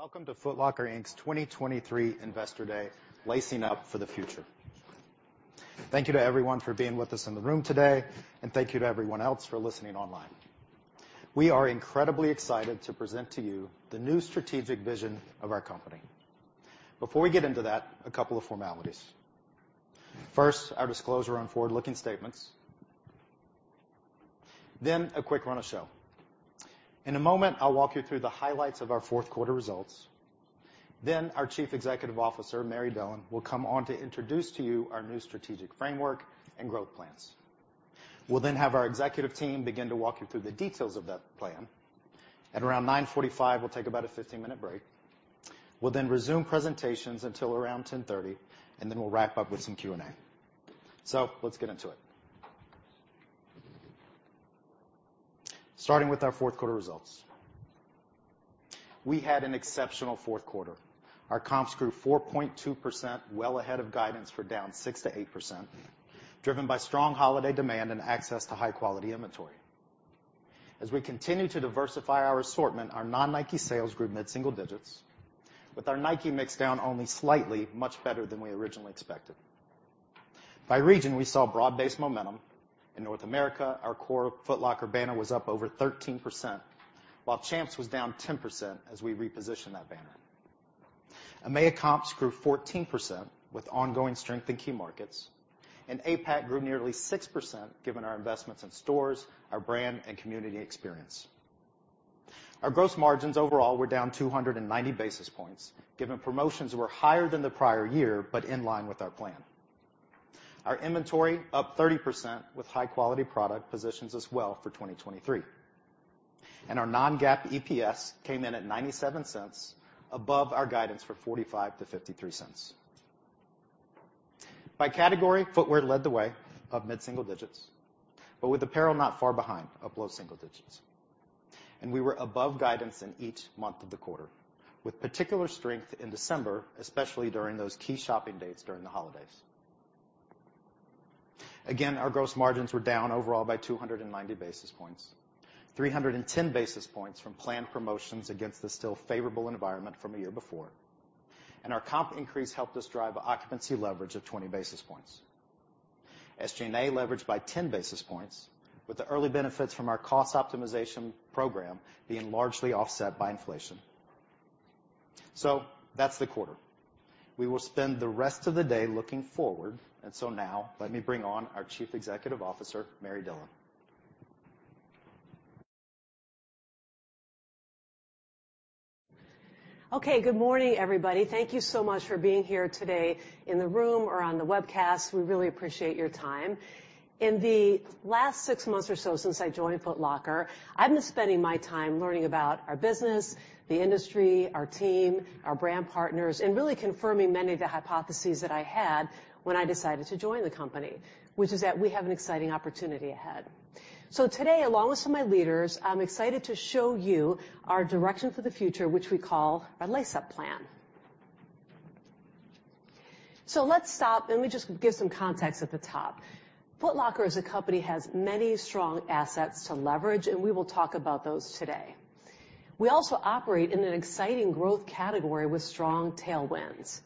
Welcome to Foot Locker, Inc.'s 2023 Investor Day Lacing Up for the Future. Thank you to everyone for being with us in the room today. Thank you to everyone else for listening online. We are incredibly excited to present to you the new strategic vision of our company. Before we get into that, a couple of formalities. First, our disclosure on forward-looking statements. Then, a quick run of show. In a moment, I'll walk you through the highlights of our fourth quarter results. Then, our Chief Executive Officer, Mary Dillon, will come on to introduce to you our new strategic framework and growth plans. We'll then have our executive team begin to walk you through the details of that plan. At around 9:45 A.M., we'll take about a 15-minute break. We'll then resume presentations until around 10:30 A.M. and then we'll wrap up with some Q&A. Let's get into it. Starting with our fourth quarter results. We had an exceptional fourth quarter. Our comps grew 4.2%, well ahead of guidance for down 6%-8%, driven by strong holiday demand and access to high-quality inventory. As we continue to diversify our assortment, our non-Nike sales grew mid-single digits, with our Nike mix down only slightly, much better than we originally expected. By region, we saw broad-based momentum. In North America, our core Foot Locker banner was up over 13%, while Champs was down 10% as we reposition that banner. EMEA comps grew 14% with ongoing strength in key markets and APAC grew nearly 6% given our investments in stores, our brand, and community experience. Our gross margins overall were down 290 basis points, given promotions were higher than the prior year, but in line with our plan. Our inventory up 30% with high-quality product positions as well for 2023. Our non-GAAP EPS came in at $0.97 above our guidance for $0.45-$0.53. By category, footwear led the way up mid-single digits, but with apparel not far behind, up low single digits. We were above guidance in each month of the quarter, with particular strength in December, especially during those key shopping dates during the holidays. Again, our gross margins were down overall by 290 basis points, 310 basis points from planned promotions against the still favorable environment from a year before. Our comp increase helped us drive occupancy leverage of 20 basis points. SG&A leveraged by 10 basis points, with the early benefits from our cost optimization program being largely offset by inflation. So that's the quarter. We will spend the rest of the day looking forward. Now let me bring on our Chief Executive Officer, Mary Dillon. Okay, good morning, everybody. Thank you so much for being here today in the room or on the webcast. We really appreciate your time. In the last six months or so since I joined Foot Locker, I've been spending my time learning about our business, the industry, our team, our brand partners, and really confirming many of the hypotheses that I had when I decided to join the company, which is that we have an exciting opportunity ahead. Today, along with some of my leaders, I'm excited to show you our direction for the future, which we call our Lace Up plan. Let's stop and let me just give some context at the top. Foot Locker as a company has many strong assets to leverage, and we will talk about those today. We also operate in an exciting growth category with strong tailwinds,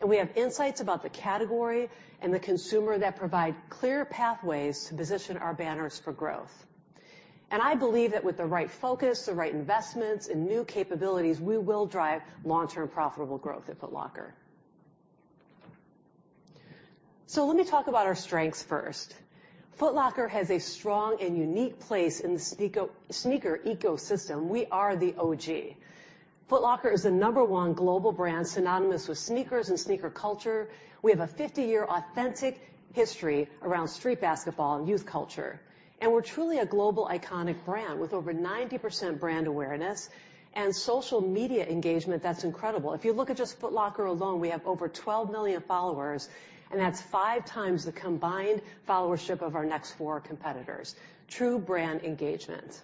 and we have insights about the category and the consumer that provide clear pathways to position our banners for growth. I believe that with the right focus, the right investments, and new capabilities, we will drive long-term profitable growth at Foot Locker. Let me talk about our strengths first. Foot Locker has a strong and unique place in the sneaker ecosystem. We are the OG. Foot Locker is the number one global brand synonymous with sneakers and sneaker culture. We have a 50-year authentic history around street basketball and youth culture and we're truly a global iconic brand with over 90% brand awareness and social media engagement that's incredible. If you look at just Foot Locker alone, we have over 12 million followers, and that's five times the combined followership of our next four competitors. True brand engagement.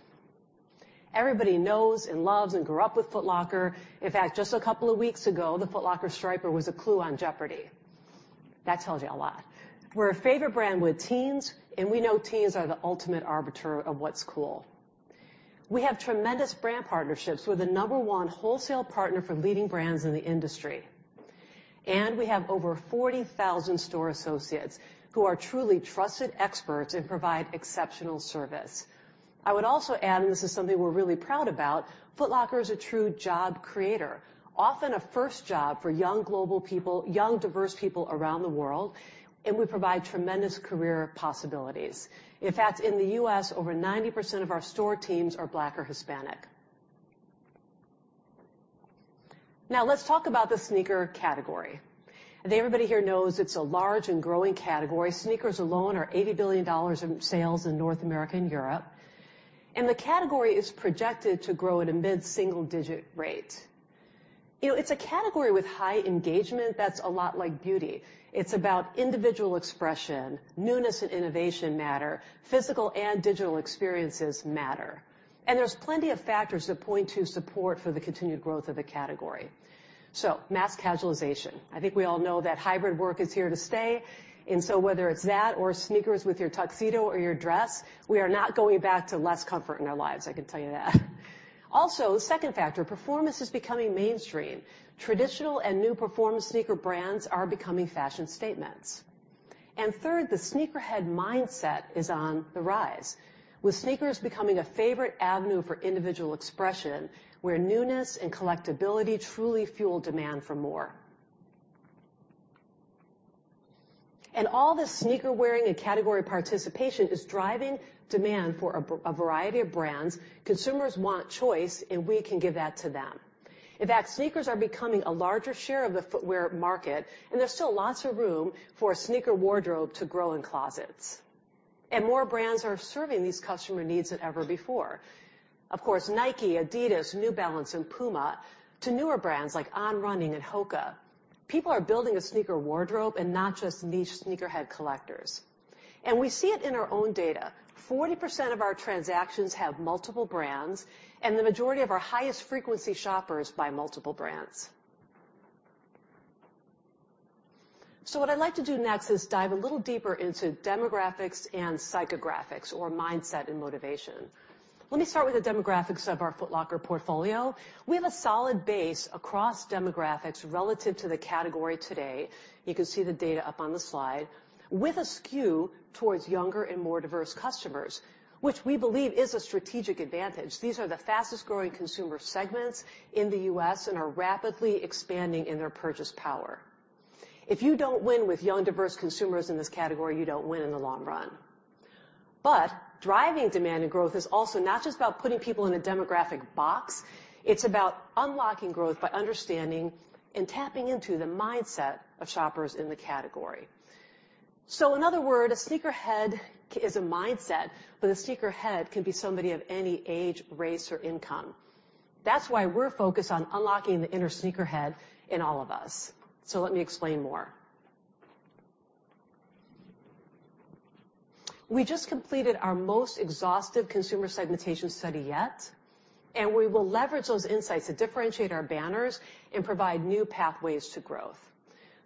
Everybody knows and loves and grew up with Foot Locker. In fact, just a couple of weeks ago, the Foot Locker striper was a clue on Jeopardy. That tells you a lot. We're a favorite brand with teens. We know teens are the ultimate arbiter of what's cool. We have tremendous brand partnerships. We're the number one wholesale partner for leading brands in the industry. We have over 40,000 store associates who are truly trusted experts and provide exceptional service. I would also add, this is something we're really proud about, Foot Locker is a true job creator. Often a first job for young global people, young, diverse people around the world. We provide tremendous career possibilities. In fact, in the U.S., over 90% of our store teams are Black or Hispanic. Now, let's talk about the sneaker category. I think everybody here knows it's a large and growing category. Sneakers alone are $80 billion in sales in North America and Europe. The category is projected to grow at a mid-single-digit rate. You know, it's a category with high engagement that's a lot like beauty. It's about individual expression, newness and innovation matter, physical and digital experiences matter. There's plenty of factors that point to support for the continued growth of the category. Mass casualization. I think we all know that hybrid work is here to stay, and so whether it's that or sneakers with your tuxedo or your dress, we are not going back to less comfort in our lives, I can tell you that. Also, second factor, performance is becoming mainstream. Traditional and new performance sneaker brands are becoming fashion statements. Third, the sneakerhead mindset is on the rise, with sneakers becoming a favorite avenue for individual expression, where newness and collectibility truly fuel demand for more. All the sneaker-wearing and category participation is driving demand for a variety of brands. Consumers want choice, and we can give that to them. In fact, sneakers are becoming a larger share of the footwear market, and there's still lots of room for a sneaker wardrobe to grow in closets. More brands are serving these customer needs than ever before. Of course, Nike, adidas, New Balance, and PUMA to newer brands like On Running and HOKA. People are building a sneaker wardrobe and not just niche sneakerhead collectors. We see it in our own data. 40% of our transactions have multiple brands, and the majority of our highest frequency shoppers buy multiple brands. What I'd like to do next is dive a little deeper into demographics and psychographics or mindset and motivation. Let me start with the demographics of our Foot Locker portfolio. We have a solid base across demographics relative to the category today. You can see the data up on the slide. With a skew towards younger and more diverse customers, which we believe is a strategic advantage. These are the fastest-growing consumer segments in the U.S. and are rapidly expanding in their purchase power. If you don't win with young, diverse consumers in this category, you don't win in the long run, but driving demand and growth is also not just about putting people in a demographic box. It's about unlocking growth by understanding and tapping into the mindset of shoppers in the category. In other word, a sneakerhead is a mindset, but a sneakerhead could be somebody of any age, race, or income. That's why we're focused on unlocking the inner sneakerhead in all of us. Let me explain more. We just completed our most exhaustive consumer segmentation study yet, and we will leverage those insights to differentiate our banners and provide new pathways to growth.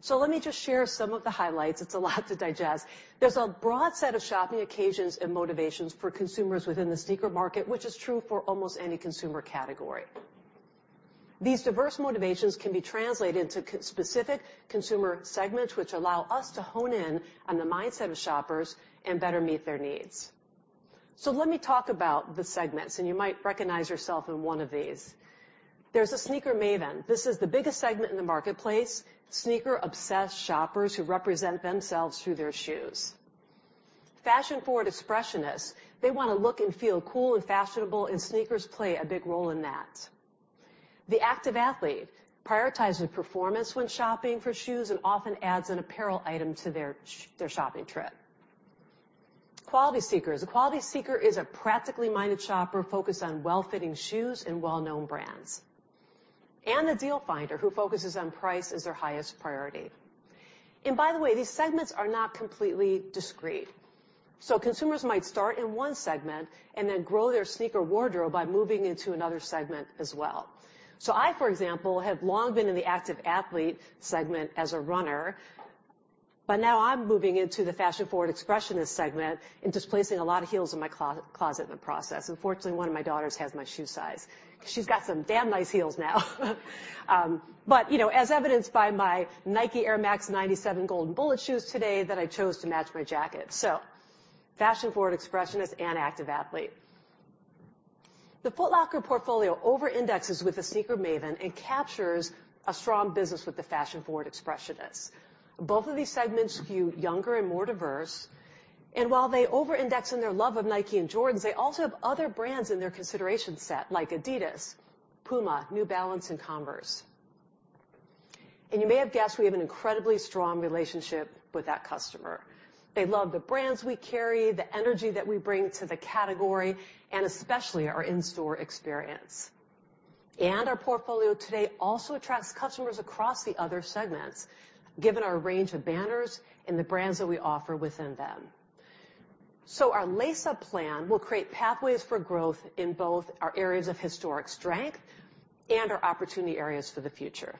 Let me just share some of the highlights. It's a lot to digest. There's a broad set of shopping occasions and motivations for consumers within the sneaker market, which is true for almost any consumer category. These diverse motivations can be translated to specific consumer segments, which allow us to hone in on the mindset of shoppers and better meet their needs. Let me talk about the segments, and you might recognize yourself in one of these. There's a sneaker maven. This is the biggest segment in the marketplace. Sneaker-obsessed shoppers who represent themselves through their shoes. Fashion-forward expressionists. They wanna look and feel cool and fashionable, and sneakers play a big role in that. The active athlete prioritizes performance when shopping for shoes and often adds an apparel item to their shopping trip. Quality seekers. A quality seeker is a practically-minded shopper focused on well-fitting shoes and well-known brands. The deal finder who focuses on price as their highest priority. By the way, these segments are not completely discrete. Consumers might start in one segment and then grow their sneaker wardrobe by moving into another segment as well. I, for example, have long been in the active athlete segment as a runner, but now I'm moving into the fashion-forward expressionist segment and displacing a lot of heels in my closet in the process. Unfortunately, one of my daughters has my shoe size. She's got some damn nice heels now. You know, as evidenced by my Nike Air Max 97 Gold Bullet shoes today that I chose to match my jacket. Fashion-forward expressionist and active athlete. The Foot Locker portfolio over-indexes with the sneaker maven and captures a strong business with the fashion-forward expressionists. Both of these segments skew younger and more diverse, and while they over-index in their love of Nike and Jordans, they also have other brands in their consideration set, like adidas, PUMA, New Balance, and Converse. You may have guessed we have an incredibly strong relationship with that customer. They love the brands we carry, the energy that we bring to the category, and especially our in-store experience. Our portfolio today also attracts customers across the other segments, given our range of banners and the brands that we offer within them. Our Lace Up plan will create pathways for growth in both our areas of historic strength and our opportunity areas for the future.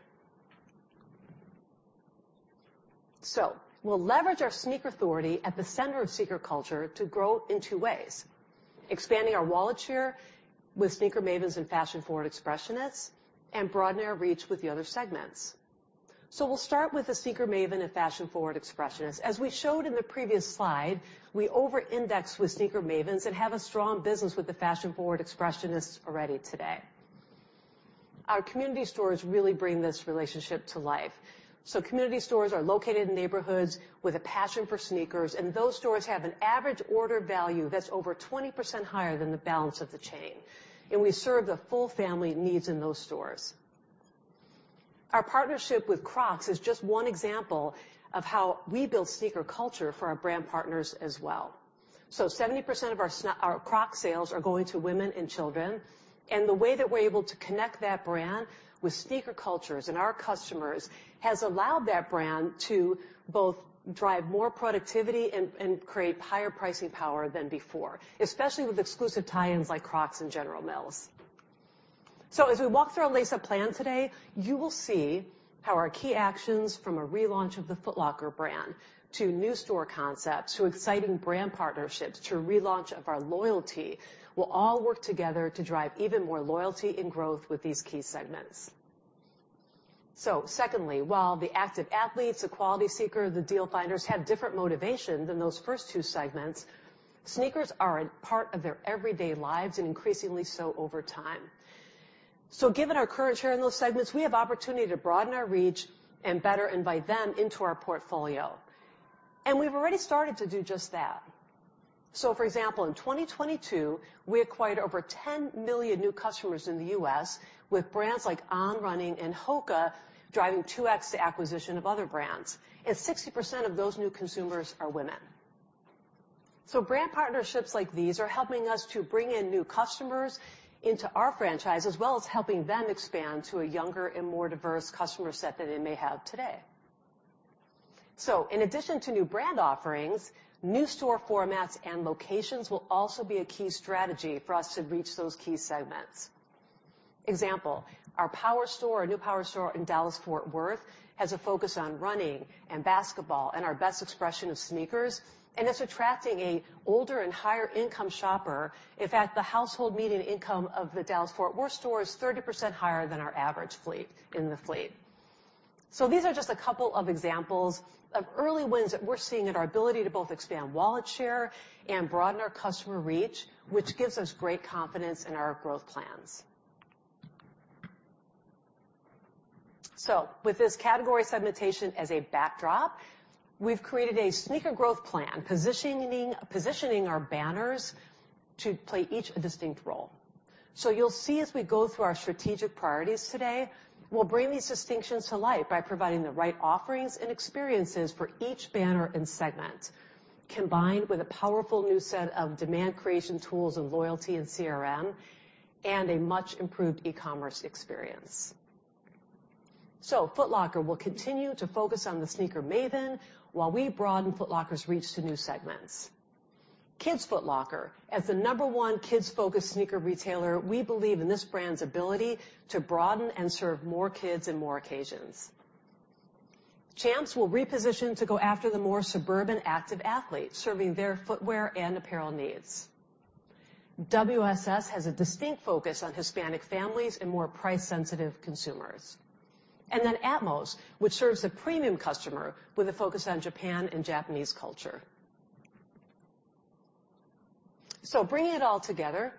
We'll leverage our sneakerthority at the center of sneaker culture to grow in two ways. Expanding our wallet share with sneaker mavens and fashion-forward expressionists and broaden our reach with the other segments. We'll start with the sneaker maven and fashion-forward expressionists. As we showed in the previous slide, we over-index with sneaker mavens and have a strong business with the fashion-forward expressionists already today. Our community stores really bring this relationship to life. Community stores are located in neighborhoods with a passion for sneakers, and those stores have an average order value that's over 20% higher than the balance of the chain, and we serve the full family needs in those stores. Our partnership with Crocs is just one example of how we build sneaker culture for our brand partners as well. 70% of our Crocs sales are going to women and children, and the way that we're able to connect that brand with sneaker cultures and our customers has allowed that brand to both drive more productivity and create higher pricing power than before, especially with exclusive tie-ins like Crocs and General Mills. As we walk through our Lace Up Plan today, you will see how our key actions from a relaunch of the Foot Locker brand to new store concepts to exciting brand partnerships to relaunch of our loyalty will all work together to drive even more loyalty and growth with these key segments. Secondly, while the active athletes, the quality seeker, the deal finders have different motivation than those first two segments, sneakers are a part of their everyday lives and increasingly so over time. Given our current share in those segments, we have opportunity to broaden our reach and better invite them into our portfolio and we've already started to do just that. For example, in 2022, we acquired over 10 million new customers in the U.S. with brands like On Running and HOKA driving 2x the acquisition of other brands, and 60% of those new consumers are women. Brand partnerships like these are helping us to bring in new customers into our franchise as well as helping them expand to a younger and more diverse customer set than they may have today. In addition to new brand offerings, new store formats and locations will also be a key strategy for us to reach those key segments. Example, our power store, our new power store in Dallas Fort Worth has a focus on running and basketball and our best expression of sneakers, and it's attracting a older and higher income shopper. In fact, the household median income of the Dallas Fort Worth store is 30% higher than our average fleet in the fleet. These are just a couple of examples of early wins that we're seeing in our ability to both expand wallet share and broaden our customer reach, which gives us great confidence in our growth plans. With this category segmentation as a backdrop, we've created a sneaker growth plan, positioning our banners to play each a distinct role. You'll see as we go through our strategic priorities today, we'll bring these distinctions to life by providing the right offerings and experiences for each banner and segment, combined with a powerful new set of demand creation tools and loyalty and CRM and a much-improved e-commerce experience. Foot Locker will continue to focus on the sneaker maven while we broaden Foot Locker's reach to new segments. Kids Foot Locker, as the number one kids-focused sneaker retailer, we believe in this brand's ability to broaden and serve more kids in more occasions. Champs will reposition to go after the more suburban active athlete, serving their footwear and apparel needs. WSS has a distinct focus on Hispanic families and more price-sensitive consumers and then atmos, which serves the premium customer with a focus on Japan and Japanese culture. Bringing it all together,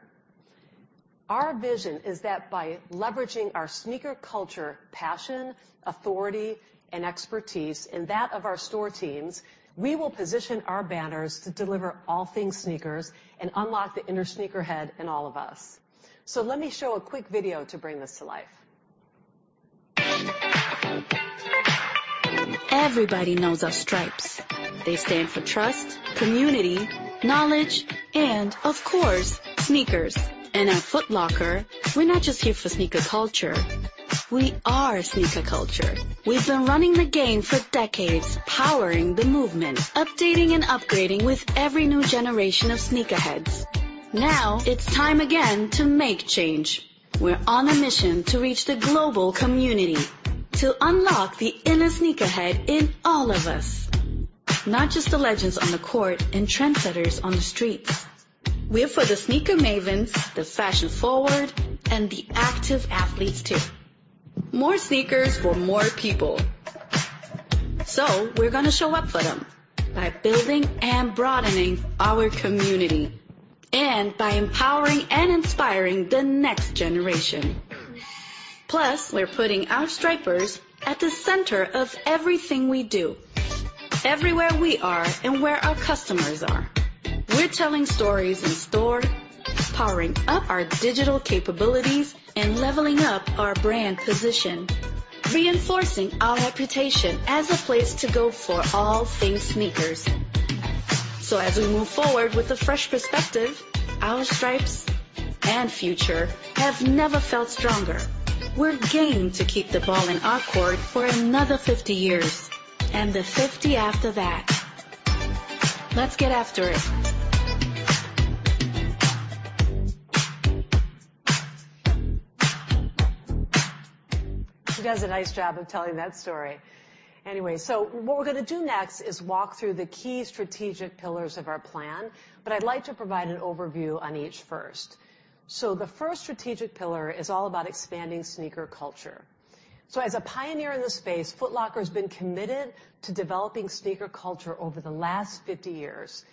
our vision is that by leveraging our sneaker culture, passion, authority and expertise and that of our store teams, we will position our banners to deliver all things sneakers and unlock the inner sneakerhead in all of us. Let me show a quick video to bring this to life. Everybody knows our stripes. They stand for trust, community, knowledge, and of course, sneakers. At Foot Locker, we're not just here for sneaker culture. We are sneaker culture. We've been running the game for decades, powering the movement, updating and upgrading with every new generation of sneakerheads. Now it's time again to make change. We're on a mission to reach the global community, to unlock the inner sneakerhead in all of us, not just the legends on the court and trendsetters on the streets. We're for the sneaker mavens, the fashion-forward, and the active athletes too. More sneakers for more people. We're gonna show up for them by building and broadening our community and by empowering and inspiring the next generation. Plus, we're putting our stripers at the center of everything we do, everywhere we are and where our customers are. We're telling stories in store, powering up our digital capabilities, and leveling up our brand position, reinforcing our reputation as a place to go for all things sneakers. As we move forward with a fresh perspective, our stripes and future have never felt stronger. We're game to keep the ball in our court for another 50 years and the 50 after that. Let's get after it. She does a nice job of telling that story. Anyway, so what we're gonna do next is walk through the key strategic pillars of our plan, but I'd like to provide an overview on each first. The first strategic pillar is all about expanding sneaker culture. As a pioneer in the space, Foot Locker has been committed to developing sneaker culture over the last 50 years.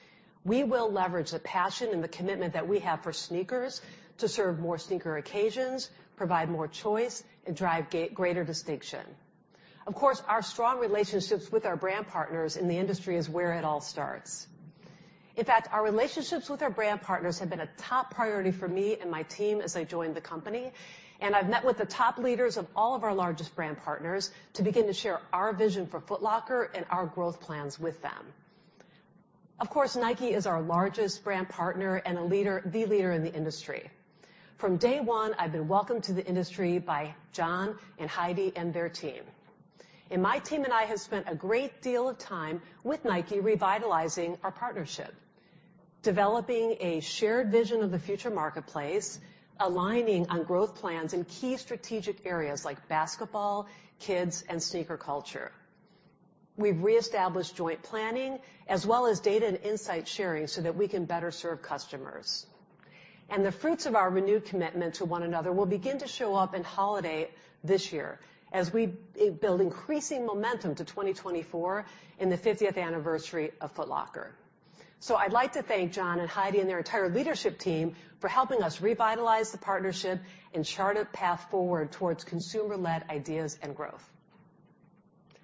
We will leverage the passion and the commitment that we have for sneakers to serve more sneaker occasions, provide more choice, and drive greater distinction. Of course, our strong relationships with our brand partners in the industry is where it all starts. In fact, our relationships with our brand partners have been a top priority for me and my team as I joined the company. I've met with the top leaders of all of our largest brand partners to begin to share our vision for Foot Locker and our growth plans with them. Of course, Nike is our largest brand partner and the leader in the industry. From day one, I've been welcomed to the industry by John and Heidi and their team. My team and I have spent a great deal of time with Nike revitalizing our partnership, developing a shared vision of the future marketplace, aligning on growth plans in key strategic areas like basketball, kids, and sneaker culture. We've reestablished joint planning as well as data and insight sharing so that we can better serve customers. The fruits of our renewed commitment to one another will begin to show up in holiday this year as we build increasing momentum to 2024 in the 50th anniversary of Foot Locker. I'd like to thank John and Heidi and their entire leadership team for helping us revitalize the partnership and chart a path forward towards consumer-led ideas and growth.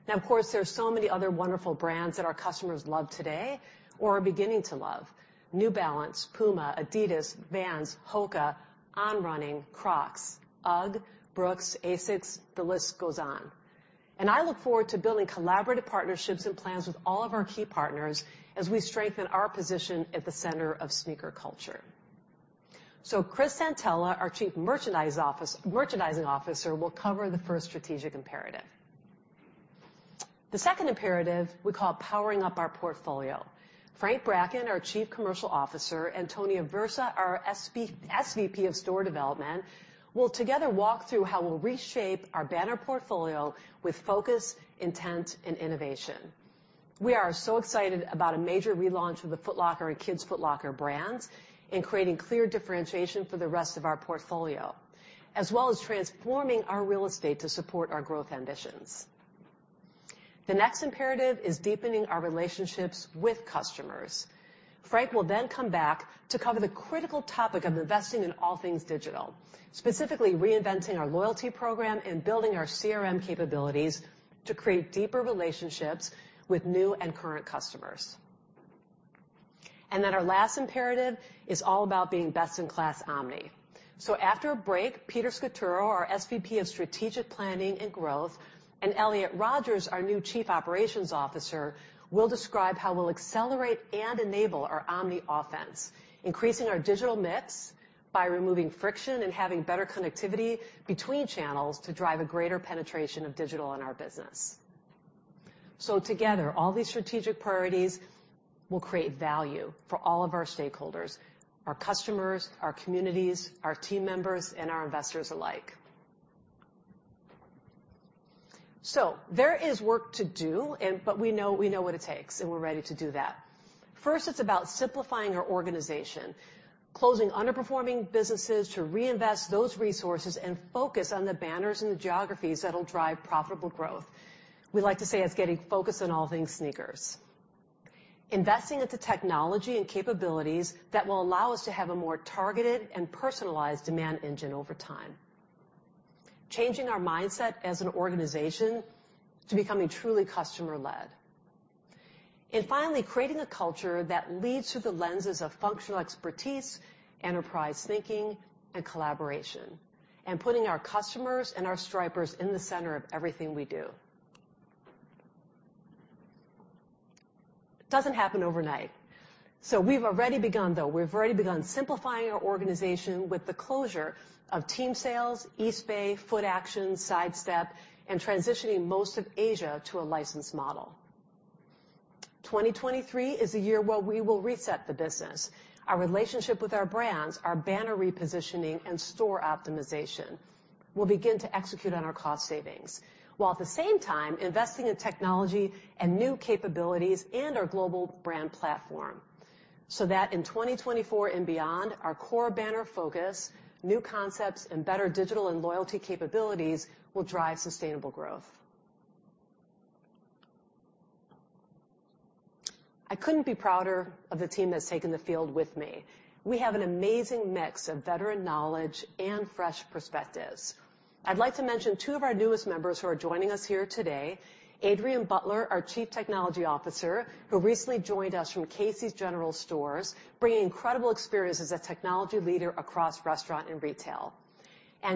Of course, there are so many other wonderful brands that our customers love today or are beginning to love. New Balance, PUMA, adidas, Vans, Hoka, On Running, Crocs, UGG, Brooks, ASICS, the list goes on. I look forward to building collaborative partnerships and plans with all of our key partners as we strengthen our position at the center of sneaker culture. Chris Santaella, our Chief Merchandising Officer, will cover the first strategic imperative. The second imperative we call powering up our portfolio. Frank Bracken, our Chief Commercial Officer, and Tony Aversa, our SVP of Store Development, will together walk through how we'll reshape our banner portfolio with focus, intent, and innovation. We are so excited about a major relaunch of the Foot Locker and Kids Foot Locker brands in creating clear differentiation for the rest of our portfolio, as well as transforming our real estate to support our growth ambitions. The next imperative is deepening our relationships with customers. Frank will then come back to cover the critical topic of investing in all things digital, specifically reinventing our loyalty program and building our CRM capabilities to create deeper relationships with new and current customers. Then our last imperative is all about being best-in-class omni. After a break, Peter Scaturro, our SVP of Strategic Planning and Growth, and Elliott Rodgers, our new Chief Operations Officer, will describe how we'll accelerate and enable our omni offense, increasing our digital mix by removing friction and having better connectivity between channels to drive a greater penetration of digital in our business. Together, all these strategic priorities will create value for all of our stakeholders, our customers, our communities, our team members, and our investors alike. There is work to do, but we know what it takes, and we're ready to do that. First, it's about simplifying our organization. Closing underperforming businesses to reinvest those resources and focus on the banners and the geographies that'll drive profitable growth. We like to say it's getting focused on all things sneakers. Investing into technology and capabilities that will allow us to have a more targeted and personalized demand engine over time. Changing our mindset as an organization to becoming truly customer-led. Finally, creating a culture that leads through the lenses of functional expertise, enterprise thinking, and collaboration, and putting our customers and our Stripers in the center of everything we do. Doesn't happen overnight. We've already begun simplifying our organization with the closure of Team Sales, Eastbay, Footaction, Sidestep, and transitioning most of Asia to a licensed model. 2023 is the year where we will reset the business. Our relationship with our brands, our banner repositioning, and store optimization will begin to execute on our cost savings, while at the same time, investing in technology and new capabilities in our global brand platform, so that in 2024 and beyond, our core banner focus, new concepts, and better digital and loyalty capabilities will drive sustainable growth. I couldn't be prouder of the team that's taken the field with me. We have an amazing mix of veteran knowledge and fresh perspectives. I'd like to mention two of our newest members who are joining us here today. Adrian Butler, our Chief Technology Officer, who recently joined us from Casey's General Stores, bringing incredible experience as a technology leader across restaurant and retail.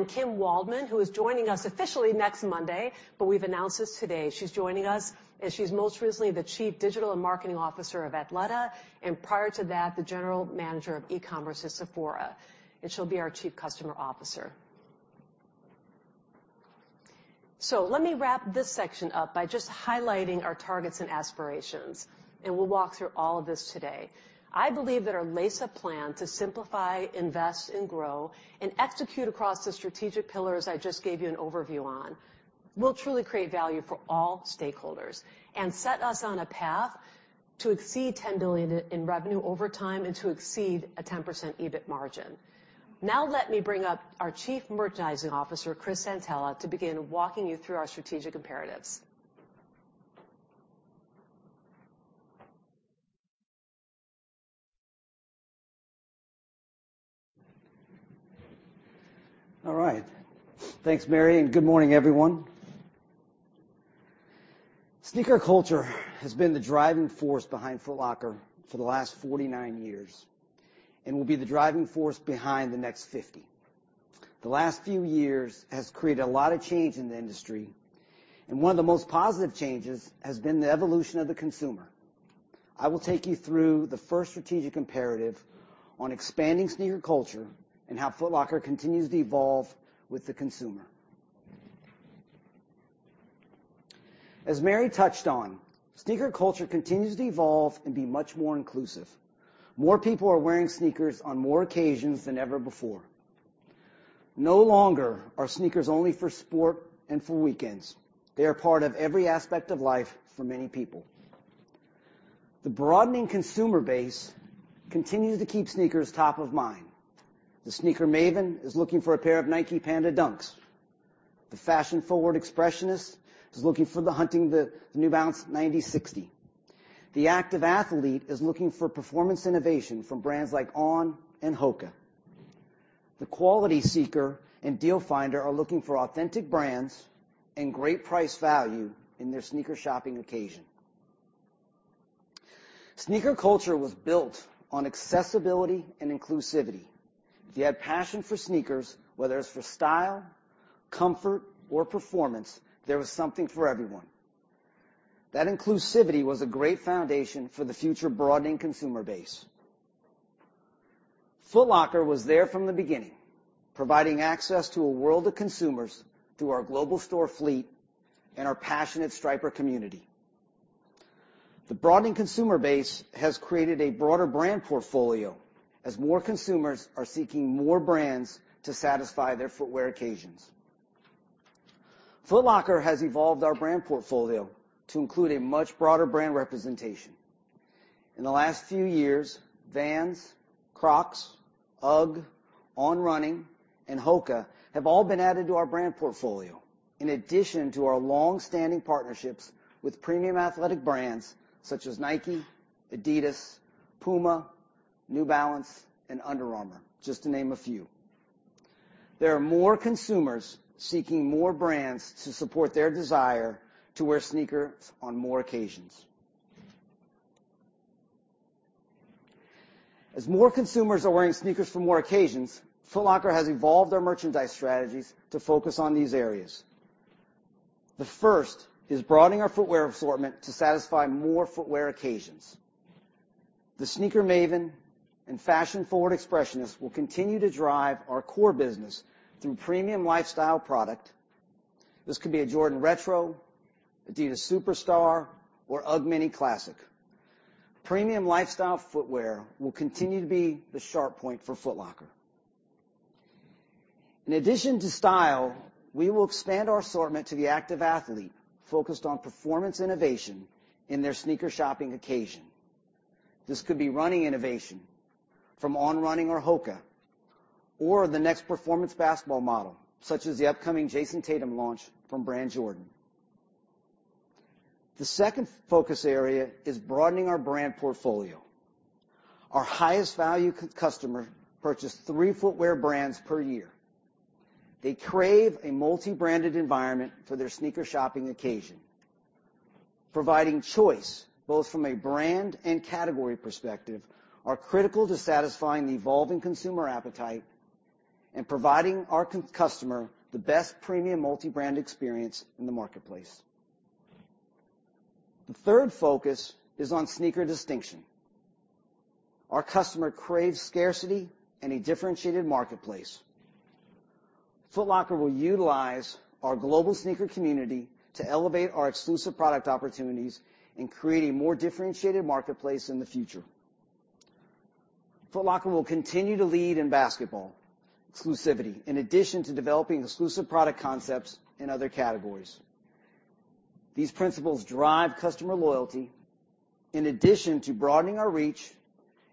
Kim Waldmann, who is joining us officially next Monday, but we've announced this today. She's joining us, and she's most recently the Chief Digital and Marketing Officer of Athleta, and prior to that, the General Manager of E-commerce at Sephora, and she'll be our Chief Customer Officer. Let me wrap this section up by just highlighting our targets and aspirations, and we'll walk through all of this today. I believe that our Lace Up Plan to simplify, invest, and grow and execute across the strategic pillars I just gave you an overview on will truly create value for all stakeholders and set us on a path to exceed $10 billion in revenue over time and to exceed a 10% EBIT margin. Now let me bring up our Chief Merchandising Officer, Chris Santaella, to begin walking you through our strategic imperatives. All right. Thanks, Mary, and good morning, everyone. Sneaker culture has been the driving force behind Foot Locker for the last 49 years and will be the driving force behind the next 50. The last few years has created a lot of change in the industry, and one of the most positive changes has been the evolution of the consumer. I will take you through the first strategic imperative on expanding sneaker culture and how Foot Locker continues to evolve with the consumer. As Mary touched on, sneaker culture continues to evolve and be much more inclusive. More people are wearing sneakers on more occasions than ever before. No longer are sneakers only for sport and for weekends. They are part of every aspect of life for many people. The broadening consumer base continues to keep sneakers top of mind. The sneaker maven is looking for a pair of Nike Panda Dunks. The fashion-forward expressionist is looking for hunting the New Balance 9060. The active athlete is looking for performance innovation from brands like On and HOKA. The quality seeker and deal finder are looking for authentic brands and great price value in their sneaker shopping occasion. Sneaker culture was built on accessibility and inclusivity. If you had passion for sneakers, whether it's for style, comfort, or performance, there was something for everyone. That inclusivity was a great foundation for the future broadening consumer base. Foot Locker was there from the beginning, providing access to a world of consumers through our global store fleet and our passionate striper community. The broadening consumer base has created a broader brand portfolio as more consumers are seeking more brands to satisfy their footwear occasions. Foot Locker has evolved our brand portfolio to include a much broader brand representation. In the last few years, Vans, Crocs, UGG, On Running, and HOKA have all been added to our brand portfolio. In addition to our long-standing partnerships with premium athletic brands such as Nike, adidas, PUMA, New Balance, and Under Armour, just to name a few. There are more consumers seeking more brands to support their desire to wear sneakers on more occasions. As more consumers are wearing sneakers for more occasions, Foot Locker has evolved our merchandise strategies to focus on these areas. The first is broadening our footwear assortment to satisfy more footwear occasions. The sneaker maven and fashion-forward expressionist will continue to drive our core business through premium lifestyle product. This could be a Jordan Retro, adidas Superstar, or UGG Classic Mini. Premium lifestyle footwear will continue to be the sharp point for Foot Locker. In addition to style, we will expand our assortment to the active athlete focused on performance innovation in their sneaker shopping occasion. This could be running innovation from On Running or HOKA, or the next performance basketball model, such as the upcoming Jayson Tatum launch from Jordan Brand. The second focus area is broadening our brand portfolio. Our highest value customer purchase three footwear brands per year. They crave a multi-branded environment for their sneaker shopping occasion. Providing choice, both from a brand and category perspective, are critical to satisfying the evolving consumer appetite and providing our customer the best premium multi-brand experience in the marketplace. The third focus is on sneaker distinction. Our customer craves scarcity and a differentiated marketplace. Foot Locker will utilize our global sneaker community to elevate our exclusive product opportunities and create a more differentiated marketplace in the future. Foot Locker will continue to lead in basketball exclusivity in addition to developing exclusive product concepts in other categories. These principles drive customer loyalty in addition to broadening our reach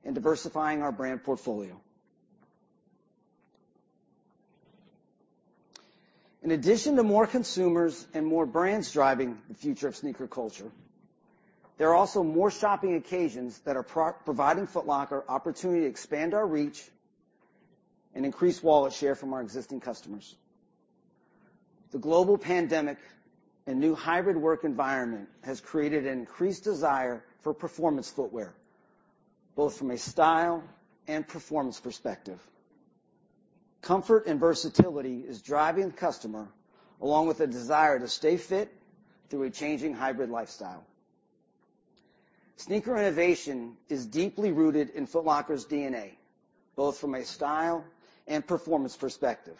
and diversifying our brand portfolio. In addition to more consumers and more brands driving the future of sneaker culture, there are also more shopping occasions that are providing Foot Locker opportunity to expand our reach and increase wallet share from our existing customers. The global pandemic and new hybrid work environment has created an increased desire for performance footwear, both from a style and performance perspective. Comfort and versatility is driving the customer along with a desire to stay fit through a changing hybrid lifestyle. Sneaker innovation is deeply rooted in Foot Locker's DNA, both from a style and performance perspective.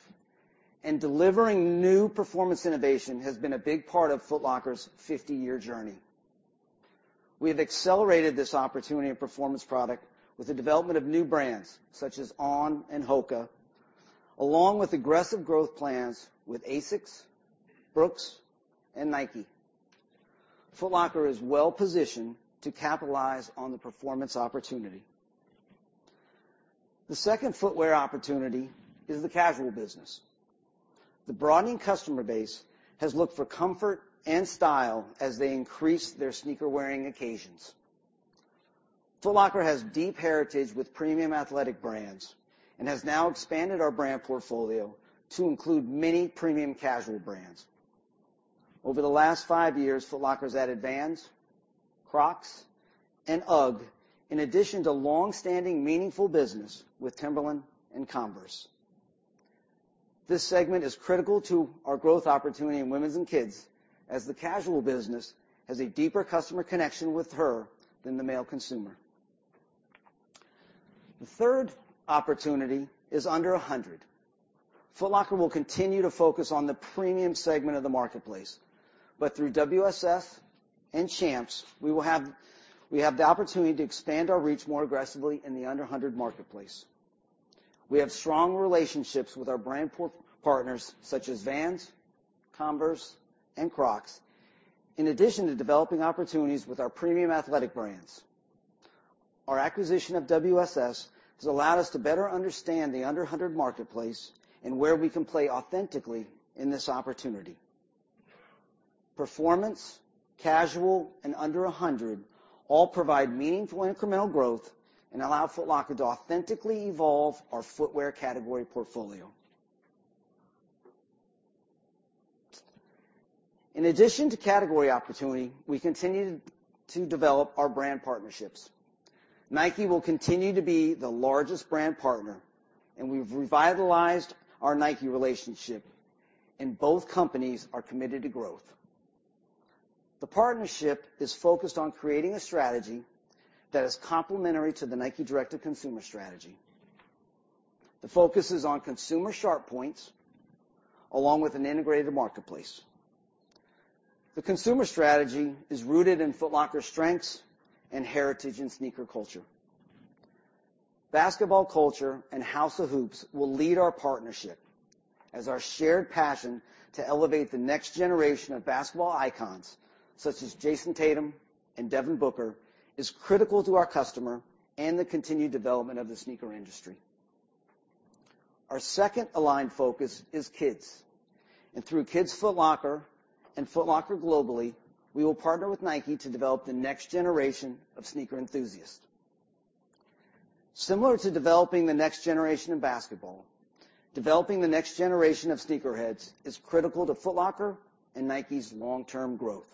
Delivering new performance innovation has been a big part of Foot Locker's 50-year journey. We have accelerated this opportunity of performance product with the development of new brands such as On and HOKA, along with aggressive growth plans with ASICS, Brooks, and Nike. Foot Locker is well-positioned to capitalize on the performance opportunity. The second footwear opportunity is the casual business. The broadening customer base has looked for comfort and style as they increase their sneaker-wearing occasions. Foot Locker has deep heritage with premium athletic brands and has now expanded our brand portfolio to include many premium casual brands. Over the last five years, Foot Locker has added Vans, Crocs, and UGG, in addition to long-standing meaningful business with Timberland and Converse. This segment is critical to our growth opportunity in women's and kids, as the casual business has a deeper customer connection with her than the male consumer. The third opportunity is under 100. Foot Locker will continue to focus on the premium segment of the marketplace, through WSS and Champs, we have the opportunity to expand our reach more aggressively in the under 100 marketplace. We have strong relationships with our brand partners such as Vans, Converse, and Crocs, in addition to developing opportunities with our premium athletic brands. Our acquisition of WSS has allowed us to better understand the under 100 marketplace and where we can play authentically in this opportunity. Performance, casual, and under 100 all provide meaningful incremental growth and allow Foot Locker to authentically evolve our footwear category portfolio. In addition to category opportunity, we continue to develop our brand partnerships. Nike will continue to be the largest brand partner, and we've revitalized our Nike relationship and both companies are committed to growth. The partnership is focused on creating a strategy that is complementary to the Nike direct-to-consumer strategy. The focus is on consumer sharp points along with an integrated marketplace. The consumer strategy is rooted in Foot Locker strengths and heritage and sneaker culture. Basketball culture and House of Hoops will lead our partnership as our shared passion to elevate the next generation of basketball icons such as Jayson Tatum and Devin Booker is critical to our customer and the continued development of the sneaker industry. Our second aligned focus is kids. Through Kids Foot Locker and Foot Locker globally, we will partner with Nike to develop the next generation of sneaker enthusiasts. Similar to developing the next generation of basketball, developing the next generation of sneakerheads is critical to Foot Locker and Nike's long-term growth.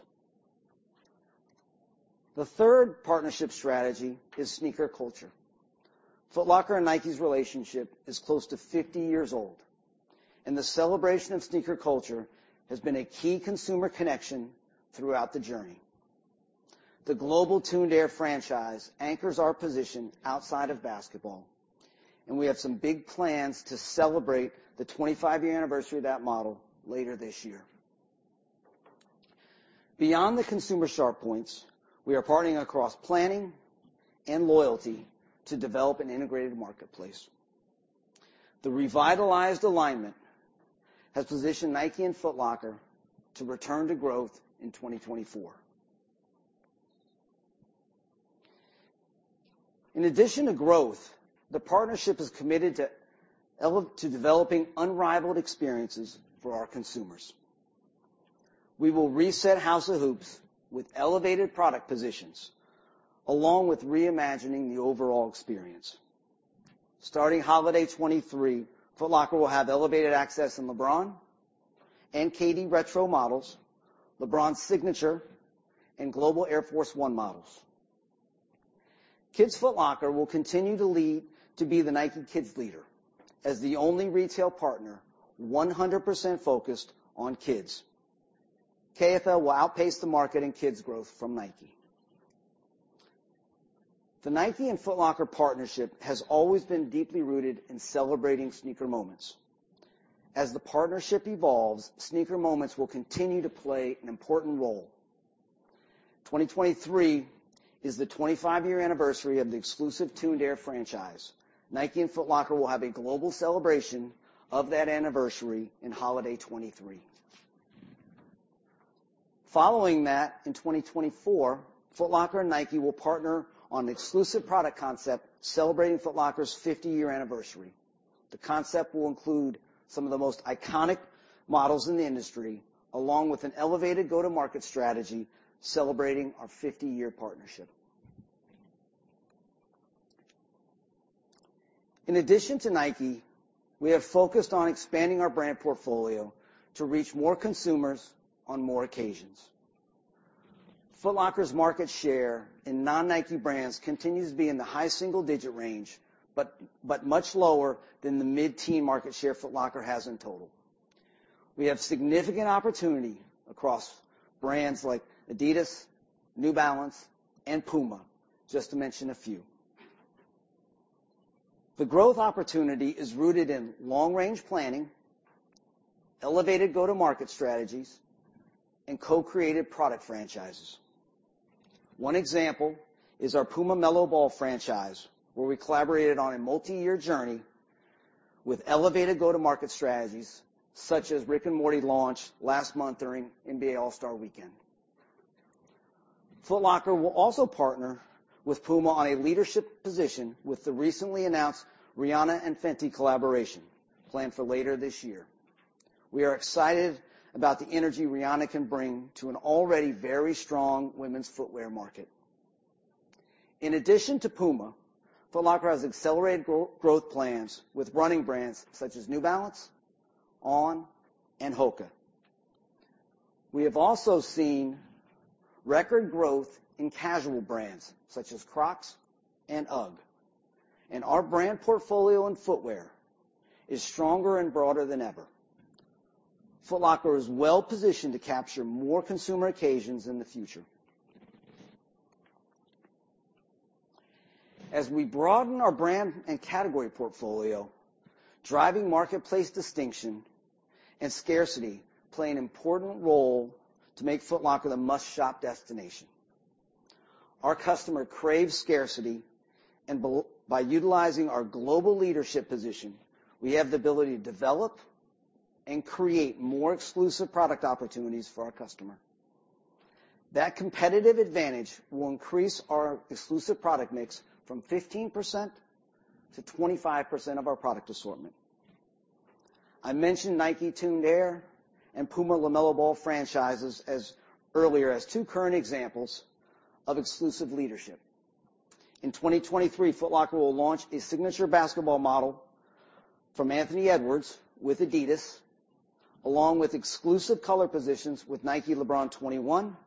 The third partnership strategy is sneaker culture. Foot Locker and Nike's relationship is close to 50 years old. The celebration of sneaker culture has been a key consumer connection throughout the journey. The global Tuned Air franchise anchors our position outside of basketball. We have some big plans to celebrate the 25-year anniversary of that model later this year. Beyond the consumer sharp points, we are partnering across planning and loyalty to develop an integrated marketplace. The revitalized alignment has positioned Nike and Foot Locker to return to growth in 2024. In addition to growth, the partnership is committed to developing unrivaled experiences for our consumers. We will reset House of Hoops with elevated product positions along with reimagining the overall experience. Starting holiday 2023, Foot Locker will have elevated access in LeBron and KD Retro models, LeBron signature, and global Air Force 1 models. Kids Foot Locker will continue to lead to be the Nike Kids leader as the only retail partner 100% focused on kids. KFL will outpace the market in kids growth from Nike. The Nike and Foot Locker partnership has always been deeply rooted in celebrating sneaker moments. As the partnership evolves, sneaker moments will continue to play an important role. 2023 is the 25-year anniversary of the exclusive Tuned Air franchise. Nike and Foot Locker will have a global celebration of that anniversary in holiday 2023. Following that, in 2024, Foot Locker and Nike will partner on an exclusive product concept celebrating Foot Locker's 50-year anniversary. The concept will include some of the most iconic models in the industry, along with an elevated go-to-market strategy celebrating our 50-year partnership. In addition to Nike, we have focused on expanding our brand portfolio to reach more consumers on more occasions. Foot Locker's market share in non-Nike brands continues to be in the high single-digit range, but much lower than the mid-teen market share Foot Locker has in total. We have significant opportunity across brands like adidas, New Balance, and PUMA, just to mention a few. The growth opportunity is rooted in long-range planning, elevated go-to-market strategies, and co-created product franchises. One example is our PUMA LaMelo Ball franchise, where we collaborated on a multiyear journey with elevated go-to-market strategies, such as Rick and Morty launch last month during NBA All-Star Weekend. Foot Locker will also partner with PUMA on a leadership position with the recently announced Rihanna and Fenty collaboration planned for later this year. We are excited about the energy Rihanna can bring to an already very strong women's footwear market. In addition to PUMA, Foot Locker has accelerated growth plans with running brands such as New Balance, On, and HOKA. We have also seen record growth in casual brands such as Crocs and UGG. Our brand portfolio and footwear is stronger and broader than ever. Foot Locker is well-positioned to capture more consumer occasions in the future. As we broaden our brand and category portfolio, driving marketplace distinction and scarcity play an important role to make Foot Locker the must-shop destination. Our customer craves scarcity, and by utilizing our global leadership position, we have the ability to develop and create more exclusive product opportunities for our customer. That competitive advantage will increase our exclusive product mix from 15% to 25% of our product assortment. I mentioned Nike Tuned Air and PUMA LaMelo Ball franchises earlier as two current examples of exclusive leadership. In 2023, Foot Locker will launch a signature basketball model from Anthony Edwards with adidas, along with exclusive color positions with Nike LeBron 21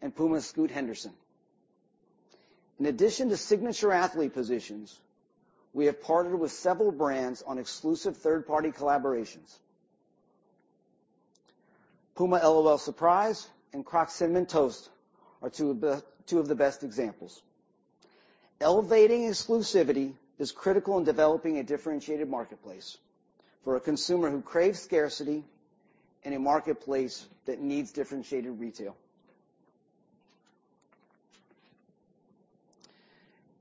and PUMA Scoot Henderson. In addition to signature athlete positions, we have partnered with several brands on exclusive third-party collaborations. PUMA L.O.L. Surprise! and Crocs Cinnamon Toast Crunch are two of the best examples. Elevating exclusivity is critical in developing a differentiated marketplace for a consumer who craves scarcity in a marketplace that needs differentiated retail.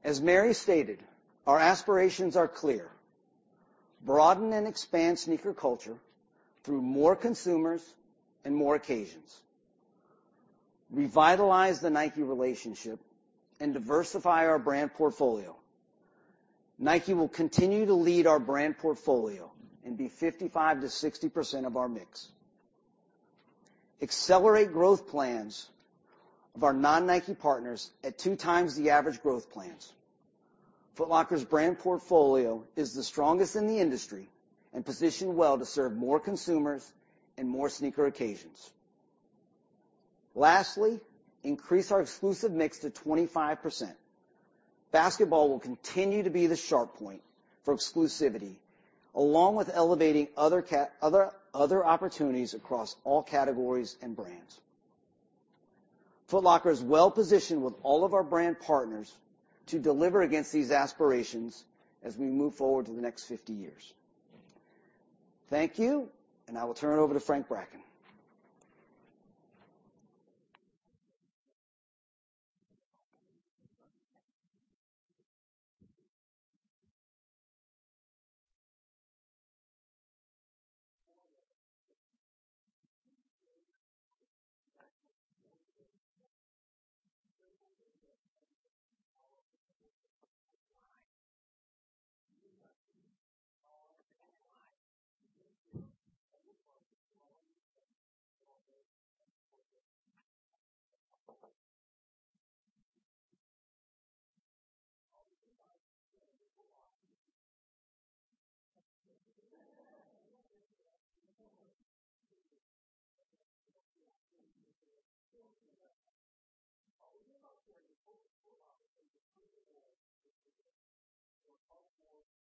As Mary stated, our aspirations are clear. Broaden and expand sneaker culture through more consumers and more occasions. Revitalize the Nike relationship and diversify our brand portfolio. Nike will continue to lead our brand portfolio and be 55%-60% of our mix. Accelerate growth plans of our non-Nike partners at two times the average growth plans. Foot Locker's brand portfolio is the strongest in the industry and positioned well to serve more consumers and more sneaker occasions. Lastly, increase our exclusive mix to 25%. Basketball will continue to be the sharp point for exclusivity, along with elevating other opportunities across all categories and brands. Foot Locker is well-positioned with all of our brand partners to deliver against these aspirations as we move forward to the next 50 years. Thank you. I will turn it over to Frank Bracken. In turn, the scale of our relationship with our customers and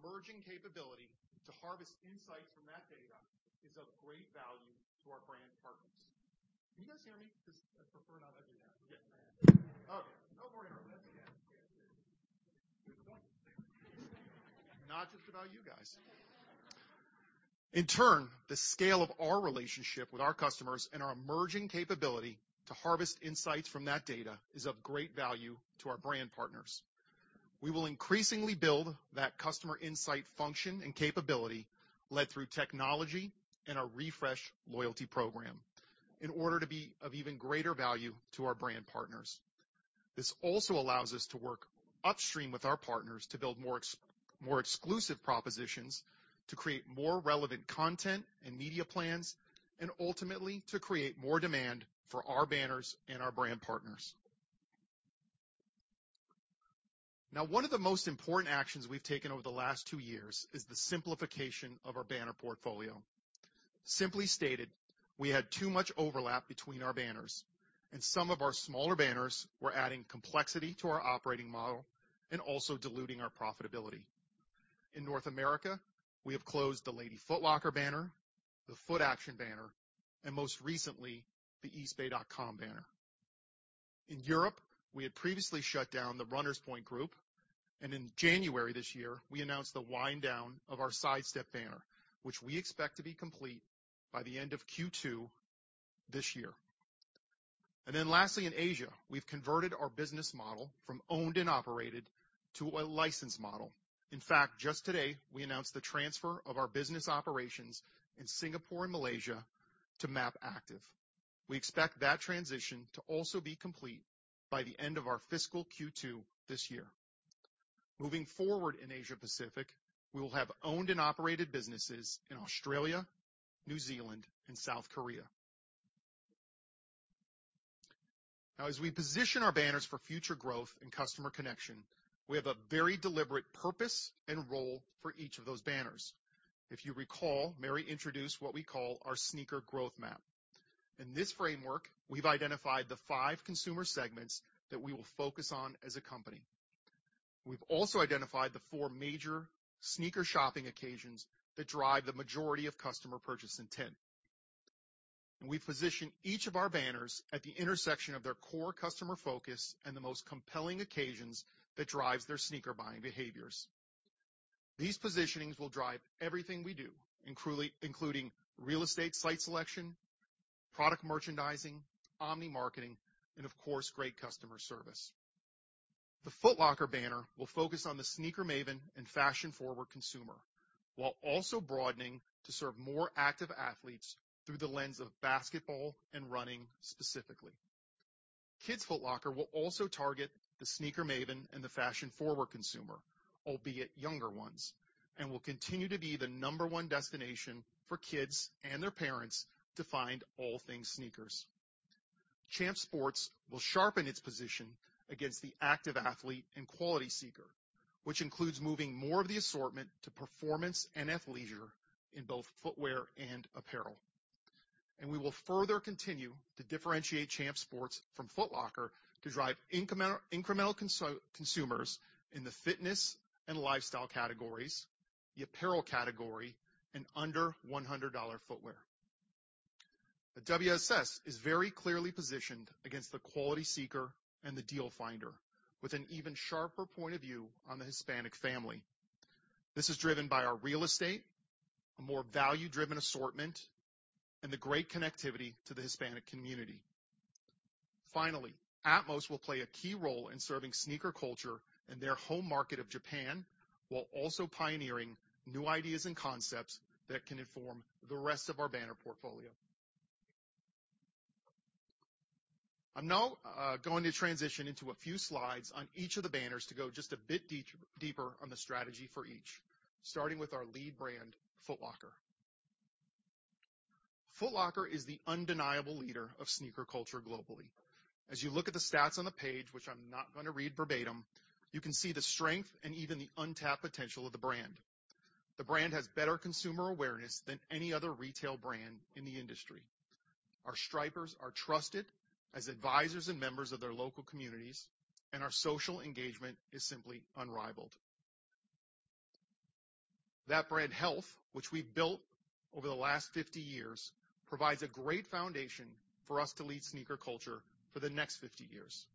our emerging capability to harvest insights from that data is of great value to our brand partners. Can you guys hear me? Because I'd prefer not have you down. Yeah. Okay. No worries. Not just about you guys. In turn, the scale of our relationship with our customers and our emerging capability to harvest insights from that data is of great value to our brand partners. We will increasingly build that customer insight function and capability led through technology and our refresh loyalty program in order to be of even greater value to our brand partners. This also allows us to work upstream with our partners to build more exclusive propositions to create more relevant content and media plans, and ultimately, to create more demand for our banners and our brand partners. Now, one of the most important actions we've taken over the last two years is the simplification of our banner portfolio. Simply stated, we had too much overlap between our banners, and some of our smaller banners were adding complexity to our operating model and also diluting our profitability. In North America, we have closed the Lady Foot Locker banner, the Footaction banner, and most recently, the Eastbay.com banner. In Europe, we had previously shut down the Runners Point, and in January this year, we announced the wind down of our Sidestep banner, which we expect to be complete by the end of Q2 this year. Lastly, in Asia, we've converted our business model from owned and operated to a licensed model. In fact, just today we announced the transfer of our business operations in Singapore and Malaysia to MAP Active. We expect that transition to also be complete by the end of our fiscal Q2 this year. Moving forward in Asia Pacific, we will have owned and operated businesses in Australia, New Zealand, and South Korea. As we position our banners for future growth and customer connection, we have a very deliberate purpose and role for each of those banners. If you recall, Mary introduced what we call our sneaker growth map. In this framework, we've identified the five consumer segments that we will focus on as a company. We've also identified the four major sneaker shopping occasions that drive the majority of customer purchase intent. We position each of our banners at the intersection of their core customer focus and the most compelling occasions that drives their sneaker buying behaviors. These positionings will drive everything we do, including real estate site selection, product merchandising, omni-marketing, and of course, great customer service. The Foot Locker banner will focus on the sneaker maven and fashion-forward consumer, while also broadening to serve more active athletes through the lens of basketball and running specifically. Kids Foot Locker will also target the sneaker maven and the fashion-forward consumer, albeit younger ones, and will continue to be the number one destination for kids and their parents to find all things sneakers. Champs Sports will sharpen its position against the active athlete and quality seeker, which includes moving more of the assortment to performance and athleisure in both footwear and apparel. We will further continue to differentiate Champs Sports from Foot Locker to drive incremental consumers in the fitness and lifestyle categories, the apparel category, and under $100 footwear. The WSS is very clearly positioned against the quality seeker and the deal finder with an even sharper point of view on the Hispanic family. This is driven by our real estate, a more value-driven assortment, and the great connectivity to the Hispanic community. Finally, atmos will play a key role in serving sneaker culture in their home market of Japan, while also pioneering new ideas and concepts that can inform the rest of our banner portfolio. I'm now going to transition into a few slides on each of the banners to go just a bit deeper on the strategy for each, starting with our lead brand, Foot Locker. Foot Locker is the undeniable leader of sneaker culture globally. As you look at the stats on the page, which I'm not going to read verbatim, you can see the strength and even the untapped potential of the brand. The brand has better consumer awareness than any other retail brand in the industry. Our stripers are trusted as advisors and members of their local communities, and our social engagement is simply unrivaled. That brand health, which we've built over the last 50 years, provides a great foundation for us to lead sneaker culture for the next 50 years.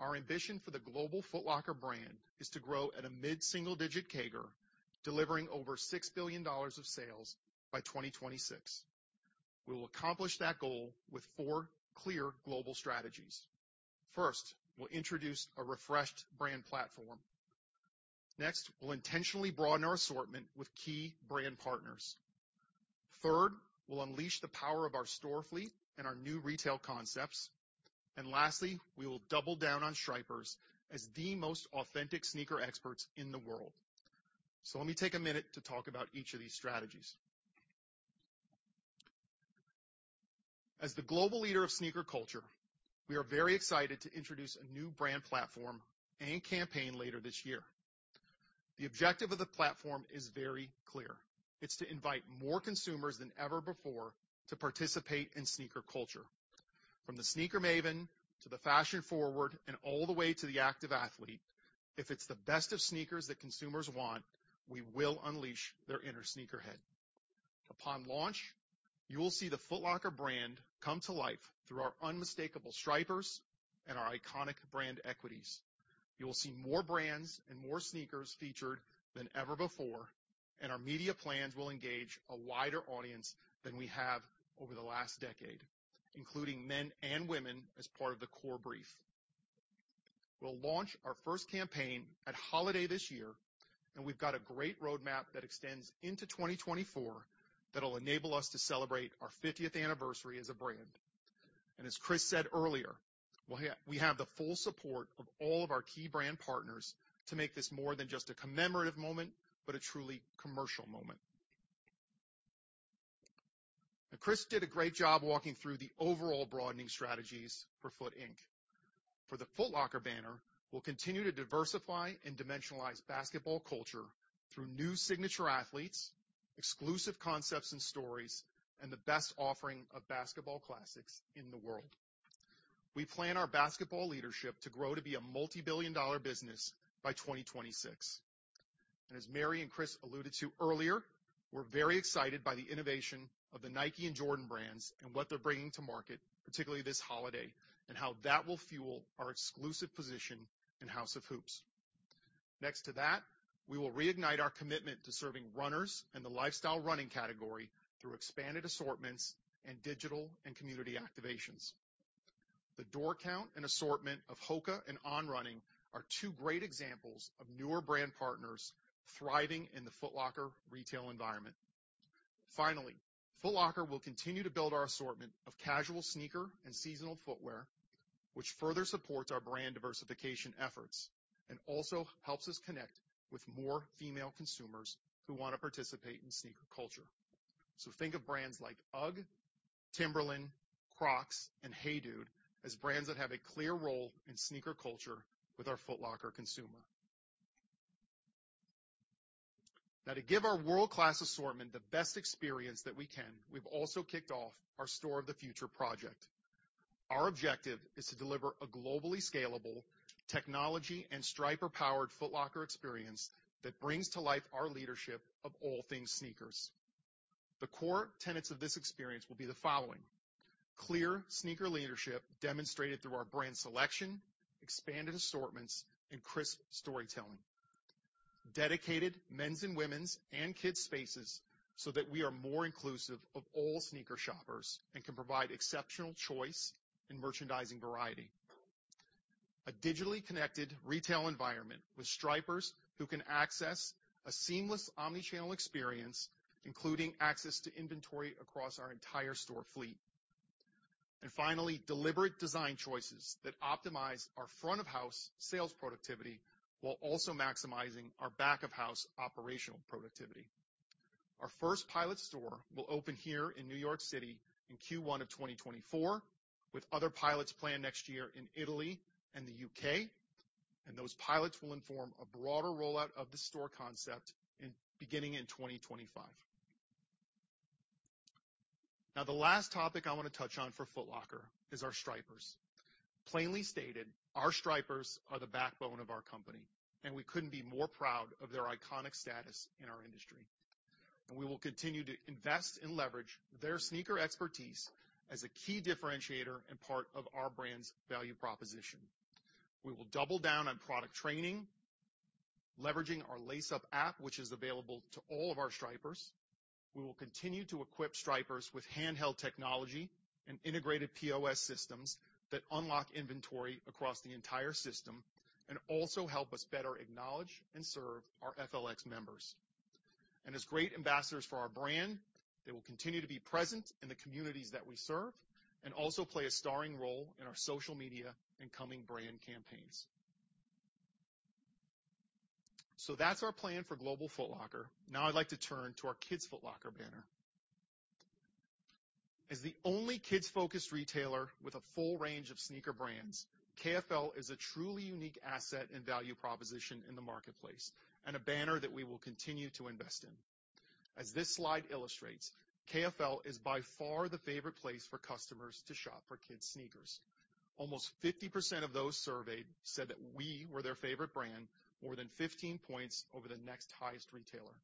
Our ambition for the global Foot Locker brand is to grow at a mid-single-digit CAGR, delivering over $6 billion of sales by 2026. We will accomplish that goal with four clear global strategies. First, we'll introduce a refreshed brand platform. Next, we'll intentionally broaden our assortment with key brand partners. Third, we'll unleash the power of our store fleet and our new retail concepts. Lastly, we will double down on stripers as the most authentic sneaker experts in the world. Let me take a minute to talk about each of these strategies. As the global leader of sneaker culture, we are very excited to introduce a new brand platform and campaign later this year. The objective of the platform is very clear. It's to invite more consumers than ever before to participate in sneaker culture. From the sneaker maven to the fashion-forward and all the way to the active athlete, if it's the best of sneakers that consumers want, we will unleash their inner sneakerhead. Upon launch, you will see the Foot Locker brand come to life through our unmistakable stripers and our iconic brand equities. You will see more brands and more sneakers featured than ever before, and our media plans will engage a wider audience than we have over the last decade, including men and women as part of the core brief. We'll launch our first campaign at holiday this year, and we've got a great roadmap that extends into 2024 that'll enable us to celebrate our fiftieth anniversary as a brand. As Chris said earlier, we have the full support of all of our key brand partners to make this more than just a commemorative moment, but a truly commercial moment. Chris did a great job walking through the overall broadening strategies for Foot Inc. For the Foot Locker banner, we'll continue to diversify and dimensionalize basketball culture through new signature athletes, exclusive concepts and stories, and the best offering of basketball classics in the world. We plan our basketball leadership to grow to be a multibillion-dollar business by 2026. As Mary and Chris alluded to earlier, we're very excited by the innovation of the Nike and Jordan brands and what they're bringing to market, particularly this holiday, and how that will fuel our exclusive position in House of Hoops. Next to that, we will reignite our commitment to serving runners and the lifestyle running category through expanded assortments and digital and community activations. The door count and assortment of HOKA and On Running are two great examples of newer brand partners thriving in the Foot Locker retail environment. Finally, Foot Locker will continue to build our assortment of casual sneaker and seasonal footwear, which further supports our brand diversification efforts and also helps us connect with more female consumers who want to participate in sneaker culture. Think of brands like UGG, Timberland, Crocs, and HEYDUDE as brands that have a clear role in sneaker culture with our Foot Locker consumer. To give our world-class assortment the best experience that we can, we've also kicked off our store of the future project. Our objective is to deliver a globally scalable technology and striper-powered Foot Locker experience that brings to life our leadership of all things sneakers. The core tenets of this experience will be the following. Clear sneaker leadership demonstrated through our brand selection, expanded assortments, and crisp storytelling. Dedicated men's and women's and kids' spaces so that we are more inclusive of all sneaker shoppers and can provide exceptional choice in merchandising variety. A digitally connected retail environment with stripers who can access a seamless omni-channel experience, including access to inventory across our entire store fleet. Finally, deliberate design choices that optimize our front-of-house sales productivity while also maximizing our back-of-house operational productivity. Our first pilot store will open here in New York City in Q1 of 2024, with other pilots planned next year in Italy and the U.K. Those pilots will inform a broader rollout of the store concept beginning in 2025. Now, the last topic I want to touch on for Foot Locker is our stripers. Plainly stated, our stripers are the backbone of our company, and we couldn't be more proud of their iconic status in our industry. We will continue to invest and leverage their sneaker expertise as a key differentiator and part of our brand's value proposition. We will double down on product training, leveraging our Lace Up app, which is available to all of our stripers. We will continue to equip stripers with handheld technology and integrated POS systems that unlock inventory across the entire system and also help us better acknowledge and serve our FLX members. As great ambassadors for our brand, they will continue to be present in the communities that we serve and also play a starring role in our social media and coming brand campaigns. That's our plan for global Foot Locker. Now I'd like to turn to our Kids Foot Locker banner. As the only kids-focused retailer with a full range of sneaker brands, KFL is a truly unique asset and value proposition in the marketplace and a banner that we will continue to invest in. As this slide illustrates, KFL is by far the favorite place for customers to shop for kids' sneakers. Almost 50% of those surveyed said that we were their favorite brand more than 15 points over the next highest retailer.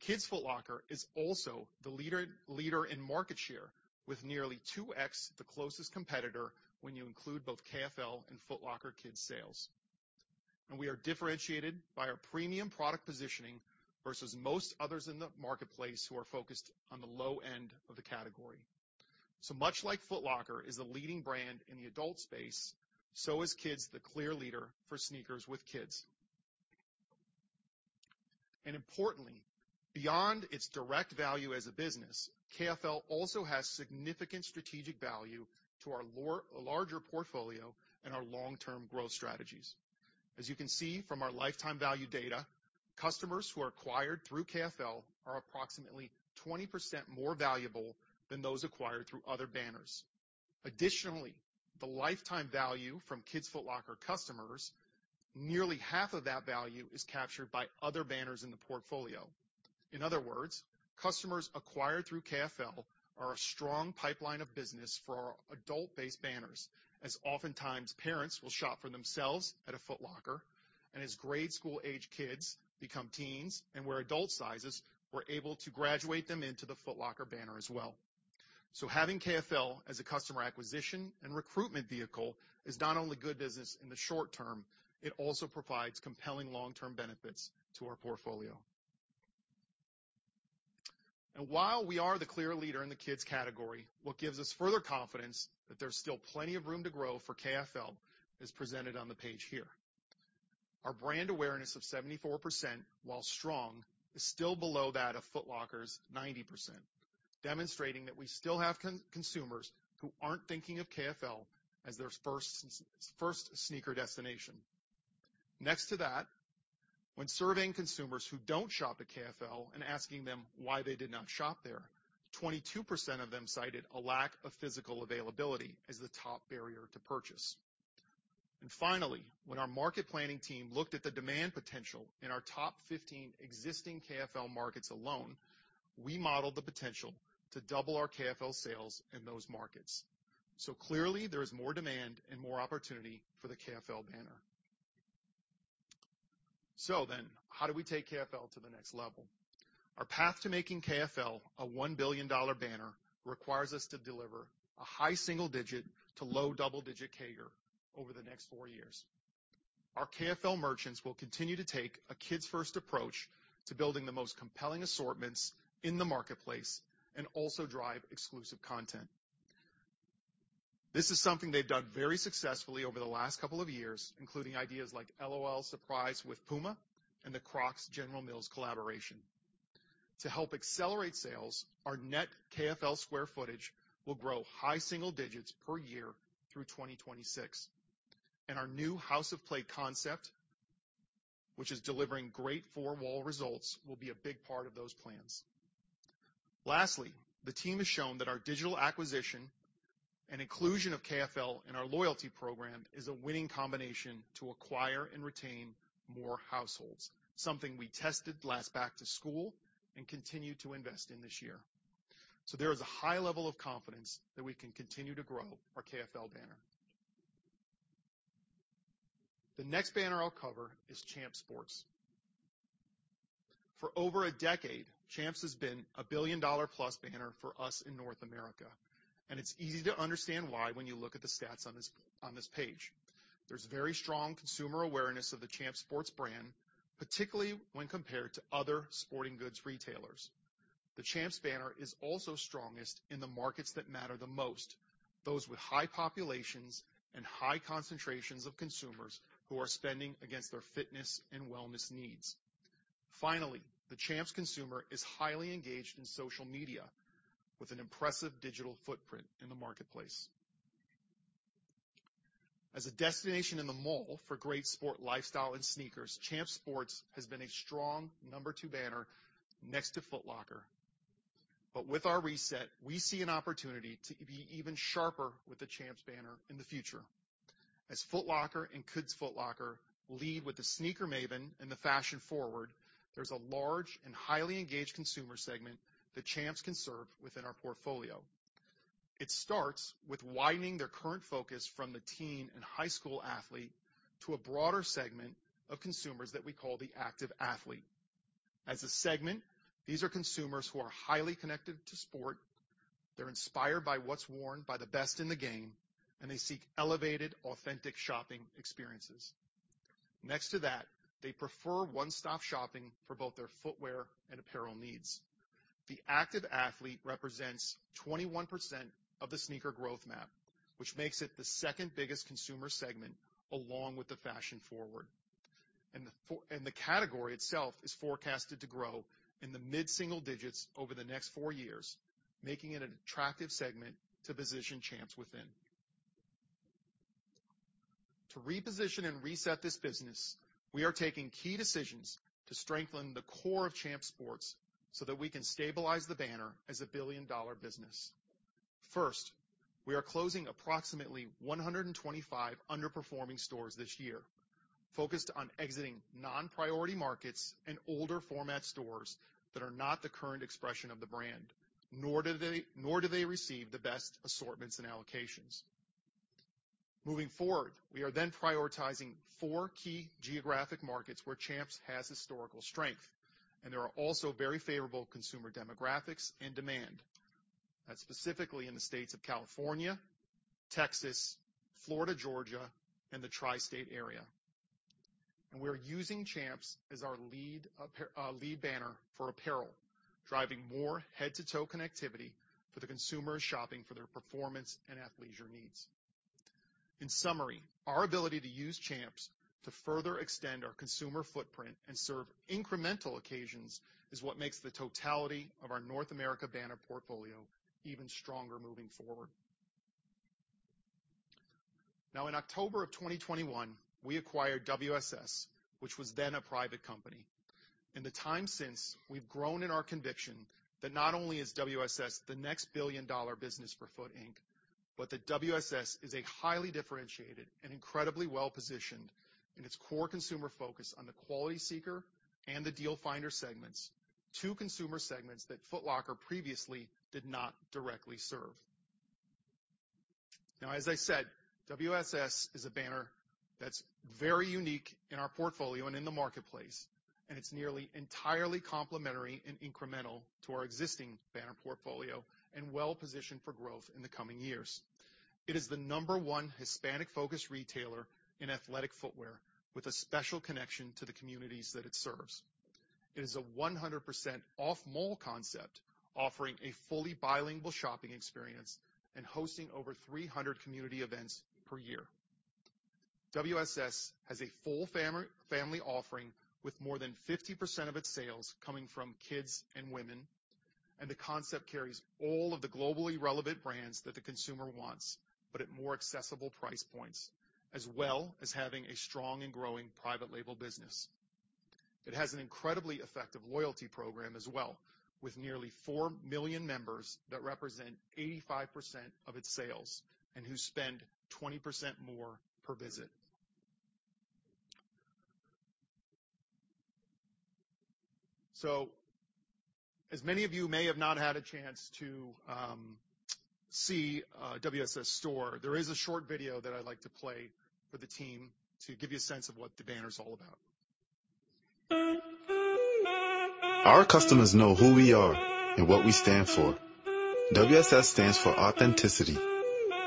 Kids Foot Locker is also the leader in market share with nearly 2x the closest competitor when you include both KFL and Foot Locker kids' sales. We are differentiated by our premium product positioning versus most others in the marketplace who are focused on the low end of the category. Much like Foot Locker is the leading brand in the adult space, so is Kids the clear leader for sneakers with kids. Importantly, beyond its direct value as a business, KFL also has significant strategic value to our larger portfolio and our long-term growth strategies. As you can see from our lifetime value data, customers who are acquired through KFL are approximately 20% more valuable than those acquired through other banners. Additionally, the lifetime value from Kids Foot Locker customers, nearly half of that value is captured by other banners in the portfolio. In other words, customers acquired through KFL are a strong pipeline of business for our adult-based banners, as oftentimes parents will shop for themselves at a Foot Locker, and as grade school-aged kids become teens and wear adult sizes, we're able to graduate them into the Foot Locker banner as well. Having KFL as a customer acquisition and recruitment vehicle is not only good business in the short term, it also provides compelling long-term benefits to our portfolio. While we are the clear leader in the kids category, what gives us further confidence that there's still plenty of room to grow for KFL is presented on the page here. Our brand awareness of 74%, while strong, is still below that of Foot Locker's 90%, demonstrating that we still have consumers who aren't thinking of KFL as their first sneaker destination. Next to that, when surveying consumers who don't shop at KFL and asking them why they did not shop there, 22% of them cited a lack of physical availability as the top barrier to purchase. Finally, when our market planning team looked at the demand potential in our top 15 existing KFL markets alone, we modeled the potential to double our KFL sales in those markets. Clearly, there is more demand and more opportunity for the KFL banner. How do we take KFL to the next level? Our path to making KFL a $1 billion banner requires us to deliver a high single-digit to low double-digit CAGR over the next four years. Our KFL merchants will continue to take a kids-first approach to building the most compelling assortments in the marketplace and also drive exclusive content. This is something they've done very successfully over the last couple of years, including ideas like L.O.L. Surprise! with PUMA and the Crocs-General Mills collaboration. To help accelerate sales, our net KFL square footage will grow high single digits per year through 2026. Our new House of Play concept, which is delivering great four-wall results, will be a big part of those plans. Lastly, the team has shown that our digital acquisition and inclusion of KFL in our loyalty program is a winning combination to acquire and retain more households, something we tested last back to school and continue to invest in this year. There is a high level of confidence that we can continue to grow our KFL banner. The next banner I'll cover is Champs Sports. For over a decade, Champs has been a billion-dollar-plus banner for us in North America, and it's easy to understand why when you look at the stats on this page. There's very strong consumer awareness of the Champs Sports brand, particularly when compared to other sporting goods retailers. The Champs banner is also strongest in the markets that matter the most, those with high populations and high concentrations of consumers who are spending against their fitness and wellness needs. Finally, the Champs consumer is highly engaged in social media with an impressive digital footprint in the marketplace. As a destination in the mall for great sport lifestyle and sneakers, Champs Sports has been a strong number two banner next to Foot Locker. With our reset, we see an opportunity to be even sharper with the Champs banner in the future. As Foot Locker and Kids Foot Locker lead with the sneaker maven and the fashion-forward, there's a large and highly engaged consumer segment that Champs can serve within our portfolio. It starts with widening their current focus from the teen and high school athlete to a broader segment of consumers that we call the active athlete. As a segment, these are consumers who are highly connected to sport. They're inspired by what's worn by the best in the game, and they seek elevated, authentic shopping experiences. Next to that, they prefer one-stop shopping for both their footwear and apparel needs. The active athlete represents 21% of the sneaker growth map, which makes it the second-biggest consumer segment along with the fashion-forward. The category itself is forecasted to grow in the mid-single digits over the next four years, making it an attractive segment to position Champs within. To reposition and reset this business, we are taking key decisions to strengthen the core of Champs Sports so that we can stabilize the banner as a billion-dollar business. First, we are closing approximately 125 underperforming stores this year, focused on exiting non-priority markets and older format stores that are not the current expression of the brand, nor do they receive the best assortments and allocations. Moving forward, we are then prioritizing four key geographic markets where Champs has historical strength, and there are also very favorable consumer demographics and demand. That's specifically in the states of California, Texas, Florida, Georgia, and the Tri-State area. We're using Champs as our lead banner for apparel, driving more head-to-toe connectivity for the consumers shopping for their performance and athleisure needs. In summary, our ability to use Champs to further extend our consumer footprint and serve incremental occasions is what makes the totality of our North America banner portfolio even stronger moving forward. Now, in October of 2021, we acquired WSS, which was then a private company. In the time since, we've grown in our conviction that not only is WSS the next billion-dollar business for Foot Inc, but that WSS is a highly differentiated and incredibly well-positioned in its core consumer focus on the quality seeker and the deal finder segments, two consumer segments that Foot Locker previously did not directly serve. As I said, WSS is a banner that's very unique in our portfolio and in the marketplace, and it's nearly entirely complementary and incremental to our existing banner portfolio and well-positioned for growth in the coming years. It is the number one Hispanic-focused retailer in athletic footwear with a special connection to the communities that it serves. It is a 100% off-mall concept offering a fully bilingual shopping experience and hosting over 300 community events per year. WSS has a full family offering with more than 50% of its sales coming from kids and women, and the concept carries all of the globally relevant brands that the consumer wants, but at more accessible price points, as well as having a strong and growing private label business. It has an incredibly effective loyalty program as well, with nearly 4 million members that represent 85% of its sales and who spend 20% more per visit. As many of you may have not had a chance to see a WSS store, there is a short video that I'd like to play for the team to give you a sense of what the banner is all about. Our customers know who we are and what we stand for. WSS stands for authenticity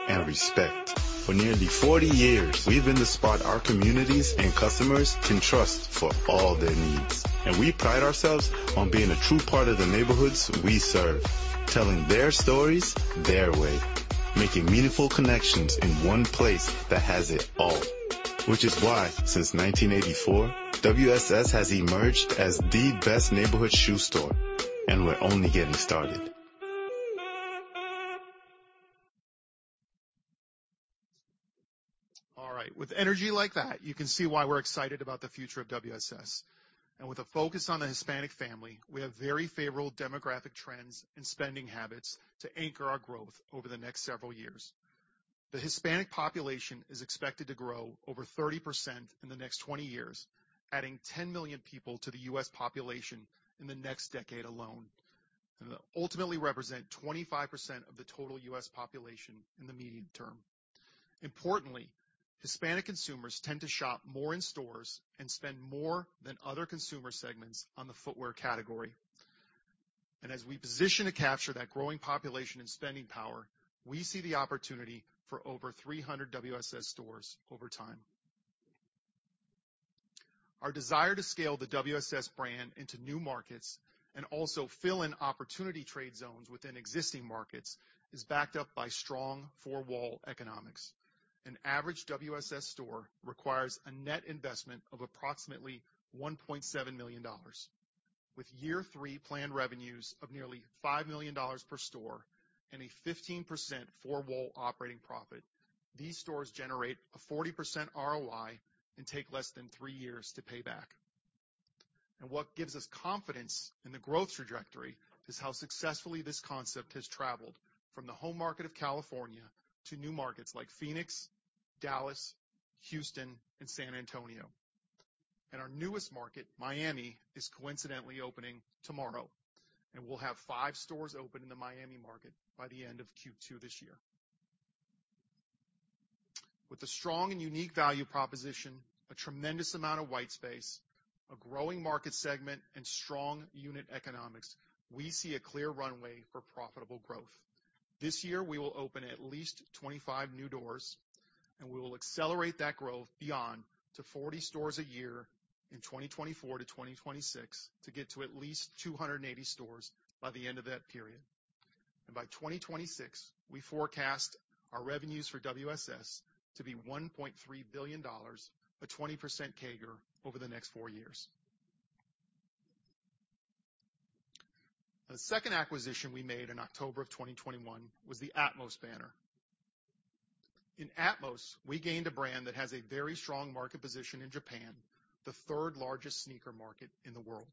and respect. For nearly 40 years, we've been the spot our communities and customers can trust for all their needs, and we pride ourselves on being a true part of the neighborhoods we serve, telling their stories their way. Making meaningful connections in one place that has it all. Which is why, since 1984, WSS has emerged as the best neighborhood shoe store, and we're only getting started. All right. With energy like that, you can see why we're excited about the future of WSS. With a focus on the Hispanic family, we have very favorable demographic trends and spending habits to anchor our growth over the next several years. The Hispanic population is expected to grow over 30% in the next 20 years, adding 10 million people to the U.S. population in the next decade alone. It'll ultimately represent 25% of the total U.S. population in the medium term. Importantly, Hispanic consumers tend to shop more in stores and spend more than other consumer segments on the footwear category. As we position to capture that growing population and spending power, we see the opportunity for over 300 WSS stores over time. Our desire to scale the WSS brand into new markets and also fill in opportunity trade zones within existing markets is backed up by strong four-wall economics. An average WSS store requires a net investment of approximately $1.7 million. With year three planned revenues of nearly $5 million per store and a 15% four-wall operating profit, these stores generate a 40% ROI and take less than three years to pay back. What gives us confidence in the growth trajectory is how successfully this concept has traveled from the home market of California to new markets like Phoenix, Dallas, Houston, and San Antonio. Our newest market, Miami, is coincidentally opening tomorrow, and we'll have five stores open in the Miami market by the end of Q2 this year. With a strong and unique value proposition, a tremendous amount of white space, a growing market segment, and strong unit economics, we see a clear runway for profitable growth. This year, we will open at least 25 new doors, and we will accelerate that growth beyond to 40 stores a year in 2024 to 2026 to get to at least 280 stores by the end of that period. By 2026, we forecast our revenues for WSS to be $1.3 billion, a 20% CAGR over the next four years. The second acquisition we made in October of 2021 was the atmos banner. In atmos, we gained a brand that has a very strong market position in Japan, the third-largest sneaker market in the world.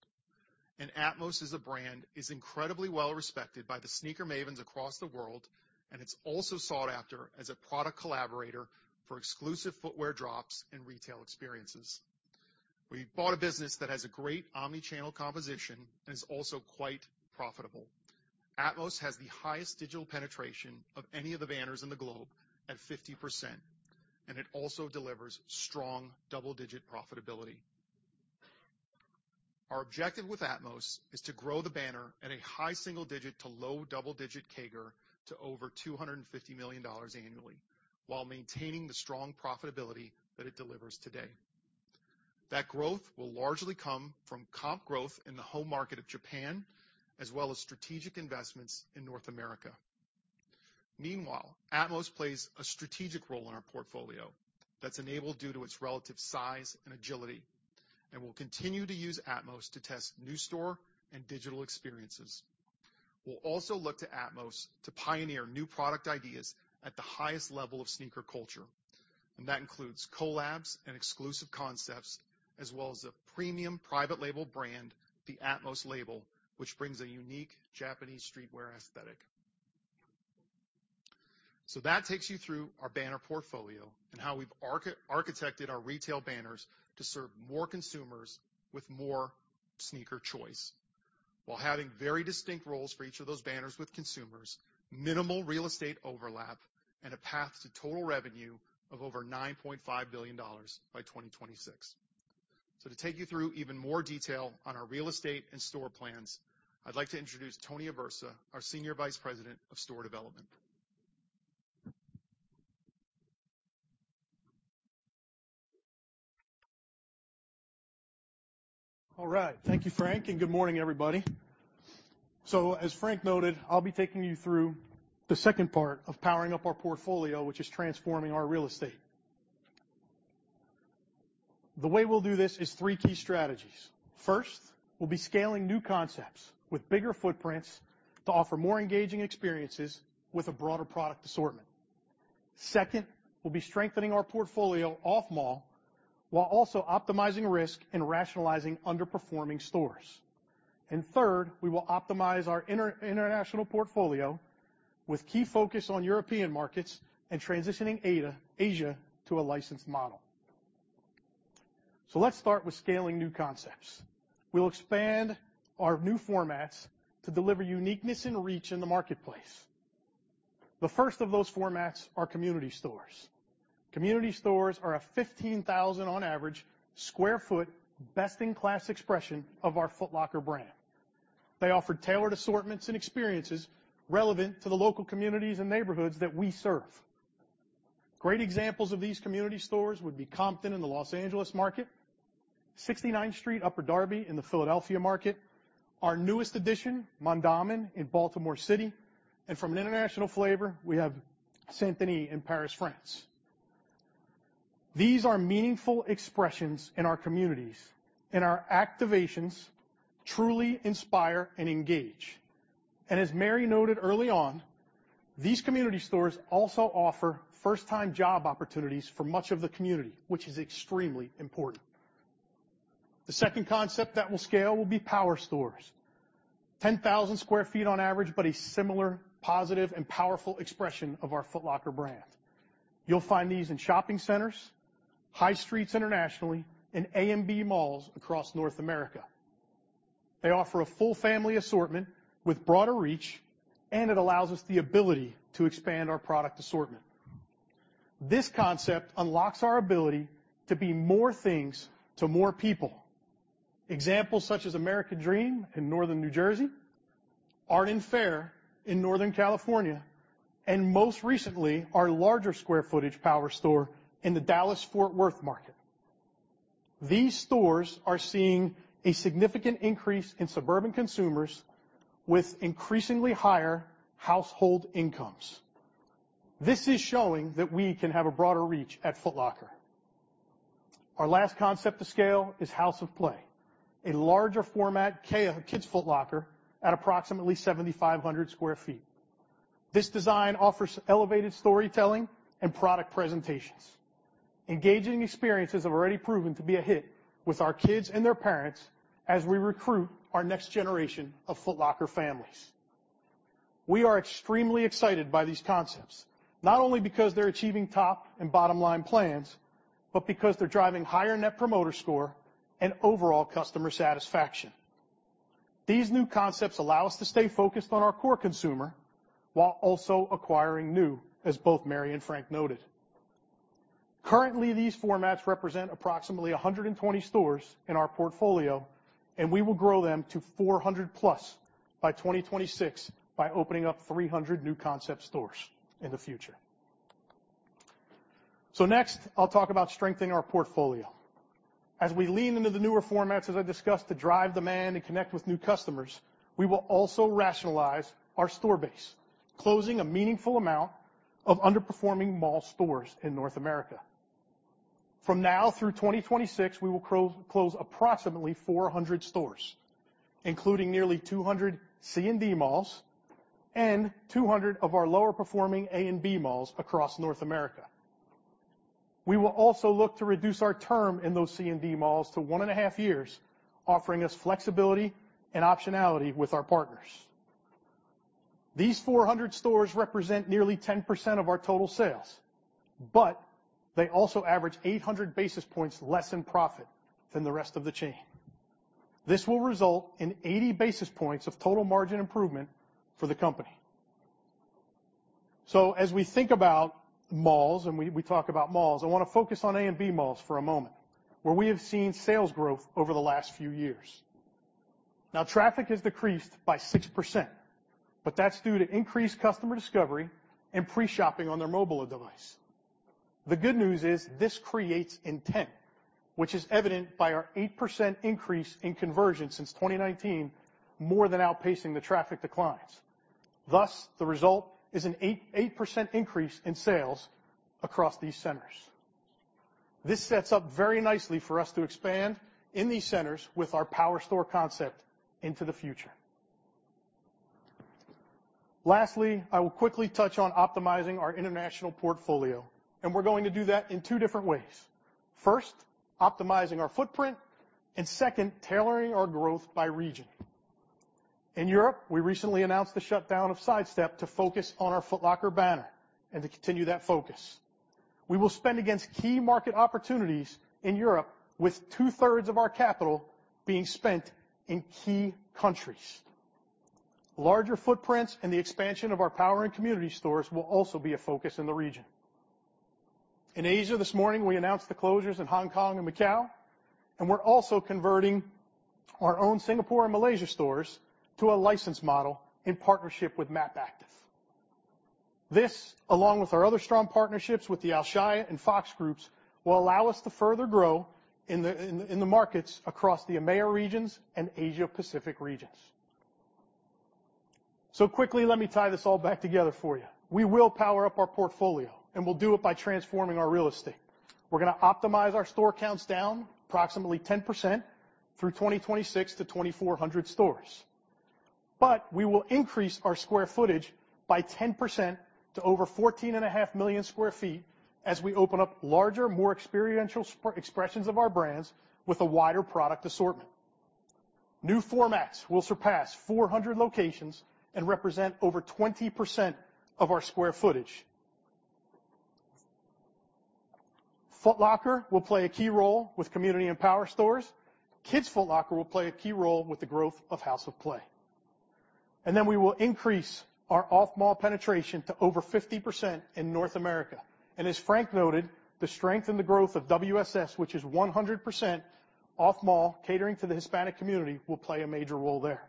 Atmos as a brand is incredibly well-respected by the sneaker mavens across the world, and it's also sought after as a product collaborator for exclusive footwear drops and retail experiences. We bought a business that has a great omni-channel composition and is also quite profitable. Atmos has the highest digital penetration of any of the banners in the globe at 50%, and it also delivers strong double-digit profitability. Our objective with atmos is to grow the banner at a high single digit to low double-digit CAGR to over $250 million annually while maintaining the strong profitability that it delivers today. That growth will largely come from comp growth in the home market of Japan, as well as strategic investments in North America. Meanwhile, atmos plays a strategic role in our portfolio that's enabled due to its relative size and agility, and we'll continue to use atmos to test new store and digital experiences. We'll also look to atmos to pioneer new product ideas at the highest level of sneaker culture, and that includes collabs and exclusive concepts, as well as a premium private label brand, the atmos label, which brings a unique Japanese streetwear aesthetic. That takes you through our banner portfolio and how we've architected our retail banners to serve more consumers with more sneaker choice while having very distinct roles for each of those banners with consumers, minimal real estate overlap, and a path to total revenue of over $9.5 billion by 2026. To take you through even more detail on our real estate and store plans, I'd like to introduce Tony Aversa, our Senior Vice President of Store Development. All right. Thank you, Frank, good morning, everybody. As Frank noted, I'll be taking you through the second part of powering up our portfolio, which is transforming our real estate. The way we'll do this is three key strategies. First, we'll be scaling new concepts with bigger footprints to offer more engaging experiences with a broader product assortment. Second, we'll be strengthening our portfolio off mall while also optimizing risk and rationalizing underperforming stores. Third, we will optimize our international portfolio with key focus on European markets and transitioning Asia to a licensed model. Let's start with scaling new concepts. We'll expand our new formats to deliver uniqueness and reach in the marketplace. The first of those formats are community stores. Community stores are a 15,000 on average sq ft best-in-class expression of our Foot Locker brand. They offer tailored assortments and experiences relevant to the local communities and neighborhoods that we serve. Great examples of these community stores would be Compton in the Los Angeles market, Sixty-Ninth Street, Upper Darby in the Philadelphia market, our newest addition, Mondawmin in Baltimore City, and from an international flavor, we have Saint-Denis in Paris, France. These are meaningful expressions in our communities, and our activations truly inspire and engage. As Mary noted early on, these community stores also offer first-time job opportunities for much of the community, which is extremely important. The second concept that we'll scale will be power stores. 10,000 sq ft on average, but a similar positive and powerful expression of our Foot Locker brand. You'll find these in shopping centers, high streets internationally, and A and B malls across North America. They offer a full family assortment with broader reach, and it allows us the ability to expand our product assortment. This concept unlocks our ability to be more things to more people. Examples such as American Dream in Northern New Jersey, Arden Fair in Northern California, and most recently, our larger square footage power store in the Dallas-Fort Worth market. These stores are seeing a significant increase in suburban consumers with increasingly higher household incomes. This is showing that we can have a broader reach at Foot Locker. Our last concept to scale is House of Play, a larger format Kids Foot Locker at approximately 7,500 sq ft. This design offers elevated storytelling and product presentations. Engaging experiences have already proven to be a hit with our kids and their parents as we recruit our next generation of Foot Locker families. We are extremely excited by these concepts, not only because they're achieving top and bottom-line plans, but because they're driving higher net promoter score and overall customer satisfaction. These new concepts allow us to stay focused on our core consumer while also acquiring new, as both Mary and Frank noted. Currently, these formats represent approximately 120 stores in our portfolio, and we will grow them to 400+ by 2026 by opening up 300 new concept stores in the future. Next, I'll talk about strengthening our portfolio. As we lean into the newer formats, as I discussed, to drive demand and connect with new customers, we will also rationalize our store base, closing a meaningful amount of underperforming mall stores in North America. From now through 2026, we will close approximately 400 stores, including nearly 200 C and D malls and 200 of our lower performing A and B malls across North America. We will also look to reduce our term in those C and D malls to one and a half years, offering us flexibility and optionality with our partners. These 400 stores represent nearly 10% of our total sales, but they also average 800 basis points less in profit than the rest of the chain. This will result in 80 basis points of total margin improvement for the company. As we think about malls and we talk about malls, I wanna focus on A and B malls for a moment, where we have seen sales growth over the last few years. Now, traffic has decreased by 6%, but that's due to increased customer discovery and pre-shopping on their mobile device. The good news is this creates intent, which is evident by our 8% increase in conversion since 2019, more than outpacing the traffic declines. Thus, the result is an 8% increase in sales across these centers. This sets up very nicely for us to expand in these centers with our PowerStore concept into the future. Lastly, I will quickly touch on optimizing our international portfolio, and we're going to do that in two different ways. First, optimizing our footprint, second, tailoring our growth by region. In Europe, we recently announced the shutdown of Sidestep to focus on our Foot Locker banner to continue that focus. We will spend against key market opportunities in Europe with 2/3 of our capital being spent in key countries. Larger footprints and the expansion of our power and community stores will also be a focus in the region. In Asia this morning, we announced the closures in Hong Kong and Macau, and we're also converting our own Singapore and Malaysia stores to a license model in partnership with MAP Active. This, along with our other strong partnerships with the Alshaya Group and Fox Group, will allow us to further grow in the markets across the EMEA regions and Asia-Pacific regions. Quickly, let me tie this all back together for you. We will power up our portfolio, and we'll do it by transforming our real estate. We're gonna optimize our store counts down approximately 10% through 2026 to 2,400 stores. We will increase our square footage by 10% to over 14 and a half million square feet as we open up larger, more experiential expressions of our brands with a wider product assortment. New formats will surpass 400 locations and represent over 20% of our square footage. Foot Locker will play a key role with community and power stores. Kids Foot Locker will play a key role with the growth of House of Play. We will increase our off-mall penetration to over 50% in North America. As Frank noted, the strength and the growth of WSS, which is 100% off-mall catering to the Hispanic community, will play a major role there.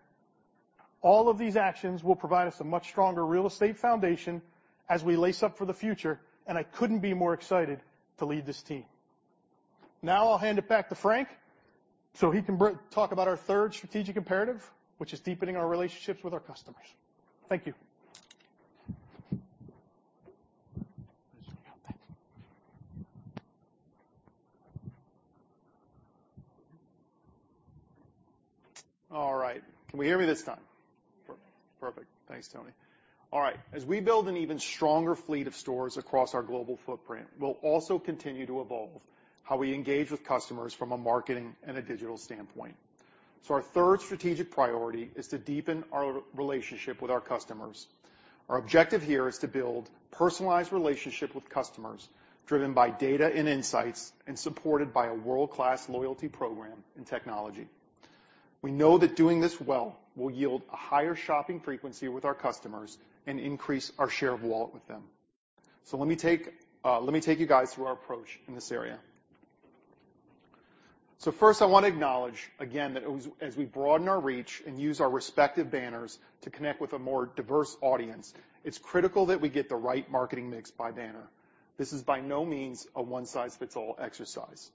All of these actions will provide us a much stronger real estate foundation as we Lace Up for the future and I couldn't be more excited to lead this team. Now I'll hand it back to Frank so he can talk about our third strategic imperative, which is deepening our relationships with our customers. Thank you. All right. Can we hear me this time? Perfect. Thanks, Tony. All right. As we build an even stronger fleet of stores across our global footprint, we'll also continue to evolve how we engage with customers from a marketing and a digital standpoint. Our third strategic priority is to deepen our relationship with our customers. Our objective here is to build personalized relationship with customers driven by data and insights and supported by a world-class loyalty program and technology. We know that doing this well will yield a higher shopping frequency with our customers and increase our share of wallet with them. Let me take you guys through our approach in this area. First, I want to acknowledge again that as we broaden our reach and use our respective banners to connect with a more diverse audience, it's critical that we get the right marketing mix by banner. This is by no means a one-size-fits-all exercise.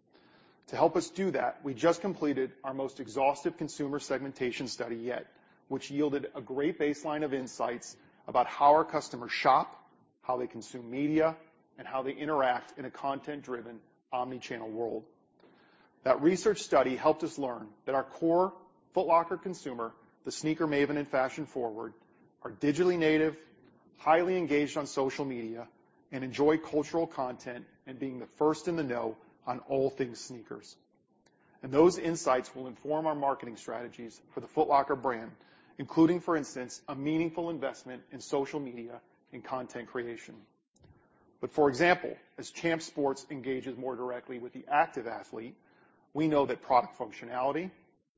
To help us do that, we just completed our most exhaustive consumer segmentation study yet, which yielded a great baseline of insights about how our customers shop, how they consume media, and how they interact in a content-driven omni-channel world. That research study helped us learn that our core Foot Locker consumer, the sneaker maven and fashion-forward, are digitally native, highly engaged on social media, and enjoy cultural content and being the first in the know on all things sneakers. Those insights will inform our marketing strategies for the Foot Locker brand, including, for instance, a meaningful investment in social media and content creation. For example, as Champs Sports engages more directly with the active athlete, we know that product functionality,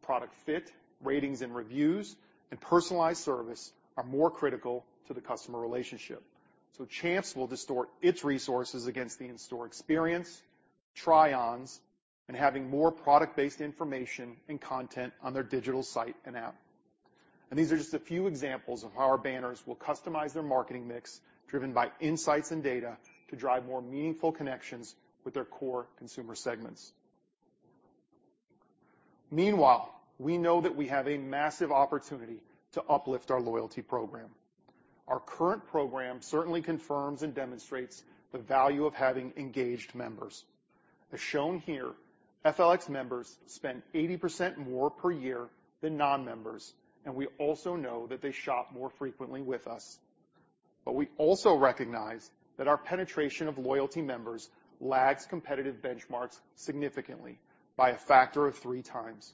product fit, ratings and reviews, and personalized service are more critical to the customer relationship. Champs will distort its resources against the in-store experience, try-ons, and having more product-based information and content on their digital site and app. These are just a few examples of how our banners will customize their marketing mix driven by insights and data to drive more meaningful connections with their core consumer segments. Meanwhile, we know that we have a massive opportunity to uplift our loyalty program. Our current program certainly confirms and demonstrates the value of having engaged members. As shown here, FLX members spend 80% more per year than non-members, and we also know that they shop more frequently with us. We also recognize that our penetration of loyalty members lags competitive benchmarks significantly by a factor of three times.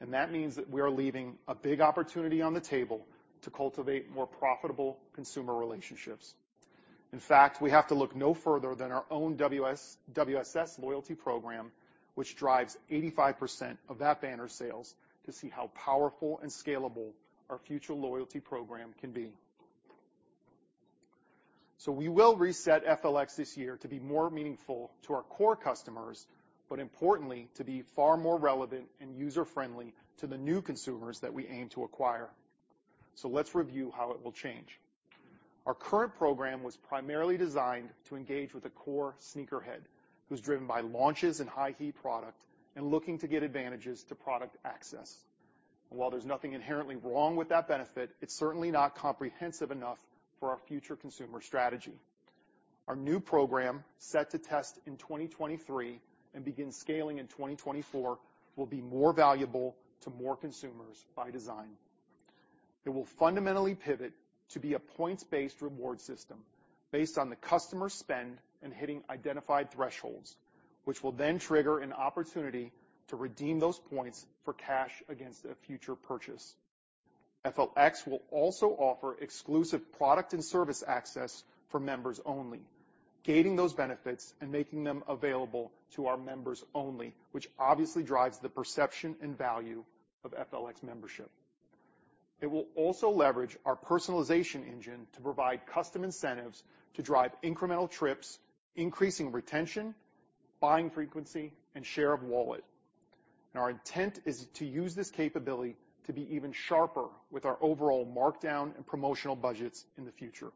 That means that we are leaving a big opportunity on the table to cultivate more profitable consumer relationships. In fact, we have to look no further than our own WSS loyalty program, which drives 85% of that banner sales to see how powerful and scalable our future loyalty program can be. We will reset FLX this year to be more meaningful to our core customers, but importantly, to be far more relevant and user-friendly to the new consumers that we aim to acquire. Let's review how it will change. Our current program was primarily designed to engage with a core sneakerhead who's driven by launches and high heat product and looking to get advantages to product access. While there's nothing inherently wrong with that benefit, it's certainly not comprehensive enough for our future consumer strategy. Our new program, set to test in 2023 and begin scaling in 2024, will be more valuable to more consumers by design. It will fundamentally pivot to be a points-based reward system based on the customer spend and hitting identified thresholds, which will then trigger an opportunity to redeem those points for cash against a future purchase. FLX will also offer exclusive product and service access for members only, gating those benefits and making them available to our members only, which obviously drives the perception and value of FLX membership. It will also leverage our personalization engine to provide custom incentives to drive incremental trips, increasing retention, buying frequency, and share of wallet. Our intent is to use this capability to be even sharper with our overall markdown and promotional budgets in the future.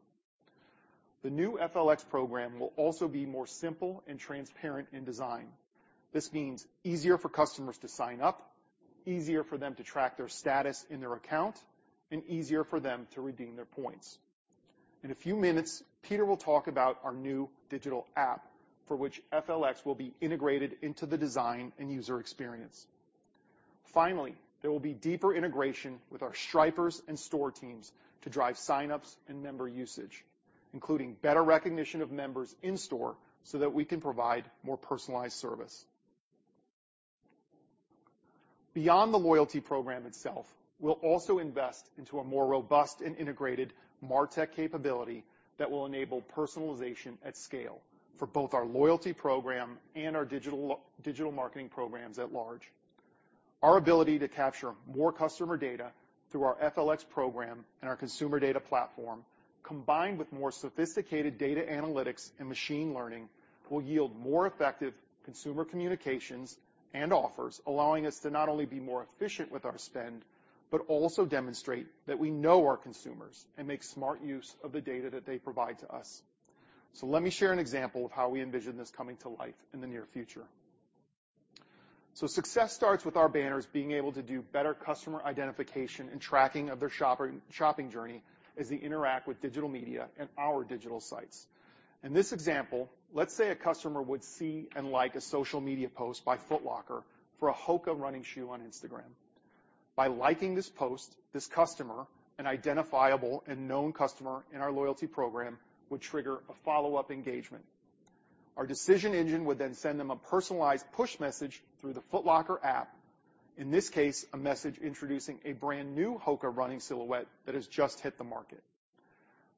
The new FLX program will also be more simple and transparent in design. This means easier for customers to sign up, easier for them to track their status in their account, and easier for them to redeem their points. In a few minutes, Peter will talk about our new digital app, for which FLX will be integrated into the design and user experience. Finally, there will be deeper integration with our stripers and store teams to drive sign-ups and member usage, including better recognition of members in-store so that we can provide more personalized service. Beyond the loyalty program itself, we'll also invest into a more robust and integrated MarTech capability that will enable personalization at scale for both our loyalty program and our digital marketing programs at large. Our ability to capture more customer data through our FLX program and our consumer data platform, combined with more sophisticated data analytics and machine learning, will yield more effective consumer communications and offers, allowing us to not only be more efficient with our spend, but also demonstrate that we know our consumers and make smart use of the data that they provide to us. Let me share an example of how we envision this coming to life in the near future. Success starts with our banners being able to do better customer identification and tracking of their shopping journey as they interact with digital media and our digital sites. In this example, let's say a customer would see and like a social media post by Foot Locker for a HOKA running shoe on Instagram. By liking this post, this customer, an identifiable and known customer in our loyalty program, would trigger a follow-up engagement. Our decision engine would then send them a personalized push message through the Foot Locker app. In this case, a message introducing a brand-new HOKA running silhouette that has just hit the market.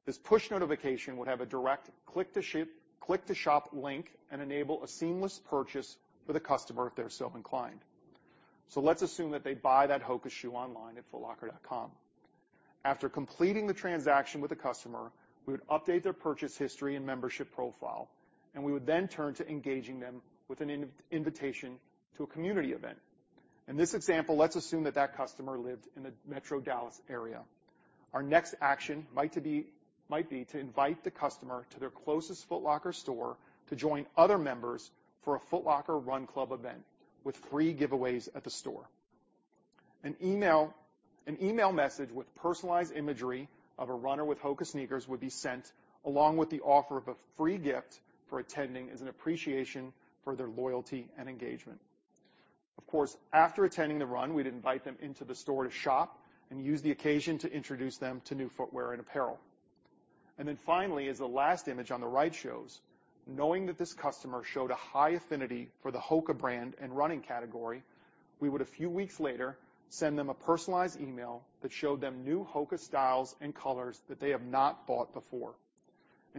This push notification would have a direct click to shop link and enable a seamless purchase for the customer if they're so inclined. Let's assume that they buy that HOKA shoe online at footlocker.com. After completing the transaction with the customer, we would update their purchase history and membership profile, and we would then turn to engaging them with an invitation to a community event. In this example, let's assume that customer lived in the Metro Dallas area. Our next action might be to invite the customer to their closest Foot Locker store to join other members for a Foot Locker run club event with free giveaways at the store. An email message with personalized imagery of a runner with HOKA sneakers would be sent, along with the offer of a free gift for attending as an appreciation for their loyalty and engagement. Of course, after attending the run, we'd invite them into the store to shop and use the occasion to introduce them to new footwear and apparel. Finally, as the last image on the right shows, knowing that this customer showed a high affinity for the HOKA brand and running category, we would, a few weeks later, send them a personalized email that showed them new HOKA styles and colors that they have not bought before.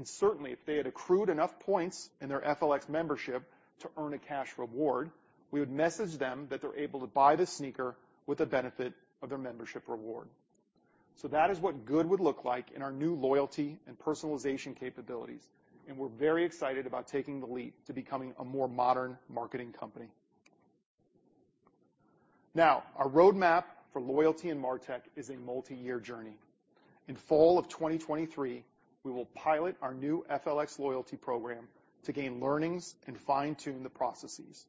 Certainly, if they had accrued enough points in their FLX membership to earn a cash reward, we would message them that they're able to buy the sneaker with the benefit of their membership reward. That is what good would look like in our new loyalty and personalization capabilities, and we're very excited about taking the leap to becoming a more modern marketing company. Now, our roadmap for loyalty and MarTech is a multiyear journey. In fall of 2023, we will pilot our new FLX loyalty program to gain learnings and fine-tune the processes.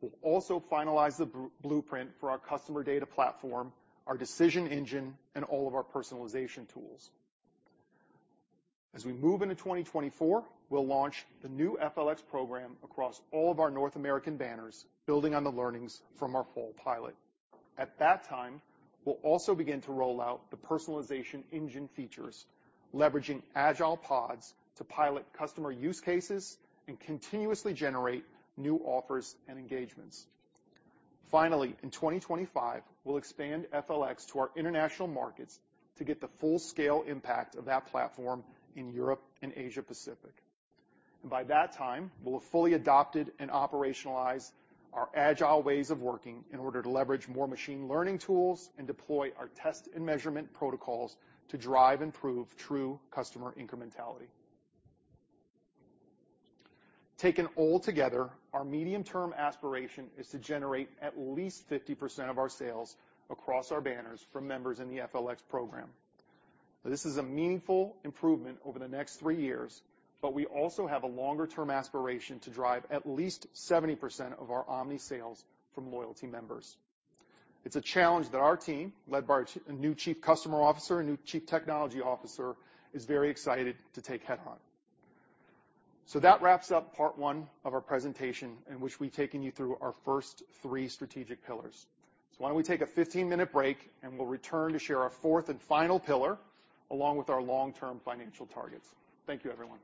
We'll also finalize the blueprint for our customer data platform, our decision engine, and all of our personalization tools. As we move into 2024, we'll launch the new FLX program across all of our North American banners, building on the learnings from our fall pilot. At that time, we'll also begin to roll out the personalization engine features, leveraging agile pods to pilot customer use cases and continuously generate new offers and engagements. Finally, in 2025, we'll expand FLX to our international markets to get the full-scale impact of that platform in Europe and Asia Pacific. By that time, we'll have fully adopted and operationalized our agile ways of working in order to leverage more machine learning tools and deploy our test and measurement protocols to drive and prove true customer incrementality. Taken all together, our medium-term aspiration is to generate at least 50% of our sales across our banners from members in the FLX program. This is a meaningful improvement over the next three years. We also have a longer-term aspiration to drive at least 70% of our omni-sales from loyalty members. It's a challenge that our team, led by our new Chief Customer Officer and new Chief Technology Officer, is very excited to take head on. So that wraps up part one of our presentation in which we've taken you through our first three strategic pillars. Why don't we take a 15-minute break, and we'll return to share our fourth and final pillar along with our long-term financial targets. Thank you, everyone.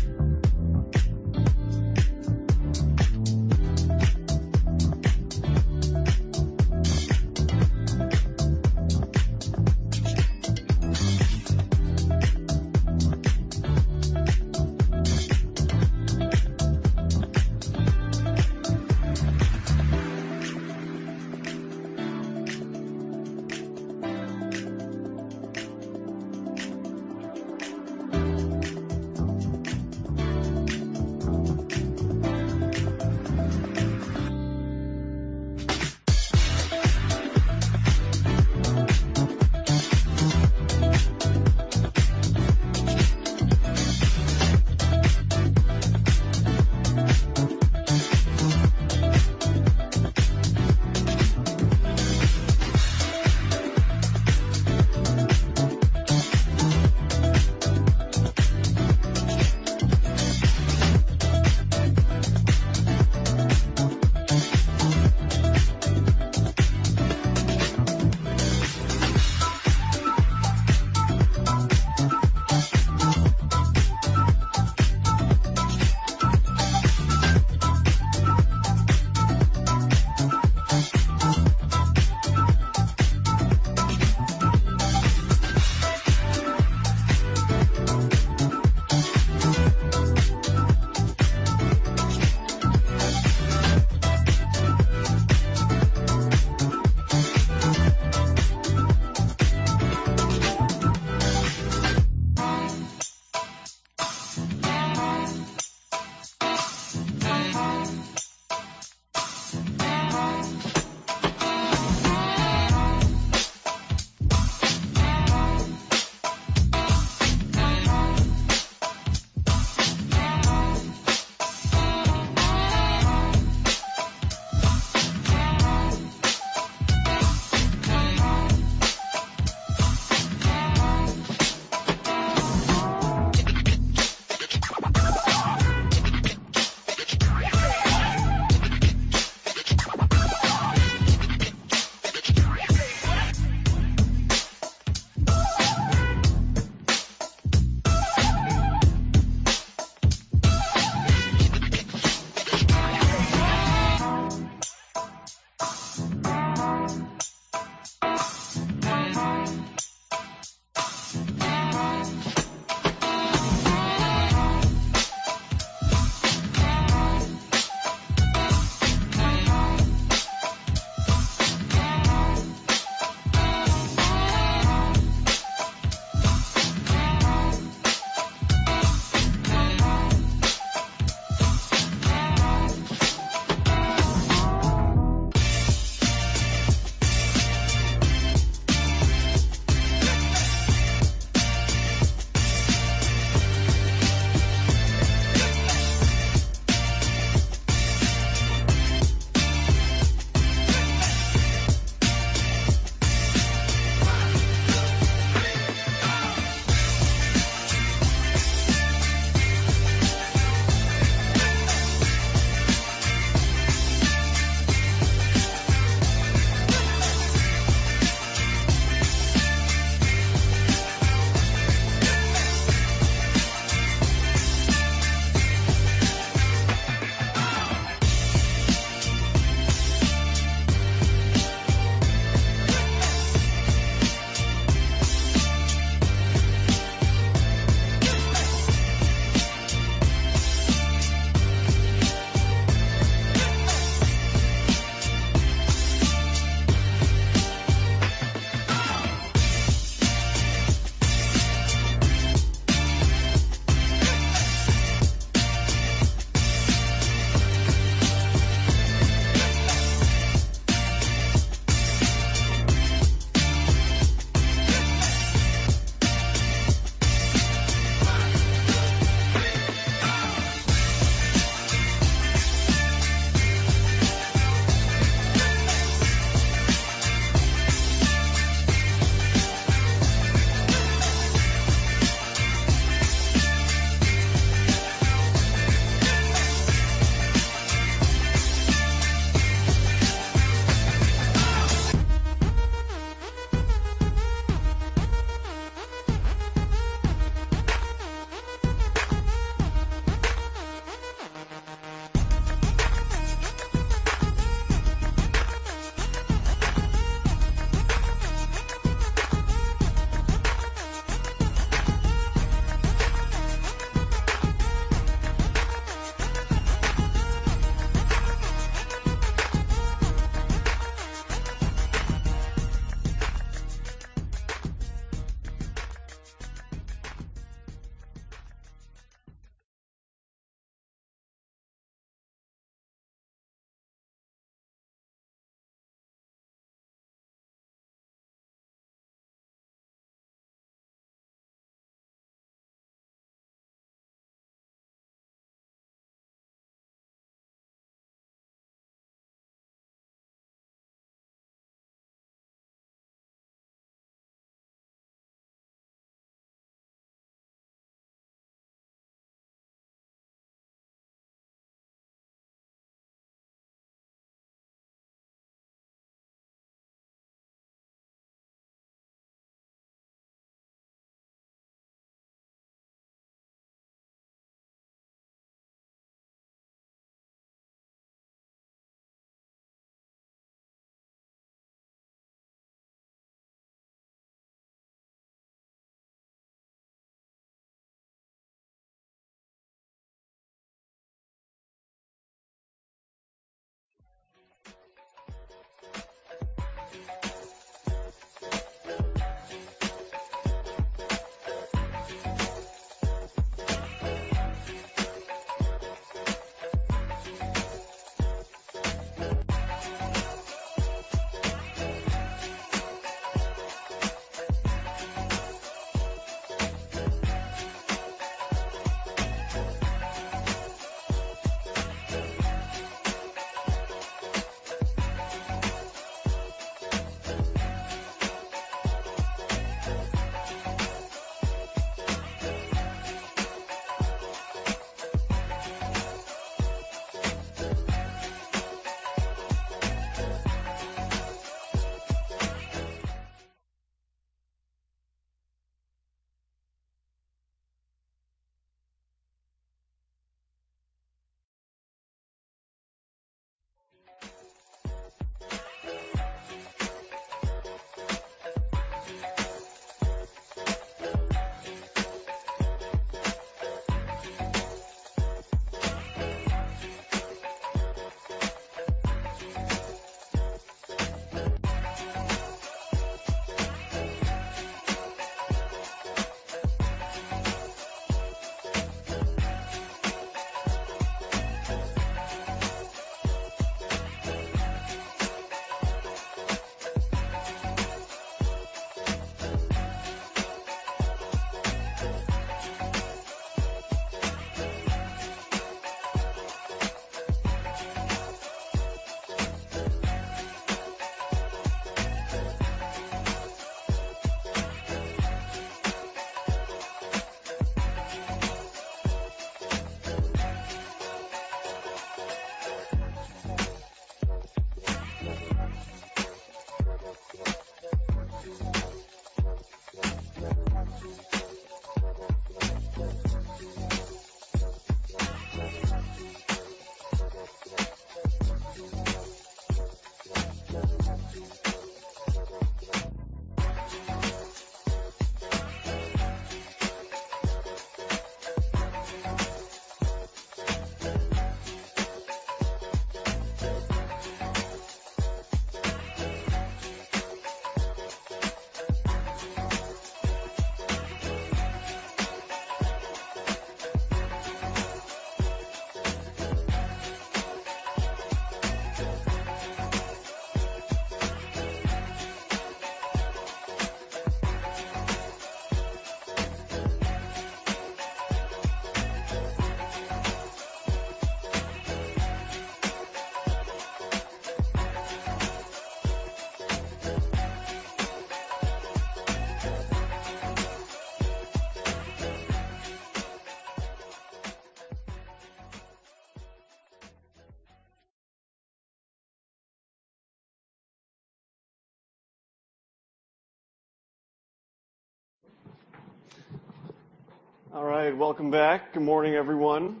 All right. Welcome back. Good morning, everyone.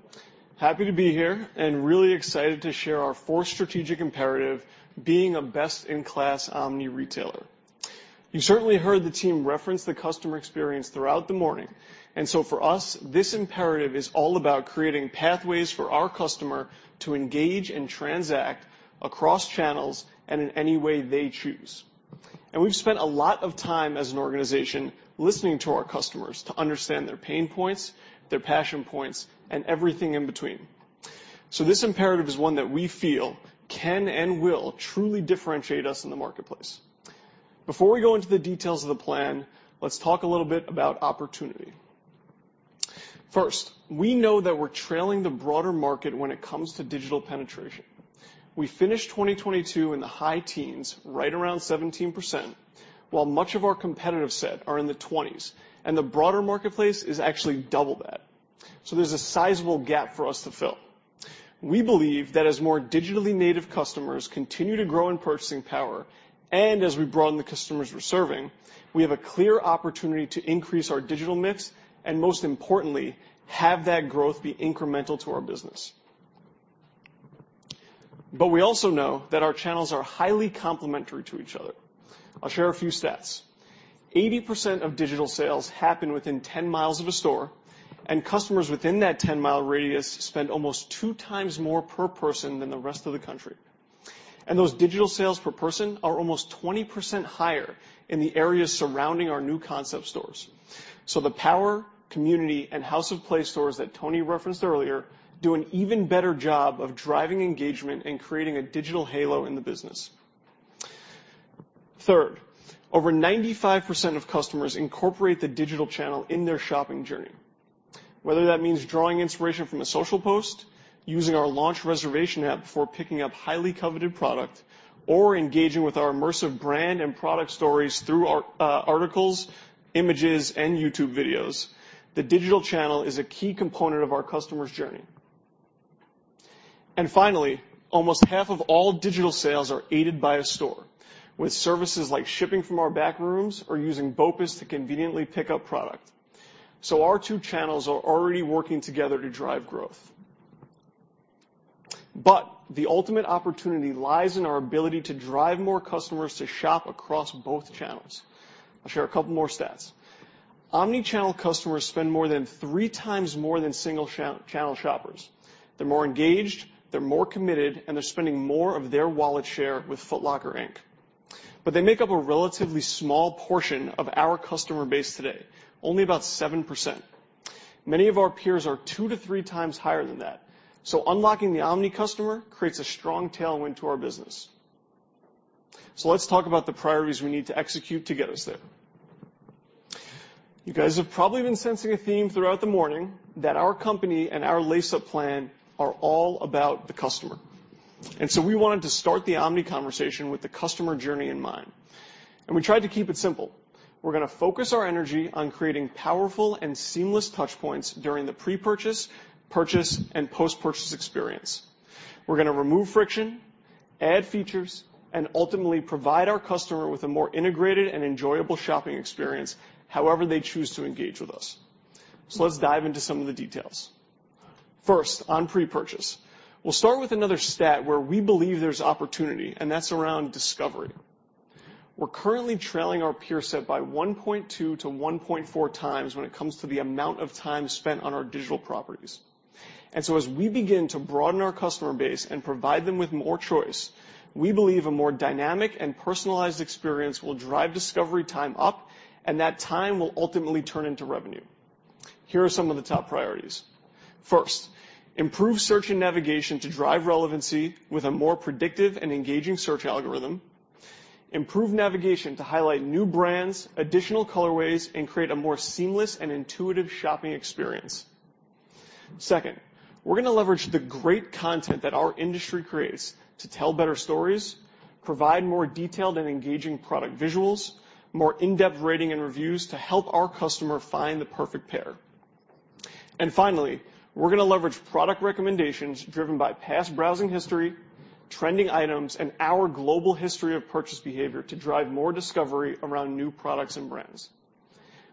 Happy to be here and really excited to share our 4th strategic imperative, being a best-in-class omni-retailer. You certainly heard the team reference the customer experience throughout the morning. For us, this imperative is all about creating pathways for our customer to engage and transact across channels and in any way they choose. We've spent a lot of time as an organization listening to our customers to understand their pain points, their passion points, and everything in between. This imperative is one that we feel can and will truly differentiate us in the marketplace. Before we go into the details of the plan, let's talk a little bit about opportunity. First, we know that we're trailing the broader market when it comes to digital penetration. We finished 2022 in the high teens, right around 17%, while much of our competitive set are in the 20s, and the broader marketplace is actually double that. There's a sizable gap for us to fill. We believe that as more digitally native customers continue to grow in purchasing power, and as we broaden the customers we're serving, we have a clear opportunity to increase our digital mix and most importantly, have that growth be incremental to our business, but we also know that our channels are highly complementary to each other. I'll share a few stats. 80% of digital sales happen within 10 miles of a store, and customers within that 10-mile radius spend almost two times more per person than the rest of the country. Those digital sales per person are almost 20% higher in the areas surrounding our new concept stores. So the power, community, and House of Play stores that Tony referenced earlier do an even better job of driving engagement and creating a digital halo in the business. Third, over 95% of customers incorporate the digital channel in their shopping journey. Whether that means drawing inspiration from a social post, using our launch reservation app before picking up highly coveted product, or engaging with our immersive brand and product stories through our articles, images, and YouTube videos, the digital channel is a key component of our customers' journey. Finally, almost half of all digital sales are aided by a store with services like shipping from our back rooms or using BOPUS to conveniently pick up product. Our two channels are already working together to drive growth. But the ultimate opportunity lies in our ability to drive more customers to shop across both channels. I'll share a couple more stats. Omnichannel customers spend more than three times more than single channel shoppers. They're more engaged, they're more committed, and they're spending more of their wallet share with Foot Locker, Inc. They make up a relatively small portion of our customer base today, only about 7%. Many of our peers are two to three times higher than that. So unlocking the omni customer creates a strong tailwind to our business. Let's talk about the priorities we need to execute to get us there. You guys have probably been sensing a theme throughout the morning that our company and our Lace Up Plan are all about the customer. We wanted to start the omni conversation with the customer journey in mind. We tried to keep it simple. We're gonna focus our energy on creating powerful and seamless touch points during the pre-purchase, purchase, and post-purchase experience. We're gonna remove friction, add features, and ultimately provide our customer with a more integrated and enjoyable shopping experience however they choose to engage with us. Let's dive into some of the details. First, on pre-purchase. We'll start with another stat where we believe there's opportunity, and that's around discovery. We're currently trailing our peer set by 1.2-1.4 times when it comes to the amount of time spent on our digital properties. As we begin to broaden our customer base and provide them with more choice, we believe a more dynamic and personalized experience will drive discovery time up, and that time will ultimately turn into revenue. Here are some of the top priorities. First, improve search and navigation to drive relevancy with a more predictive and engaging search algorithm. Improve navigation to highlight new brands, additional colorways, and create a more seamless and intuitive shopping experience. Second, we're gonna leverage the great content that our industry creates to tell better stories, provide more detailed and engaging product visuals, more in-depth rating and reviews to help our customer find the perfect pair. Finally, we're gonna leverage product recommendations driven by past browsing history, trending items, and our global history of purchase behavior to drive more discovery around new products and brands.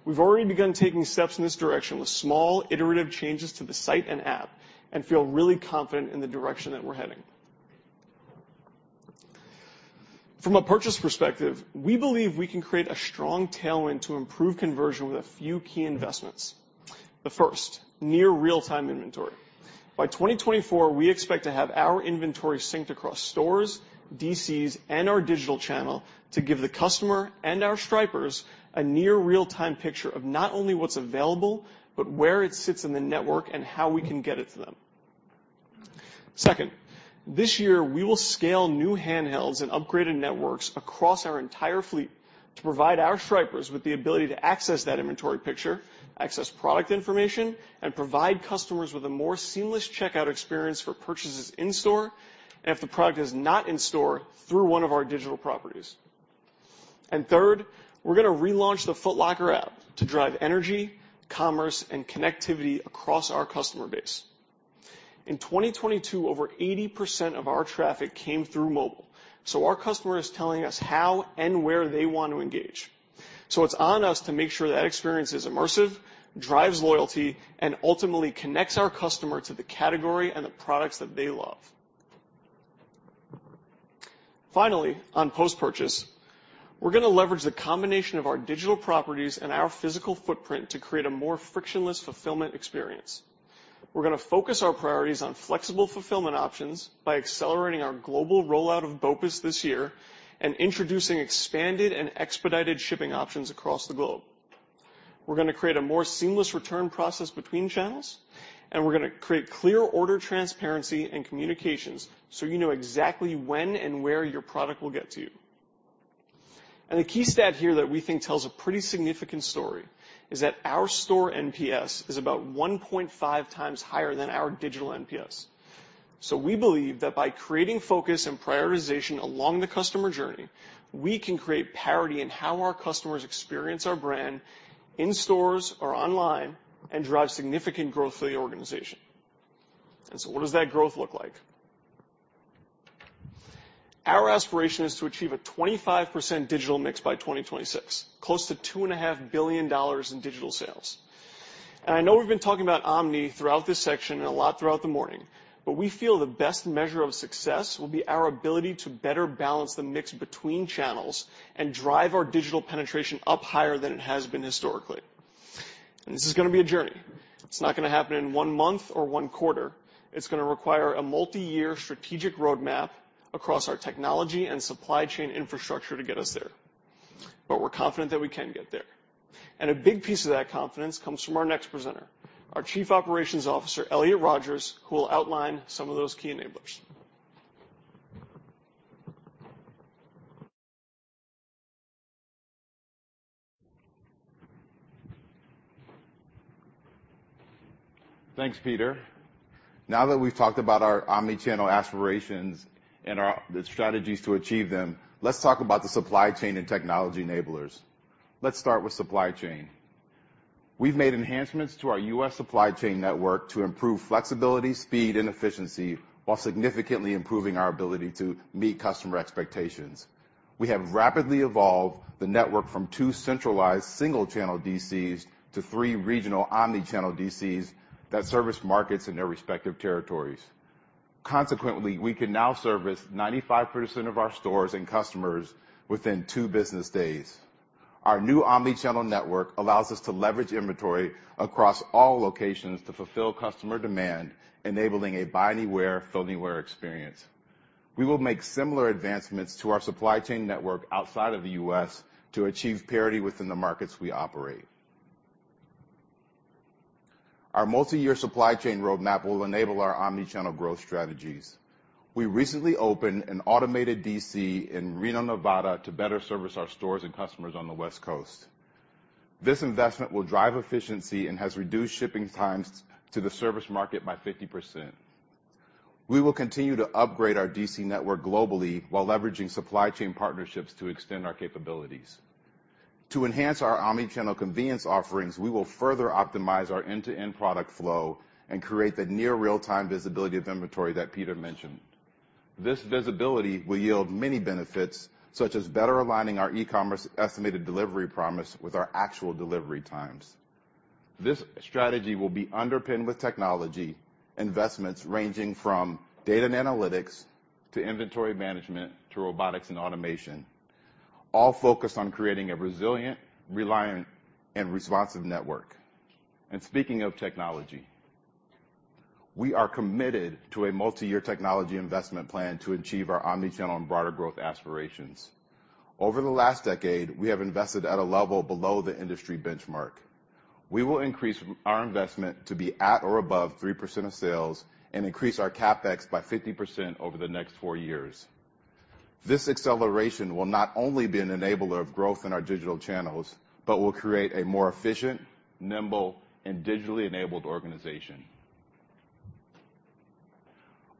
We've already begun taking steps in this direction with small, iterative changes to the site and app, and feel really confident in the direction that we're heading. From a purchase perspective, we believe we can create a strong tailwind to improve conversion with a few key investments. The first, near real-time inventory. By 2024, we expect to have our inventory synced across stores, DCs, and our digital channel to give the customer and our stripers a near real-time picture of not only what's available, but where it sits in the network and how we can get it to them. Second, this year, we will scale new handhelds and upgraded networks across our entire fleet to provide our stripers with the ability to access that inventory picture, access product information, and provide customers with a more seamless checkout experience for purchases in store and if the product is not in store through one of our digital properties. Third, we're gonna relaunch the Foot Locker app to drive energy, commerce, and connectivity across our customer base. In 2022, over 80% of our traffic came through mobile, so our customer is telling us how and where they want to engage. It's on us to make sure that experience is immersive, drives loyalty, and ultimately connects our customer to the category and the products that they love. Finally, on post-purchase, we're gonna leverage the combination of our digital properties and our physical footprint to create a more frictionless fulfillment experience. We're gonna focus our priorities on flexible fulfillment options by accelerating our global rollout of BOPUS this year and introducing expanded and expedited shipping options across the globe. We're gonna create a more seamless return process between channels, and we're gonna create clear order transparency and communications so you know exactly when and where your product will get to you. The key stat here that we think tells a pretty significant story is that our store NPS is about 1.5 times higher than our digital NPS. We believe that by creating focus and prioritization along the customer journey, we can create parity in how our customers experience our brand in stores or online and drive significant growth for the organization. What does that growth look like? Our aspiration is to achieve a 25% digital mix by 2026, close to $2.5 billion in digital sales. I know we've been talking about omni throughout this section and a lot throughout the morning, but we feel the best measure of success will be our ability to better balance the mix between channels and drive our digital penetration up higher than it has been historically. This is gonna be a journey. It's not gonna happen in one month or one quarter. It's gonna require a multi-year strategic roadmap across our technology and supply chain infrastructure to get us there. But we're confident that we can get there. A big piece of that confidence comes from our next presenter, our Chief Operations Officer, Elliott Rodgers, who will outline some of those key enablers. Thanks, Peter. Now that we've talked about our omnichannel aspirations and the strategies to achieve them, let's talk about the supply chain and technology enablers. Let's start with supply chain. We've made enhancements to our U.S. supply chain network to improve flexibility, speed, and efficiency while significantly improving our ability to meet customer expectations. We have rapidly evolved the network from two centralized single-channel DCs to three regional omnichannel DCs that service markets in their respective territories. Consequently, we can now service 95% of our stores and customers within two business days. Our new omnichannel network allows us to leverage inventory across all locations to fulfill customer demand, enabling a buy anywhere, fulfill anywhere experience. We will make similar advancements to our supply chain network outside of the U.S. to achieve parity within the markets we operate. Our multi-year supply chain roadmap will enable our omnichannel growth strategies. We recently opened an automated DC in Reno, Nevada, to better service our stores and customers on the West Coast. This investment will drive efficiency and has reduced shipping times to the service market by 50%. We will continue to upgrade our DC network globally while leveraging supply chain partnerships to extend our capabilities. To enhance our omnichannel convenience offerings, we will further optimize our end-to-end product flow and create the near real-time visibility of inventory that Peter mentioned. This visibility will yield many benefits, such as better aligning our e-commerce estimated delivery promise with our actual delivery times. This strategy will be underpinned with technology investments ranging from data and analytics, to inventory management, to robotics and automation, all focused on creating a resilient, reliant, and responsive network. Speaking of technology, we are committed to a multi-year technology investment plan to achieve our omnichannel and broader growth aspirations. Over the last decade, we have invested at a level below the industry benchmark. We will increase our investment to be at or above 3% of sales and increase our CapEx by 50% over the next four years. This acceleration will not only be an enabler of growth in our digital channels but will create a more efficient, nimble, and digitally enabled organization.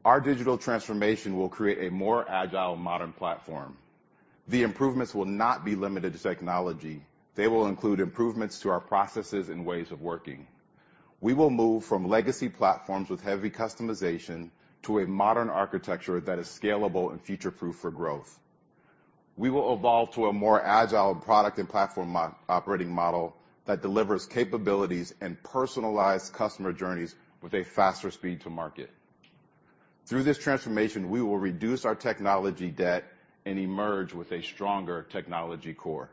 Our digital transformation will create a more agile, modern platform. The improvements will not be limited to technology. They will include improvements to our processes and ways of working. We will move from legacy platforms with heavy customization to a modern architecture that is scalable and future-proof for growth. We will evolve to a more agile product and platform operating model that delivers capabilities and personalized customer journeys with a faster speed to market. Through this transformation, we will reduce our technology debt and emerge with a stronger technology core.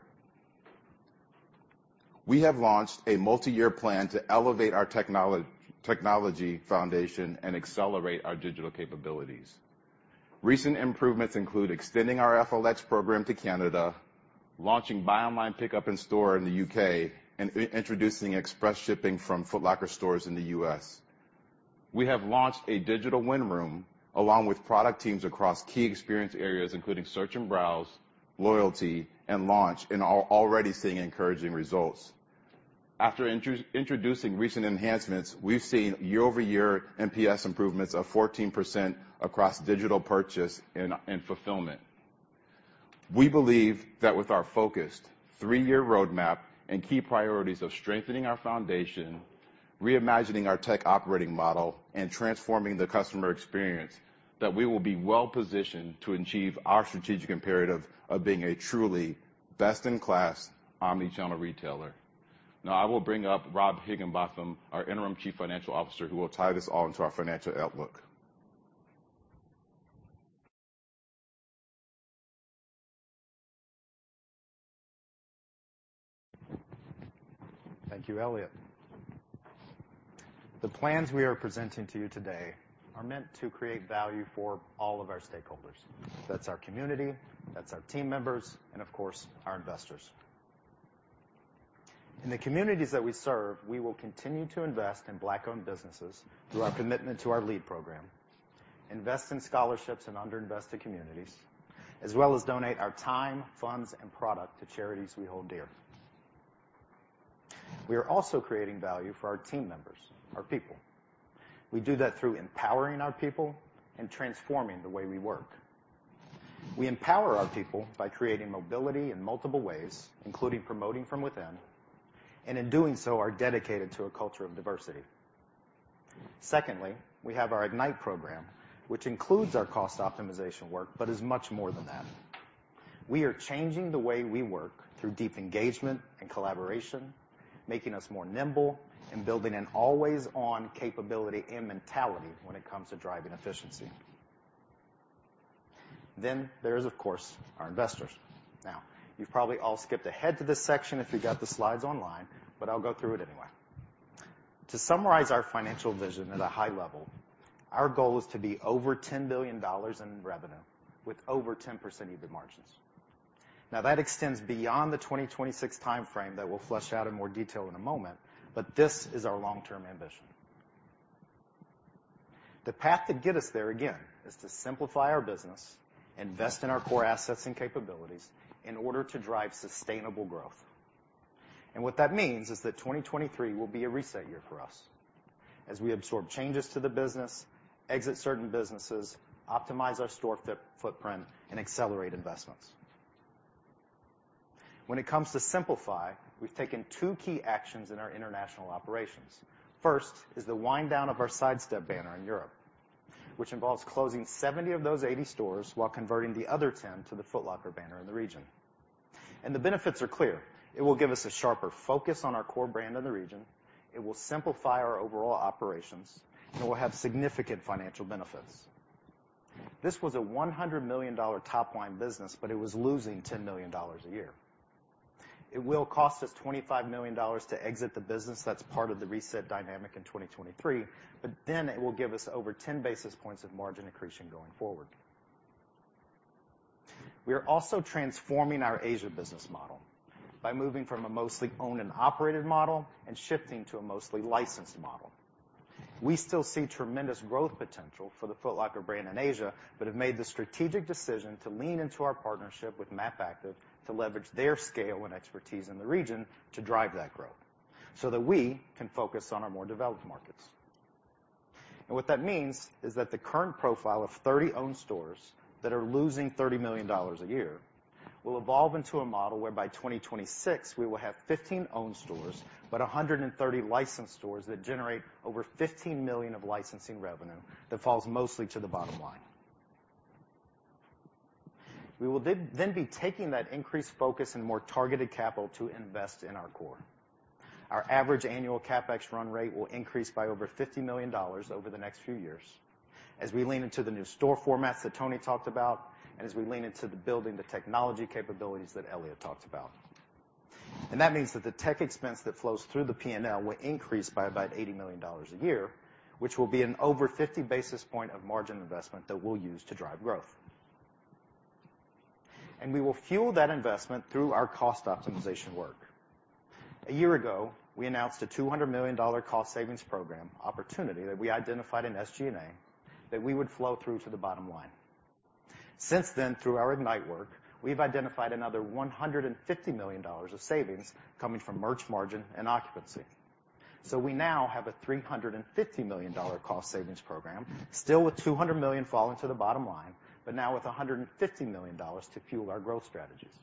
We have launched a multi-year plan to elevate our technology foundation and accelerate our digital capabilities. Recent improvements include extending our FLX program to Canada, launching buy online pickup in store in the U.K., and introducing express shipping from Foot Locker stores in the U.S. We have launched a digital win room along with product teams across key experience areas, including search and browse, loyalty, and launch, and are already seeing encouraging results. After introducing recent enhancements, we've seen year-over-year NPS improvements of 14% across digital purchase and fulfillment. We believe that with our focused three-year roadmap and key priorities of strengthening our foundation, reimagining our tech operating model, and transforming the customer experience, that we will be well-positioned to achieve our strategic imperative of being a truly best-in-class omnichannel retailer. Now, I will bring up Robert Higginbotham, our Interim Chief Financial Officer, who will tie this all into our financial outlook. Thank you, Elliott. The plans we are presenting to you today are meant to create value for all of our stakeholders. That's our community, that's our team members, and of course, our investors. In the communities that we serve, we will continue to invest in Black-owned businesses through our commitment to our LEED program, invest in scholarships in under-invested communities, as well as donate our time, funds, and product to charities we hold dear. We are also creating value for our team members, our people. We do that through empowering our people and transforming the way we work. We empower our people by creating mobility in multiple ways, including promoting from within, and in doing so, are dedicated to a culture of diversity. Secondly, we have our Ignite program, which includes our cost optimization work, but is much more than that. We are changing the way we work through deep engagement and collaboration, making us more nimble and building an always-on capability and mentality when it comes to driving efficiency. There's, of course, our investors. You've probably all skipped ahead to this section if you've got the slides online, but I'll go through it anyway. To summarize our financial vision at a high level, our goal is to be over $10 billion in revenue with over 10% EBIT margins. That extends beyond the 2026 timeframe that we'll flesh out in more detail in a moment, but this is our long-term ambition. The path to get us there, again, is to simplify our business, invest in our core assets and capabilities in order to drive sustainable growth. What that means is that 2023 will be a reset year for us as we absorb changes to the business, exit certain businesses, optimize our store footprint, and accelerate investments. When it comes to simplify, we've taken two key actions in our international operations. First is the wind down of our Sidestep banner in Europe, which involves closing 70 of those 80 stores while converting the other 10 to the Foot Locker banner in the region. The benefits are clear. It will give us a sharper focus on our core brand in the region. It will simplify our overall operations, and we'll have significant financial benefits. This was a $100 million top-line business, but it was losing $10 million a year. It will cost us $25 million to exit the business. That's part of the reset dynamic in 2023. Then, it will give us over 10 basis points of margin accretion going forward. We are also transforming our Asia business model by moving from a mostly owned and operated model and shifting to a mostly licensed model. We still see tremendous growth potential for the Foot Locker brand in Asia, but have made the strategic decision to lean into our partnership with MAP Active to leverage their scale and expertise in the region to drive that growth, so that we can focus on our more developed markets. What that means is that the current profile of 30 owned stores that are losing $30 million a year will evolve into a model where by 2026, we will have 15 owned stores, but 130 licensed stores that generate over $15 million of licensing revenue that falls mostly to the bottom line. We will then be taking that increased focus and more targeted capital to invest in our core. Our average annual CapEx run rate will increase by over $50 million over the next few years as we lean into the new store formats that Tony talked about, as we lean into the building, the technology capabilities that Elliott talked about. That means that the tech expense that flows through the P&L will increase by about $80 million a year, which will be an over 50 basis point of margin investment that we'll use to drive growth. We will fuel that investment through our cost optimization work. A year ago, we announced a $200 million cost savings program opportunity that we identified in SG&A that we would flow through to the bottom line. Since then, through our Ignite work, we've identified another $150 million of savings coming from merch margin and occupancy. So we now have a $350 million cost savings program, still with $200 million falling to the bottom line, but now with $150 million to fuel our growth strategies.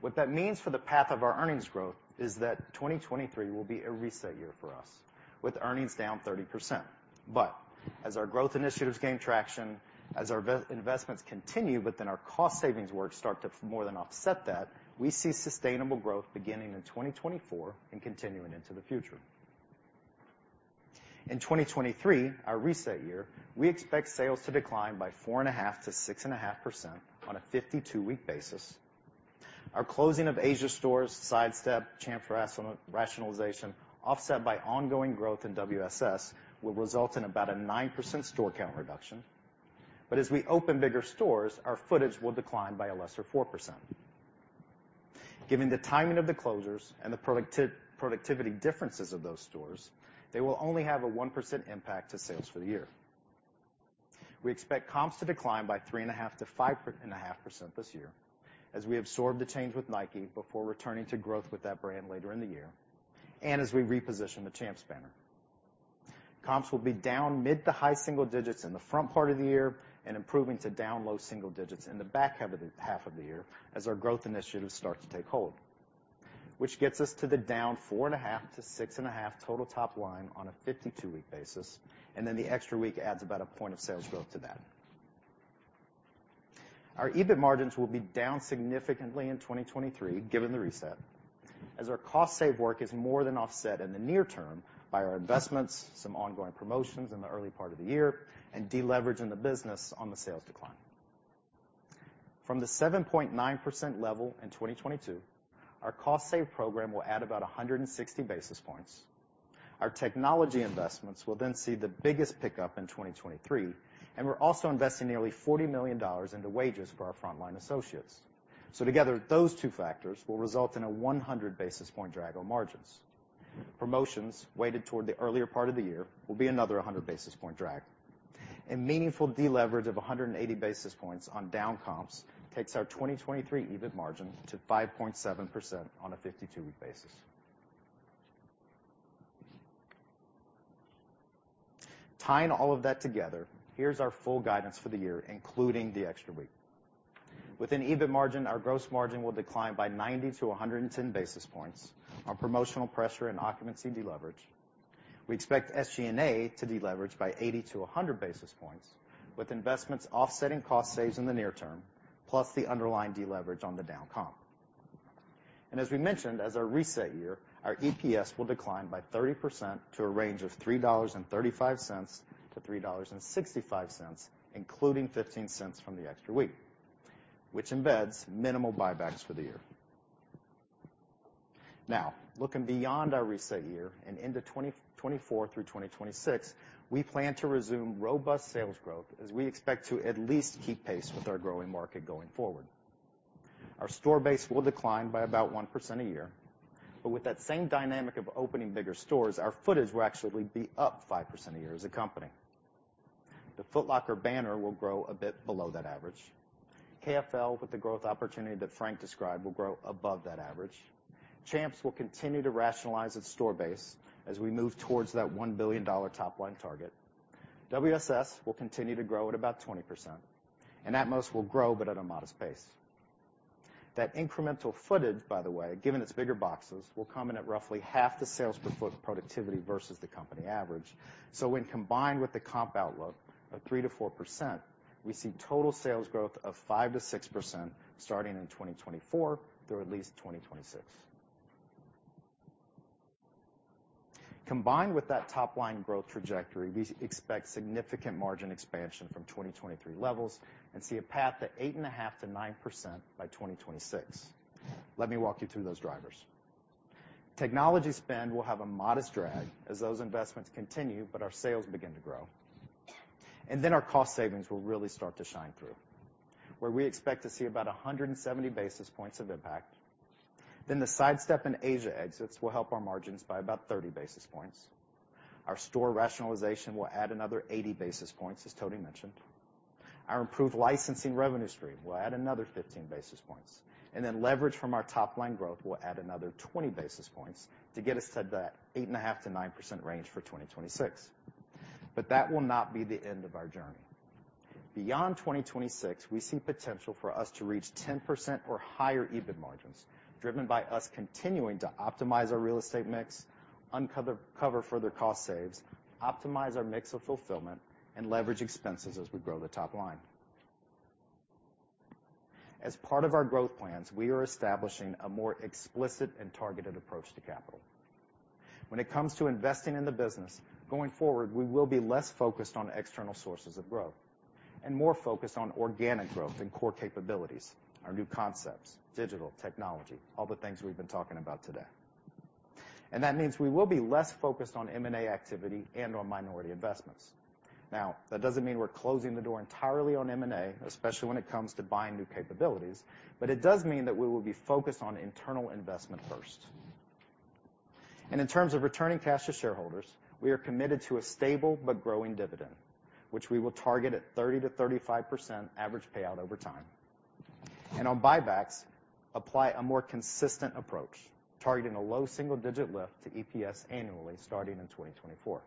What that means for the path of our earnings growth is that 2023 will be a reset year for us, with earnings down 30%. But as our growth initiatives gain traction, as our investments continue, but then our cost savings work start to more than offset that, we see sustainable growth beginning in 2024 and continuing into the future. In 2023, our reset year, we expect sales to decline by 4.5%-6.5% on a 52-week basis. Our closing of Asia stores, Sidestep, Champs rationalization, offset by ongoing growth in WSS, will result in about a 9% store count reduction. As we open bigger stores, our footage will decline by a lesser 4%. Given the timing of the closures and the productivity differences of those stores, they will only have a 1% impact to sales for the year. We expect comps to decline by 3.5%-5.5% this year as we absorb the change with Nike before returning to growth with that brand later in the year, and as we reposition the Champs banner. Comps will be down mid to high single digits in the front part of the year and improving to down low single digits in the back half of the year as our growth initiatives start to take hold. which gets us to the down 4.5%-6.5% total top line on a 52-week basis, and then the extra week adds about one point of sales growth to that. Our EBIT margins will be down significantly in 2023, given the reset, as our cost save work is more than offset in the near term by our investments, some ongoing promotions in the early part of the year, and deleveraging the business on the sales decline. From the 7.9% level in 2022, our cost save program will add about 160 basis points. Our technology investments will then see the biggest pickup in 2023, and we're also investing nearly $40 million into wages for our frontline associates. Together, those two factors will result in a 100 basis point drag on margins. Promotions weighted toward the earlier part of the year will be another 100 basis point drag. A meaningful deleverage of 180 basis points on down comps takes our 2023 EBIT margin to 5.7% on a 52-week basis. Tying all of that together, here's our full guidance for the year, including the extra week. With an EBIT margin, our gross margin will decline by 90 to 110 basis points on promotional pressure and occupancy deleverage. We expect SG&A to deleverage by 80 to 100 basis points with investments offsetting cost saves in the near term, plus the underlying deleverage on the down comp. As we mentioned as our reset year, our EPS will decline by 30% to a range of $3.35-$3.65, including $0.15 from the extra week, which embeds minimal buybacks for the year. Now, looking beyond our reset year and into 2024 through 2026, we plan to resume robust sales growth as we expect to at least keep pace with our growing market going forward. Our store base will decline by about 1% a year. With that same dynamic of opening bigger stores, our footage will actually be up 5% a year as a company. The Foot Locker banner will grow a bit below that average. KFL, with the growth opportunity that Frank described, will grow above that average. Champs will continue to rationalize its store base as we move towards that $1 billion top line target. WSS will continue to grow at about 20%. Atmos will grow, but at a modest pace. That incremental footage, by the way, given its bigger boxes, will come in at roughly half the sales per foot productivity versus the company average. When combined with the comp outlook of 3%-4%, we see total sales growth of 5%-6% starting in 2024 through at least 2026. Combined with that top line growth trajectory, we expect significant margin expansion from 2023 levels and see a path to 8.5%-9% by 2026. Let me walk you through those drivers. Technology spend will have a modest drag as those investments continue, but our sales begin to grow. Then, our cost savings will really start to shine through, where we expect to see about 170 basis points of impact. Then, the Sidestep and Asia exits will help our margins by about 30 basis points. Our store rationalization will add another 80 basis points, as Tony mentioned. Our improved licensing revenue stream will add another 15 basis points and then leverage from our top line growth will add another 20 basis points to get us to that 8.5%-9% range for 2026, but that will not be the end of our journey. Beyond 2026, we see potential for us to reach 10% or higher EBIT margins, driven by us continuing to optimize our real estate mix, cover further cost saves, optimize our mix of fulfillment, and leverage expenses as we grow the top line. As part of our growth plans, we are establishing a more explicit and targeted approach to capital. When it comes to investing in the business, going forward, we will be less focused on external sources of growth and more focused on organic growth and core capabilities, our new concepts, digital, technology, all the things we've been talking about today. That means we will be less focused on M&A activity and on minority investments. Now, that doesn't mean we're closing the door entirely on M&A, especially when it comes to buying new capabilities, but it does mean that we will be focused on internal investment first. In terms of returning cash to shareholders, we are committed to a stable but growing dividend, which we will target at 30%-35% average payout over time. On buybacks, apply a more consistent approach, targeting a low single-digit lift to EPS annually starting in 2024.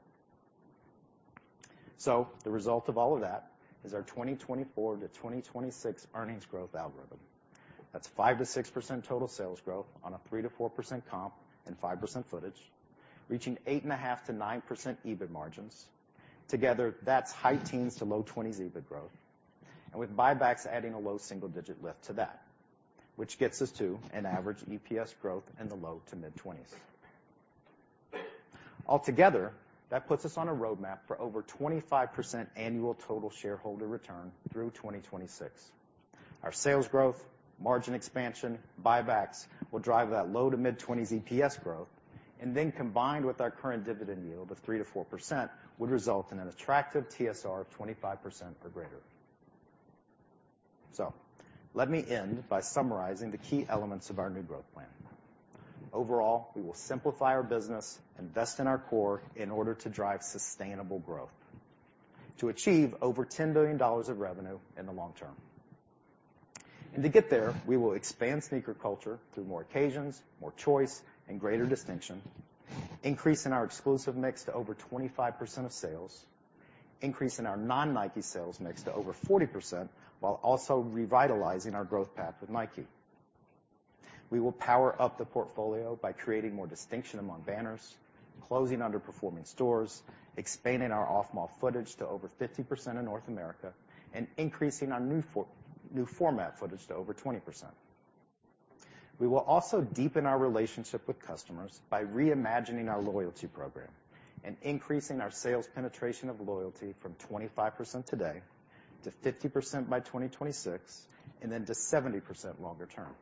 The result of all of that is our 2024-2026 earnings growth algorithm. That's 5%-6% total sales growth on a 3%-4% comp and 5% footage, reaching 8.5%-9% EBIT margins. Together, that's high teens to low 20s EBIT growth. With buybacks adding a low single-digit lift to that, which gets us to an average EPS growth in the low to mid-20s. Altogether, that puts us on a roadmap for over 25% annual total shareholder return through 2026. Our sales growth, margin expansion, buybacks will drive that low to mid-20s EPS growth. And then combined with our current dividend yield of 3%-4% would result in an attractive TSR of 25% or greater. Let me end by summarizing the key elements of our new growth plan. Overall, we will simplify our business, invest in our core in order to drive sustainable growth to achieve over $10 billion of revenue in the long term. To get there, we will expand sneaker culture through more occasions, more choice, and greater distinction, increasing our exclusive mix to over 25% of sales, increasing our non-Nike sales mix to over 40% while also revitalizing our growth path with Nike. We will power up the portfolio by creating more distinction among banners, closing underperforming stores, expanding our off-mall footage to over 50% in North America, and increasing our new format footage to over 20%. We will also deepen our relationship with customers by reimagining our loyalty program and increasing our sales penetration of loyalty from 25% today to 50% by 2026 and then to 70% longer term.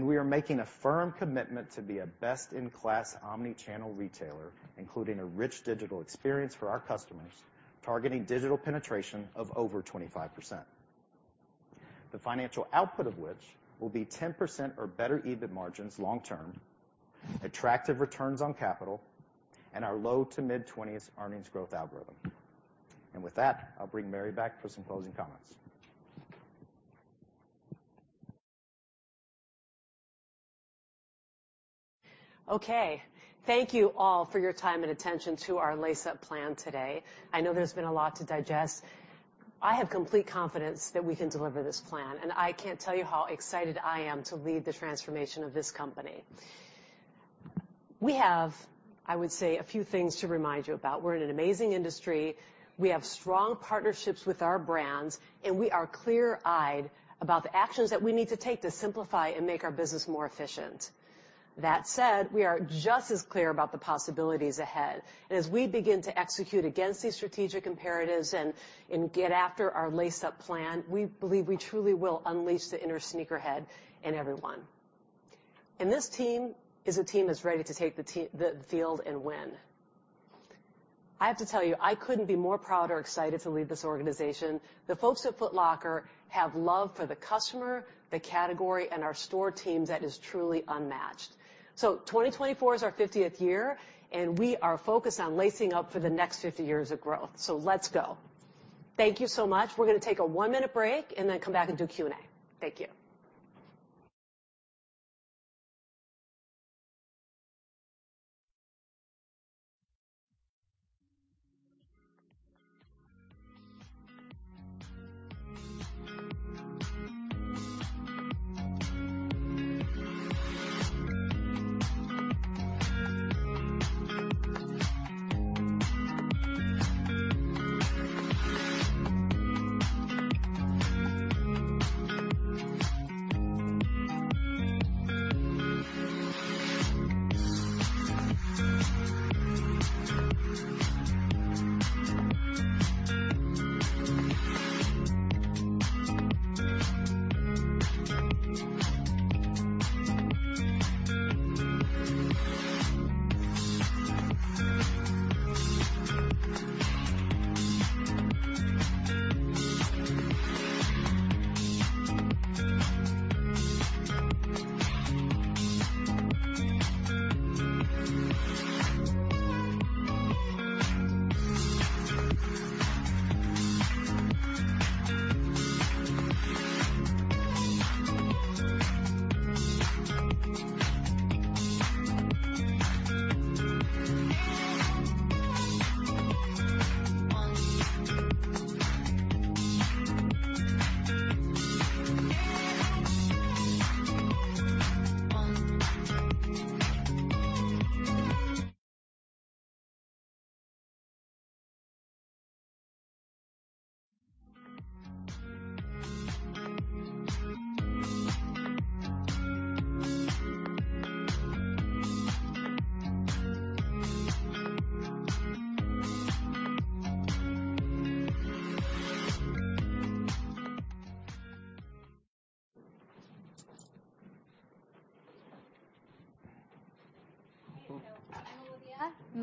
We are making a firm commitment to be a best-in-class omni-channel retailer, including a rich digital experience for our customers, targeting digital penetration of over 25%. The financial output of which will be 10% or better EBIT margins long term, attractive returns on capital and our low to mid-20s earnings growth algorithm. With that, I'll bring Mary back for some closing comments. Okay. Thank you all for your time and attention to our Lace Up plan today. I know there's been a lot to digest. I have complete confidence that we can deliver this plan, and I can't tell you how excited I am to lead the transformation of this company. We have, I would say, a few things to remind you about. We're in an amazing industry. We have strong partnerships with our brands, and we are clear-eyed about the actions that we need to take to simplify and make our business more efficient. That said, we are just as clear about the possibilities ahead. As we begin to execute against these strategic imperatives and get after our Lace Up plan, we believe we truly will unleash the inner sneakerhead in everyone. This team is a team that's ready to take the field and win. I have to tell you, I couldn't be more proud or excited to lead this organization. The folks at Foot Locker have love for the customer, the category, and our store teams that is truly unmatched. So 2024 is our 50th year, and we are focused on lacing up for the next 50 years of growth. Let's go. Thank you so much. We're gonna take a one-minute break and then come back and do Q&A. Thank you.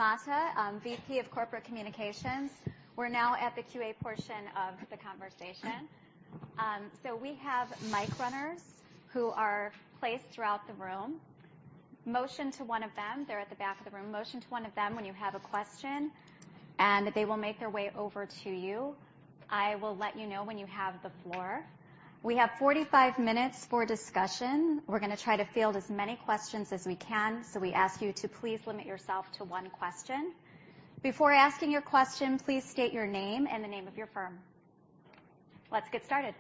I'm Olivia Mata, VP of Corporate Communications. We're now at the QA portion of the conversation. We have mic runners who are placed throughout the room. Motion to one of them. They're at the back of the room. Motion to one of them when you have a question, and they will make their way over to you. I will let you know when you have the floor. We have 45 minutes for discussion. We're gonna try to field as many questions as we can, so we ask you to please limit yourself to one question. Before asking your question, please state your name and the name of your firm. Let's get started.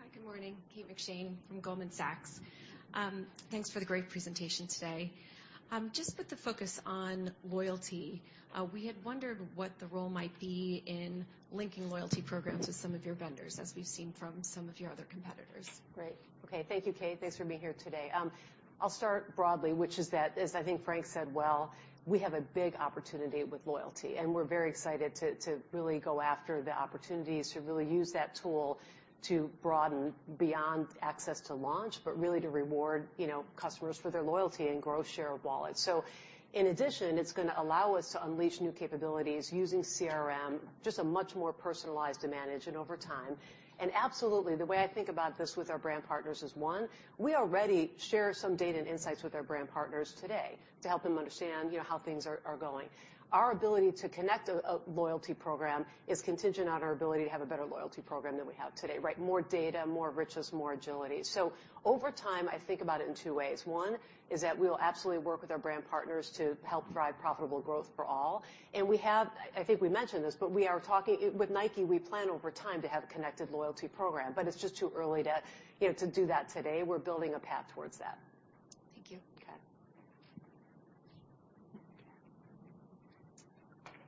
Hi, good morning. Kate McShane from Goldman Sachs. Thanks for the great presentation today. Just with the focus on loyalty, we had wondered what the role might be in linking loyalty programs with some of your vendors, as we've seen from some of your other competitors. Great. Okay. Thank you, Kate. Thanks for being here today. I'll start broadly, which is that, as I think Frank said well, we have a big opportunity with loyalty, and we're very excited to really go after the opportunities to really use that tool to broaden beyond access to launch, but really to reward, you know, customers for their loyalty and grow share of wallet. In addition, it's gonna allow us to unleash new capabilities using CRM, just a much more personalized manage and over time. Absolutely, the way I think about this with our brand partners is, one, we already share some data and insights with our brand partners today to help them understand, you know, how things are going. Our ability to connect a loyalty program is contingent on our ability to have a better loyalty program than we have today, right? More data, more richness, more agility. Over time, I think about it in two ways. One is that we'll absolutely work with our brand partners to help drive profitable growth for all. I think we mentioned this, but with Nike, we plan over time to have a connected loyalty program, but it's just too early to, you know, to do that today. We're building a path towards that.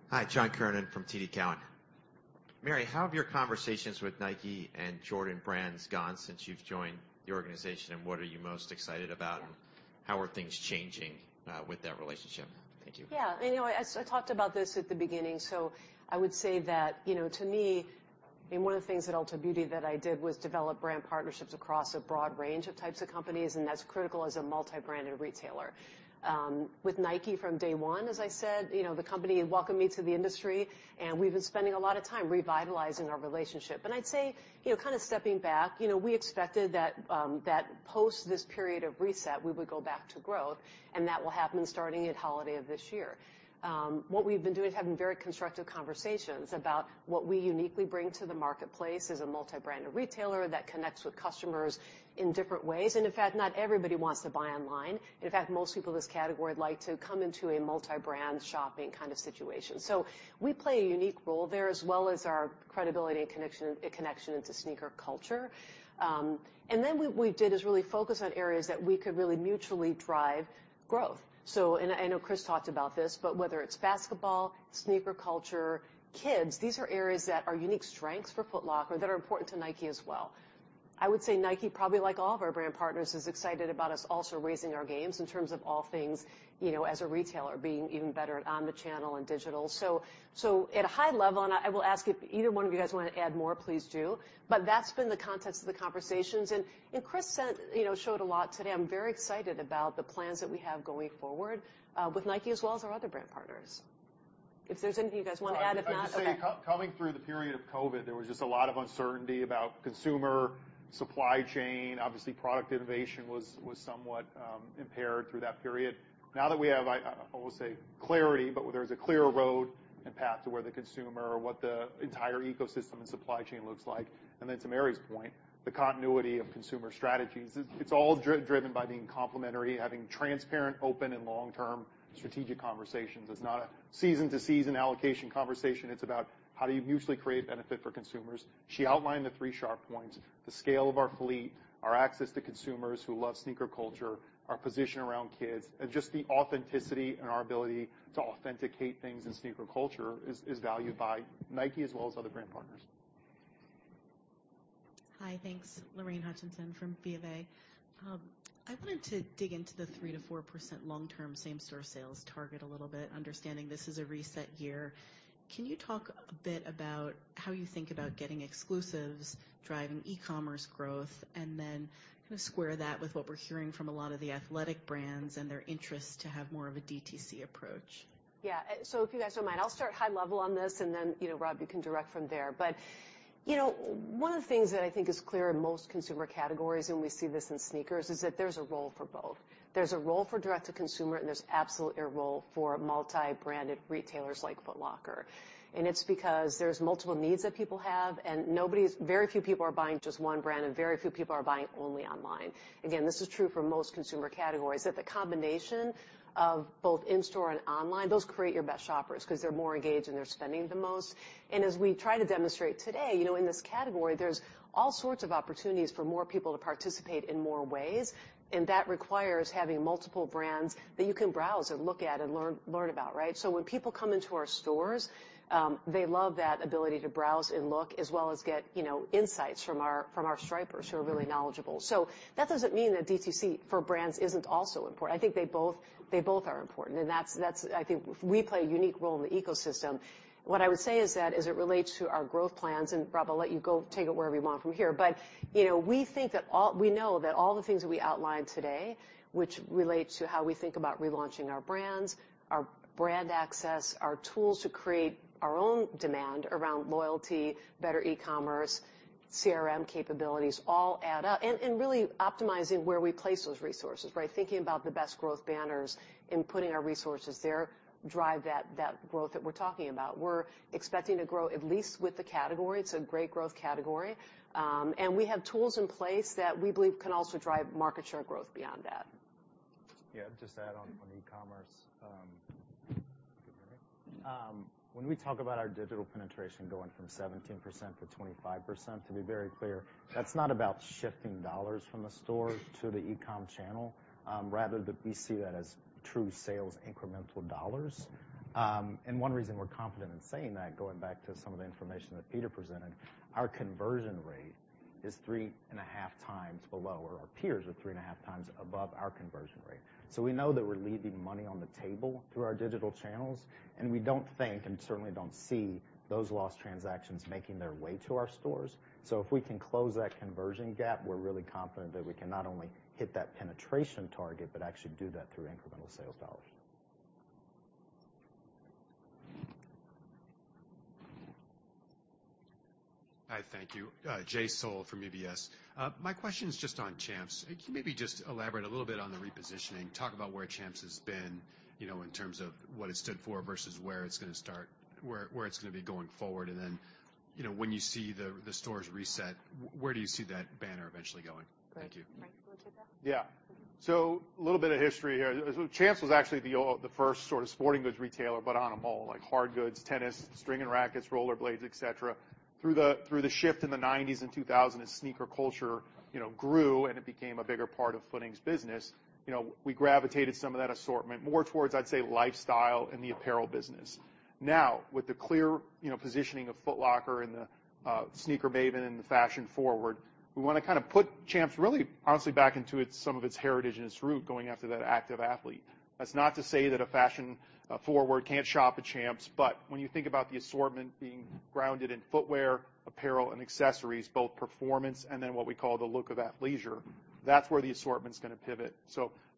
Thank you. Okay. Hi, John Kernan from TD Cowen. Mary, how have your conversations with Nike and Jordan Brand gone since you've joined the organization, what are you most excited about? How are things changing with that relationship? Thank you. Yeah. You know, as I talked about this at the beginning, I would say that, you know, to me, and one of the things at Ulta Beauty that I did was develop brand partnerships across a broad range of types of companies, and that's critical as a multi-branded retailer. With Nike from day one, as I said, you know, the company welcomed me to the industry, and we've been spending a lot of time revitalizing our relationship. I'd say, you know, kind of stepping back, you know, we expected that post this period of reset, we would go back to growth, and that will happen starting at holiday of this year. What we've been doing is having very constructive conversations about what we uniquely bring to the marketplace as a multi-branded retailer that connects with customers in different ways. In fact, not everybody wants to buy online. In fact, most people in this category like to come into a multi-brand shopping kind of situation. We play a unique role there as well as our credibility and connection into sneaker culture. Then what we did is really focus on areas that we could really mutually drive growth. I know Chris talked about this, but whether it's basketball, sneaker culture, kids, these are areas that are unique strengths for Foot Locker that are important to Nike as well. I would say Nike, probably like all of our brand partners, is excited about us also raising our games in terms of all things, you know, as a retailer, being even better at omnichannel and digital. At a high level, I will ask if either one of you guys wanna add more, please do. That's been the context of the conversations. Chris said, you know, showed a lot today. I'm very excited about the plans that we have going forward, with Nike as well as our other brand partners. If there's anything you guys wanna add. If not, it's okay. I'd just say coming through the period of COVID, there was just a lot of uncertainty about consumer supply chain. Obviously, product innovation was somewhat impaired through that period. Now that we have, I will say, clarity, but where there's a clear road and path to where the consumer or what the entire ecosystem and supply chain looks like, and then to Mary's point, the continuity of consumer strategies. It's all driven by being complementary, having transparent, open, and long-term strategic conversations. It's not a season-to-season allocation conversation. It's about how do you mutually create benefit for consumers. She outlined the three sharp points, the scale of our fleet, our access to consumers who love sneaker culture, our position around kids, and just the authenticity and our ability to authenticate things in sneaker culture is valued by Nike as well as other brand partners. Hi. Thanks. Lorraine Hutchinson from BofA. I wanted to dig into the 3%-4% long-term same store sales target a little bit, understanding this is a reset year. Can you talk a bit about how you think about getting exclusives, driving e-commerce growth, and then kind of square that with what we're hearing from a lot of the athletic brands and their interest to have more of a DTC approach? Yeah. If you guys don't mind, I'll start high level on this, and then, you know, Rob, you can direct from there. You know, one of the things that I think is clear in most consumer categories, and we see this in sneakers, is that there's a role for both. There's a role for direct to consumer, and there's absolutely a role for multi-branded retailers like Foot Locker. It's because there's multiple needs that people have, and very few people are buying just one brand, and very few people are buying only online. Again, this is true for most consumer categories, that the combination of both in-store and online, those create your best shoppers because they're more engaged and they're spending the most. As we try to demonstrate today, you know, in this category, there's all sorts of opportunities for more people to participate in more ways, and that requires having multiple brands that you can browse and look at and learn about, right? When people come into our stores, they love that ability to browse and look as well as get, you know, insights from our stripers who are really knowledgeable. That doesn't mean that DTC for brands isn't also important. I think they both are important, and that's... I think we play a unique role in the ecosystem. What I would say is that as it relates to our growth plans, and Rob, I'll let you go take it wherever you want from here, but, you know, we know that all the things that we outlined today, which relate to how we think about relaunching our brands, our brand access, our tools to create our own demand around loyalty, better e-commerce, CRM capabilities all add up. Really optimizing where we place those resources, right? Thinking about the best growth banners and putting our resources there drive that growth that we're talking about. We're expecting to grow at least with the category. It's a great growth category. We have tools in place that we believe can also drive market share growth beyond that. Yeah. Just add on from e-commerce. When we talk about our digital penetration going from 17%-25%, to be very clear, that's not about shifting dollars from the store to the e-com channel, rather that we see that as true sales incremental dollars. One reason we're confident in saying that, going back to some of the information that Peter presented, our conversion rate is 3.5 times below or our peers are 3.5 times above our conversion rate. We know that we're leaving money on the table through our digital channels, and we don't think, and certainly don't see those lost transactions making their way to our stores. If we can close that conversion gap, we're really confident that we can not only hit that penetration target but actually do that through incremental sales dollars. Hi. Thank you. Jay Sole from UBS. My question is just on Champs. Can you maybe just elaborate a little bit on the repositioning, talk about where Champs has been, you know, in terms of what it stood for versus where it's gonna start, where it's gonna be going forward, and then, you know, when you see the stores reset, where do you see that banner eventually going? Thank you. Great. You want me to go to that? Little bit of history here. Champs was actually the first sort of sporting goods retailer, but on a mall, like hard goods, tennis, string and rackets, roller blades, et cetera. Through the, through the shift in the 90s and 2000s sneaker culture, you know, grew, and it became a bigger part of Foot Inc's business. You know, we gravitated some of that assortment more towards, I'd say, lifestyle and the apparel business. Now, with the clear, you know, positioning of Foot Locker and the sneaker maven and the fashion forward, we wanna kinda put Champs really honestly back into its some of its heritage and its root going after that active athlete. That's not to say that a fashion forward can't shop at Champs, but when you think about the assortment being grounded in footwear, apparel, and accessories, both performance and then what we call the look of athleisure, that's where the assortment's gonna pivot.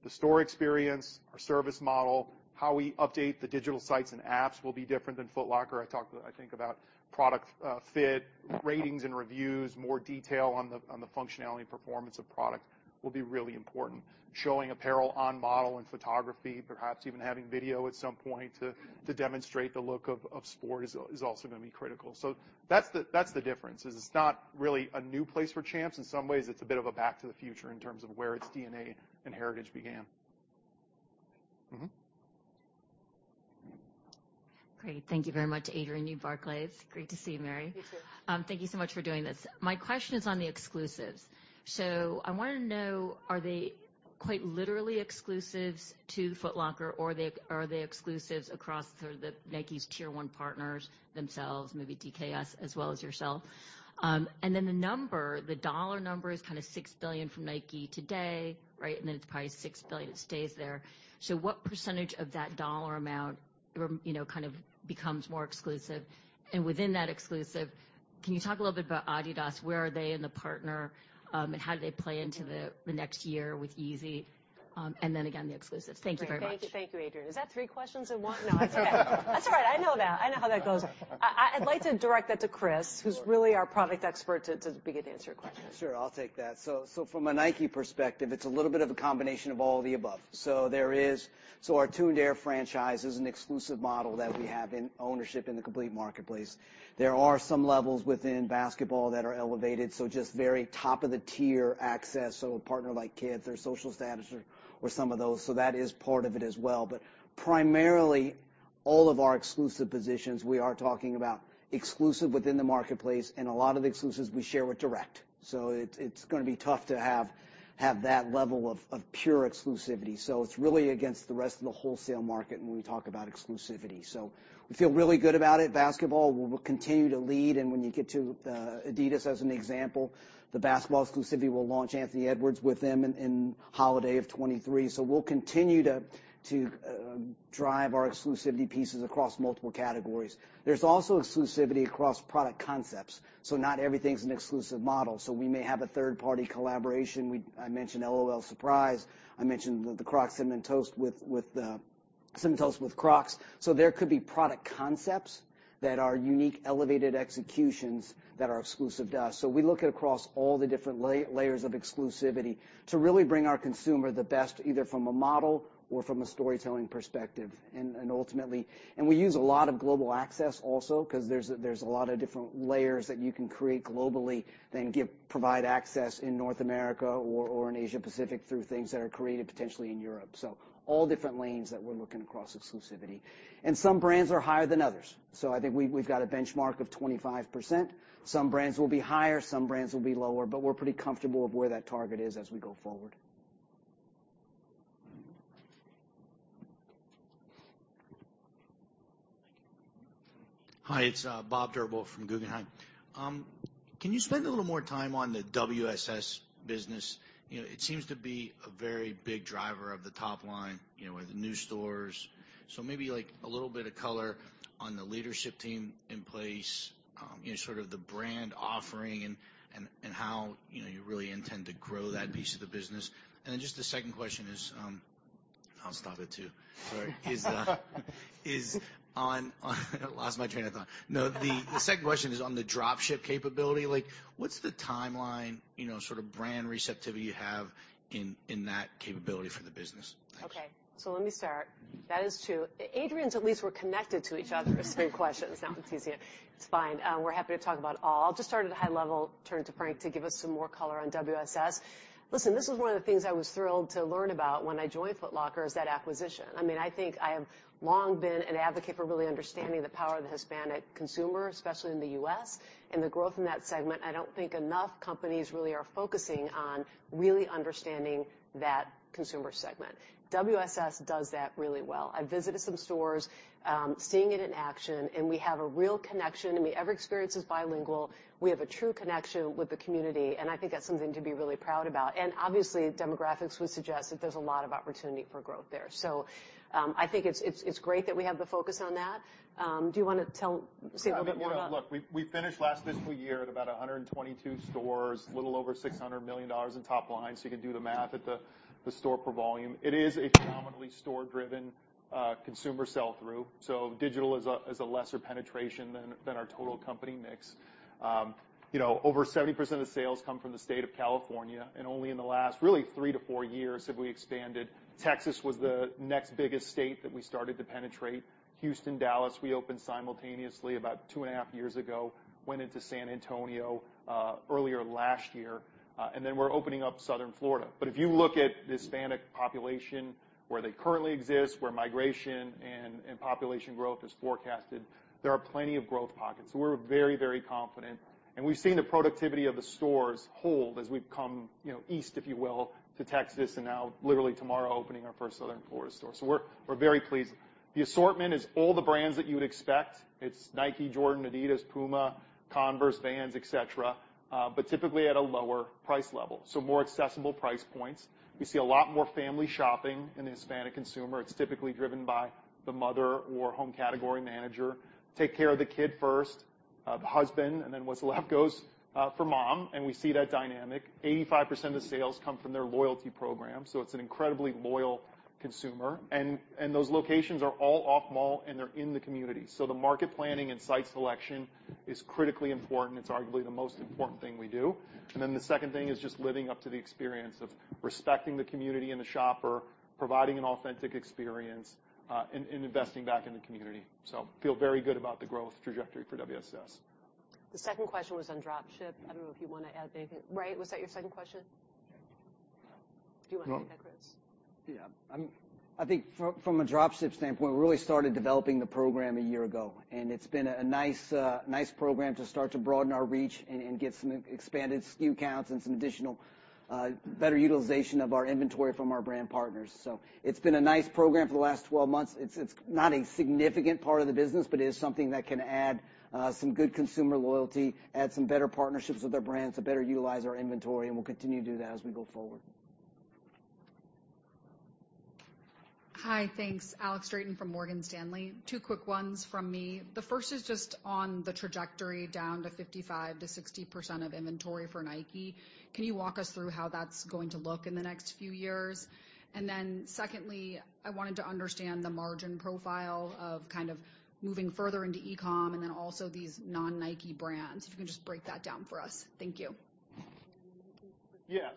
The store experience, our service model, how we update the digital sites and apps will be different than Foot Locker. I think about product fit, ratings and reviews. More detail on the functionality and performance of product will be really important. Showing apparel on model and photography, perhaps even having video at some point to demonstrate the look of sport is also gonna be critical. That's the difference, is it's not really a new place for Champs. In some ways, it's a bit of a back to the future in terms of where its DNA and heritage began. Mm-hmm. Great. Thank you very much, Adrienne Yih, Barclays. Great to see you, Mary. You too. Thank you so much for doing this. My question is on the exclusives. I wanna know, are they quite literally exclusives to Foot Locker, or are they exclusives across sort of the Nike's tier one partners themselves, maybe TKS as well as yourself? The number, the dollar number is kinda $6 billion from Nike today, right? It's probably $6 billion it stays there. What percentage of that dollar amount you know, kind of becomes more exclusive? Within that exclusive, can you talk a little bit about adidas? Where are they in the partner, and how do they play into the next year with Yeezy? Again, the exclusives. Thank you very much. Great. Thank you. Thank you, Adrienne. Is that three questions in one? No, that's okay. That's all right. I know that. I know how that goes. I'd like to direct that to Chris, who's really our product expert, to begin to answer your question. Sure. I'll take that. From a Nike perspective, it's a little bit of a combination of all of the above. Our Tuned Air franchise is an exclusive model that we have in ownership in the complete marketplace. There are some levels within basketball that are elevated, so just very top of the tier access, so a partner like Kids or Social Status or some of those. That is part of it as well. Primarily, all of our exclusive positions, we are talking about exclusive within the marketplace and a lot of exclusives we share with direct. It's going to be tough to have that level of pure exclusivity. It's really against the rest of the wholesale market when we talk about exclusivity. We feel really good about it. Basketball, we'll continue to lead, and when you get to adidas as an example, the basketball exclusivity, we'll launch Anthony Edwards with them in holiday of 2023. So we'll continue to drive our exclusivity pieces across multiple categories. There's also exclusivity across product concepts, so not everything's an exclusive model. So we may have a third-party collaboration. I mentioned L.O.L. Surprise! I mentioned the Cinnamon Toast with Crocs. So there could be product concepts that are unique, elevated executions that are exclusive to us. So we look at across all the different layers of exclusivity to really bring our consumer the best, either from a model or from a storytelling perspective. And ultimately... We use a lot of global access also because there's a lot of different layers that you can create globally, then provide access in North America or in Asia Pacific through things that are created potentially in Europe. All different lanes that we're looking across exclusivity. Some brands are higher than others. I think we've got a benchmark of 25%. Some brands will be higher, some brands will be lower, but we're pretty comfortable with where that target is as we go forward. Hi, it's Bob Drbul from Guggenheim. Can you spend a little more time on the WSS business? You know, it seems to be a very big driver of the top line, you know, with the new stores. Maybe, like, a little bit of color on the leadership team in place, you know, sort of the brand offering and how, you know, you really intend to grow that piece of the business. Just the second question is. I'll stop at two. I lost my train of thought. No, the second question is on the drop ship capability. Like, what's the timeline, you know, sort of brand receptivity you have in that capability for the business? Thanks. Okay. Let me start. That is two. Adrienne at least were connected to each other, the same questions. Now it's easier. It's fine. We're happy to talk about all. I'll just start at a high level, turn to Frank Bracken to give us some more color on WSS. Listen, this is one of the things I was thrilled to learn about when I joined Foot Locker is that acquisition. I mean, I think I have long been an advocate for really understanding the power of the Hispanic consumer, especially in the U.S., and the growth in that segment, I don't think enough companies really are focusing on really understanding that consumer segment. WSS does that really well. I visited some stores, seeing it in action, and we have a real connection, and every experience is bilingual. We have a true connection with the community. I think that's something to be really proud about. Obviously, demographics would suggest that there's a lot of opportunity for growth there. I think it's great that we have the focus on that. Do you want to say a little bit more about. Look, we finished last fiscal year at about 122 stores, a little over $600 million in top line, you can do the math at the store per volume. It is a dominantly store-driven consumer sell-through. Digital is a lesser penetration than our total company mix. You know, over 70% of sales come from the state of California, only in the last really three to four years have we expanded. Texas was the next biggest state that we started to penetrate. Houston, Dallas, we opened simultaneously about two and a half years ago, went into San Antonio earlier last year, and then we're opening up Southern Florida. If you look at the Hispanic population, where they currently exist, where migration and population growth is forecasted, there are plenty of growth pockets. We're very, very confident, and we've seen the productivity of the stores hold as we've come, you know, east, if you will, to Texas and now literally tomorrow opening our first Southern Florida store. We're very pleased. The assortment is all the brands that you would expect. It's Nike, Jordan, adidas, PUMA, Converse, Vans, et cetera, but typically at a lower price level, so more accessible price points. We see a lot more family shopping in the Hispanic consumer. It's typically driven by the mother or home category manager. Take care of the kid first. The husband, and then what's left goes for mom, and we see that dynamic. 85% of sales come from their loyalty program, it's an incredibly loyal consumer. Those locations are all off mall, and they're in the community. The market planning and site selection is critically important. It's arguably the most important thing we do. The second thing is just living up to the experience of respecting the community and the shopper, providing an authentic experience, and investing back in the community. Feel very good about the growth trajectory for WSS. The second question was on drop ship. I don't know if you wanna add anything? Was that your second question? Do you wanna take that, Chris? Yeah. I think from a drop ship standpoint, we really started developing the program a year ago, and it's been a nice program to start to broaden our reach and get some expanded SKU counts and some additional better utilization of our inventory from our brand partners. It's been a nice program for the last 12 months. It's not a significant part of the business, but it is something that can add some good consumer loyalty, add some better partnerships with our brands to better utilize our inventory, and we'll continue to do that as we go forward. Hi. Thanks. Alex Straton from Morgan Stanley. Two quick ones from me. The first is just on the trajectory down to 55%-60% of inventory for Nike. Can you walk us through how that's going to look in the next few years? Secondly, I wanted to understand the margin profile of kind of moving further into e-com and then also these non-Nike brands, if you can just break that down for us. Thank you. Yeah.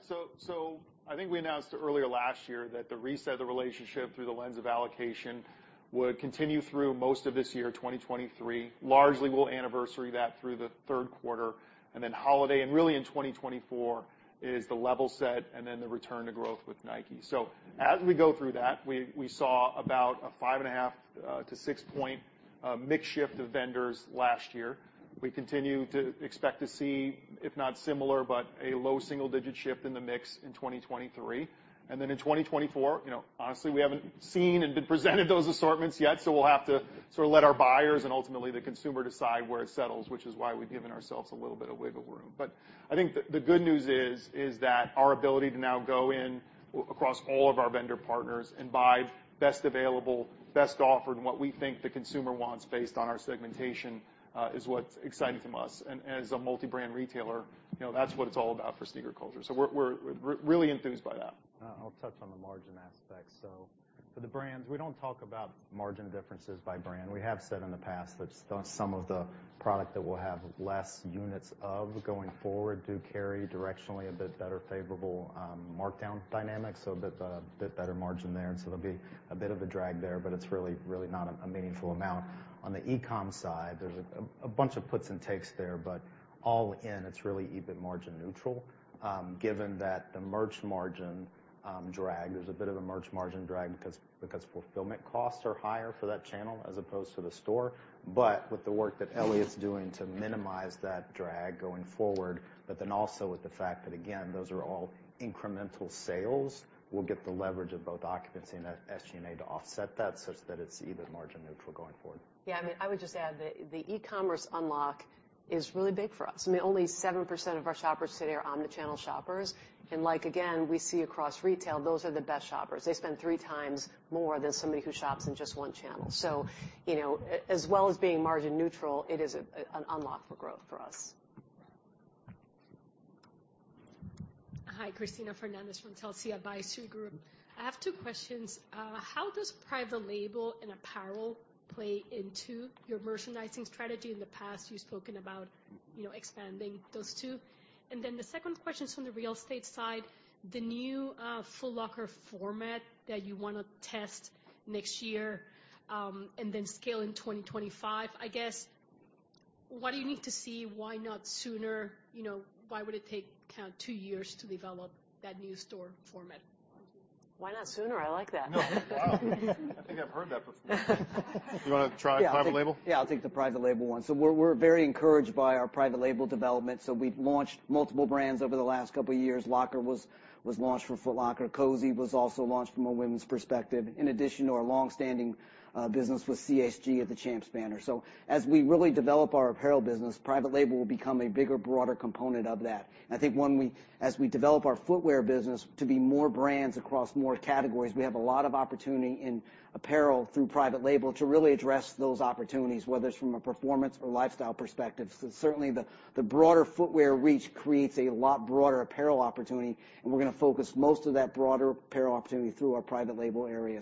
I think we announced earlier last year that the reset of the relationship through the lens of allocation would continue through most of this year, 2023. Largely we'll anniversary that through the third quarter, and then holiday and really in 2024 is the level set and then the return to growth with Nike. As we go through that, we saw about a 5.5-6 point mix shift of vendors last year. We continue to expect to see, if not similar, but a low single-digit shift in the mix in 2023. In 2024, you know, honestly, we haven't seen and been presented those assortments yet, so we'll have to sort of let our buyers and ultimately the consumer decide where it settles, which is why we've given ourselves a little bit of wiggle room. I think the good news is that our ability to now go in across all of our vendor partners and buy best available, best offer, and what we think the consumer wants based on our segmentation, is what's exciting to us. As a multi-brand retailer, you know, that's what it's all about for sneaker culture. We're really enthused by that. I'll touch on the margin aspect. For the brands, we don't talk about margin differences by brand. We have said in the past that some of the product that we'll have less units of going forward do carry directionally a bit better favorable markdown dynamics, so a bit better margin there. There'll be a bit of a drag there, but it's really not a meaningful amount. On the e-com side, there's a bunch of puts and takes there, but all in, it's really EBITDA margin neutral, given that the merch margin drag, there's a bit of a merch margin drag because fulfillment costs are higher for that channel as opposed to the store. With the work that Elliott's doing to minimize that drag going forward, but then also with the fact that, again, those are all incremental sales, we'll get the leverage of both occupancy and SG&A to offset that such that it's EBITDA margin neutral going forward. I mean, I would just add that the e-commerce unlock is really big for us. I mean, only 7% of our shoppers today are omni-channel shoppers, and like, again, we see across retail, those are the best shoppers. They spend three times more than somebody who shops in just one channel. You know, as well as being margin neutral, it is an unlock for growth for us. Hi, Cristina Fernández from Telsey Advisory Group. I have two questions. How does private label and apparel play into your merchandising strategy? In the past, you've spoken about, you know, expanding those two. The second question's from the real estate side, the new Foot Locker that you wanna test next year, and then scale in 2025, I guess, what do you need to see? Why not sooner? You know, why would it take kinda two years to develop that new store format? Why not sooner? I like that. I think I've heard that before. Do you wanna try private label? Yeah, I'll take the private label one. We're very encouraged by our private label development. We've launched multiple brands over the last couple years. Locker was launched for Foot Locker. Cozi was also launched from a women's perspective, in addition to our long-standing business with CHG at the Champs banner. As we really develop our apparel business, private label will become a bigger, broader component of that. I think as we develop our footwear business to be more brands across more categories, we have a lot of opportunity in apparel through private label to really address those opportunities, whether it's from a performance or lifestyle perspective. Certainly, the broader footwear reach creates a lot broader apparel opportunity, and we're gonna focus most of that broader apparel opportunity through our private label area.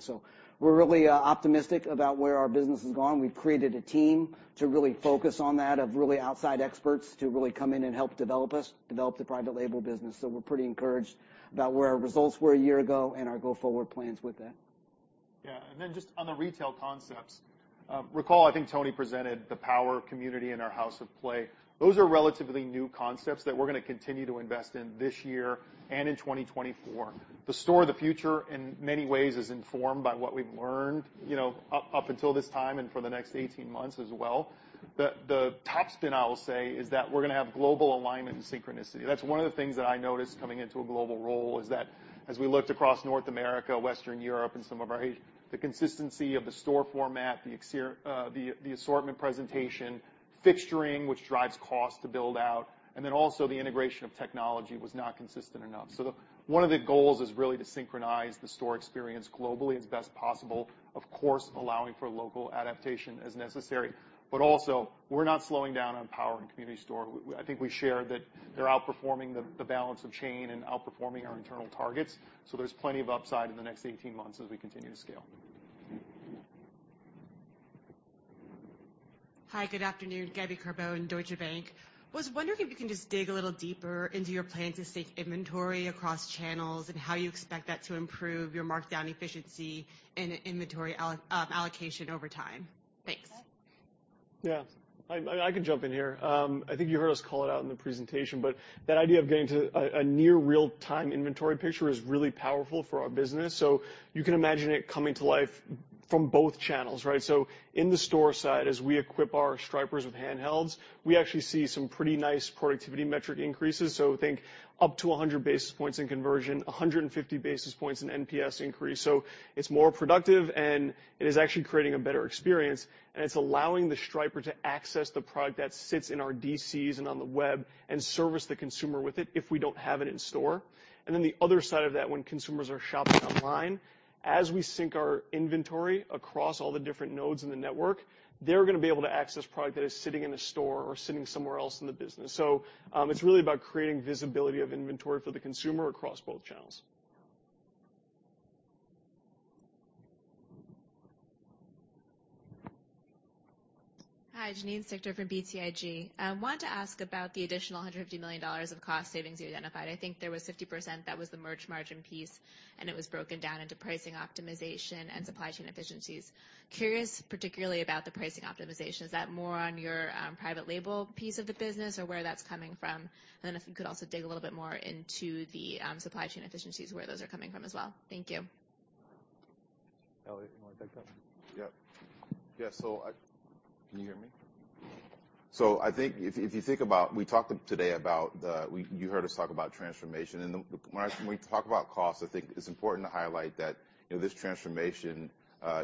We're really optimistic about where our business is going. We've created a team to really focus on that of really outside experts to really come in and help develop us, develop the private label business. We're pretty encouraged about where our results were a year ago and our go-forward plans with that. Yeah. Just on the retail concepts, recall, I think Tony presented the Power Community and our House of Play. Those are relatively new concepts that we're gonna continue to invest in this year and in 2024. The store of the future in many ways is informed by what we've learned, you know, up until this time and for the next 18 months as well. The top spin, I will say, is that we're gonna have global alignment and synchronicity. That's one of the things that I noticed coming into a global role is that as we looked across North America, Western Europe, and some of our Asian, the consistency of the store format, the assortment presentation, fixturing, which drives cost to build out, and then also the integration of technology was not consistent enough. The one of the goals is really to synchronize the store experience globally as best possible, of course, allowing for local adaptation as necessary. Also, we're not slowing down on Power and Community store. I think we shared that they're outperforming the balance of chain and outperforming our internal targets, so there's plenty of upside in the next 18 months as we continue to scale. Hi, good afternoon. Gabriella Carbone, Deutsche Bank. Was wondering if you can just dig a little deeper into your plan to sync inventory across channels and how you expect that to improve your markdown efficiency and inventory allocation over time? Thanks. I can jump in here. I think you heard us call it out in the presentation, but that idea of getting to a near real-time inventory picture is really powerful for our business. You can imagine it coming to life from both channels, right? In the store side, as we equip our stripers with handhelds, we actually see some pretty nice productivity metric increases, think up to 100 basis points in conversion, 150 basis points in NPS increase. It's more productive, and it is actually creating a better experience, and it's allowing the striper to access the product that sits in our DCs and on the web and service the consumer with it if we don't have it in store. The other side of that, when consumers are shopping online, as we sync our inventory across all the different nodes in the network, they're gonna be able to access product that is sitting in a store or sitting somewhere else in the business. It's really about creating visibility of inventory for the consumer across both channels. Hi, Janine Stichter from BTIG. I wanted to ask about the additional $150 million of cost savings you identified. I think there was 50% that was the merch margin piece, and it was broken down into pricing optimization and supply chain efficiencies. Curious particularly about the pricing optimization. Is that more on your private label piece of the business or where that's coming from? If you could also dig a little bit more into the supply chain efficiencies, where those are coming from as well. Thank you. Elliott, you wanna take that? Can you hear me? I think if you think about, we talked today about the -- you heard us talk about transformation. When we talk about cost, I think it's important to highlight that, you know, this transformation,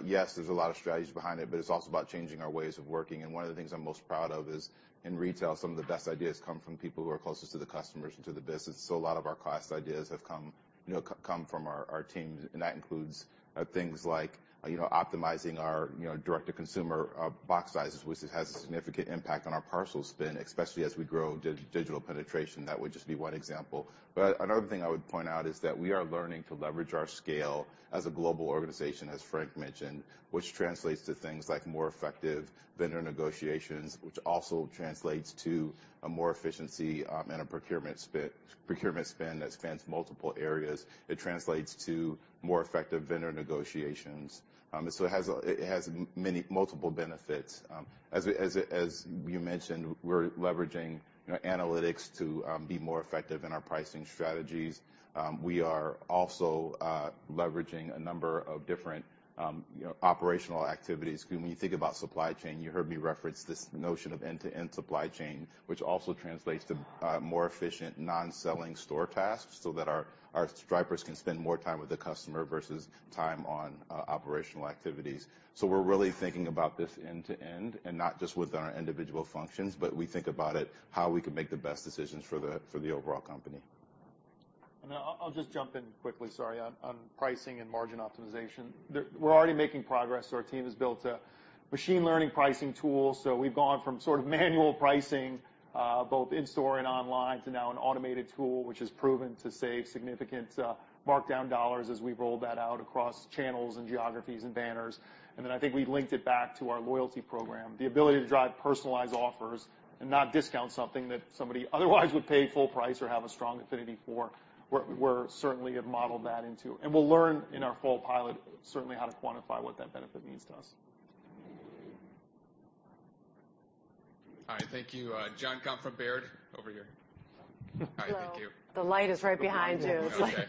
yes, there's a lot of strategies behind it, but it's also about changing our ways of working. One of the things I'm most proud of is in retail some of the best ideas come from people who are closest to the customers and to the business. A lot of our cost ideas have come, you know, come from our teams, and that includes things like, you know, optimizing our, you know, direct-to-consumer box sizes, which has a significant impact on our parcel spend, especially as we grow digital penetration. That would just be one example. Another thing I would point out is that we are learning to leverage our scale as a global organization, as Frank mentioned, which translates to things like more effective vendor negotiations, which also translates to a more efficiency, and a procurement spend that spans multiple areas. It translates to more effective vendor negotiations. It has multiple benefits. As you mentioned, we're leveraging, you know, analytics to be more effective in our pricing strategies. We are also leveraging a number of different, you know, operational activities. When you think about supply chain, you heard me reference this notion of end-to-end supply chain, which also translates to more efficient non-selling store tasks, so that our stripers can spend more time with the customer versus time on operational activities. We're really thinking about this end to end, and not just within our individual functions, but we think about it how we can make the best decisions for the overall company. I'll just jump in quickly. Sorry. On pricing and margin optimization. We're already making progress. Our team has built a machine learning pricing tool. We've gone from sort of manual pricing, both in store and online, to now an automated tool, which has proven to save significant markdown dollars as we roll that out across channels and geographies and banners. Then I think we linked it back to our loyalty program. The ability to drive personalized offers and not discount something that somebody otherwise would pay full price or have a strong affinity for, we're certainly have modeled that into. We'll learn in our fall pilot certainly how to quantify what that benefit means to us. All right. Thank you. Jonathan Komp from Baird. Over here. Hi. Thank you. Well, the light is right behind you. Okay.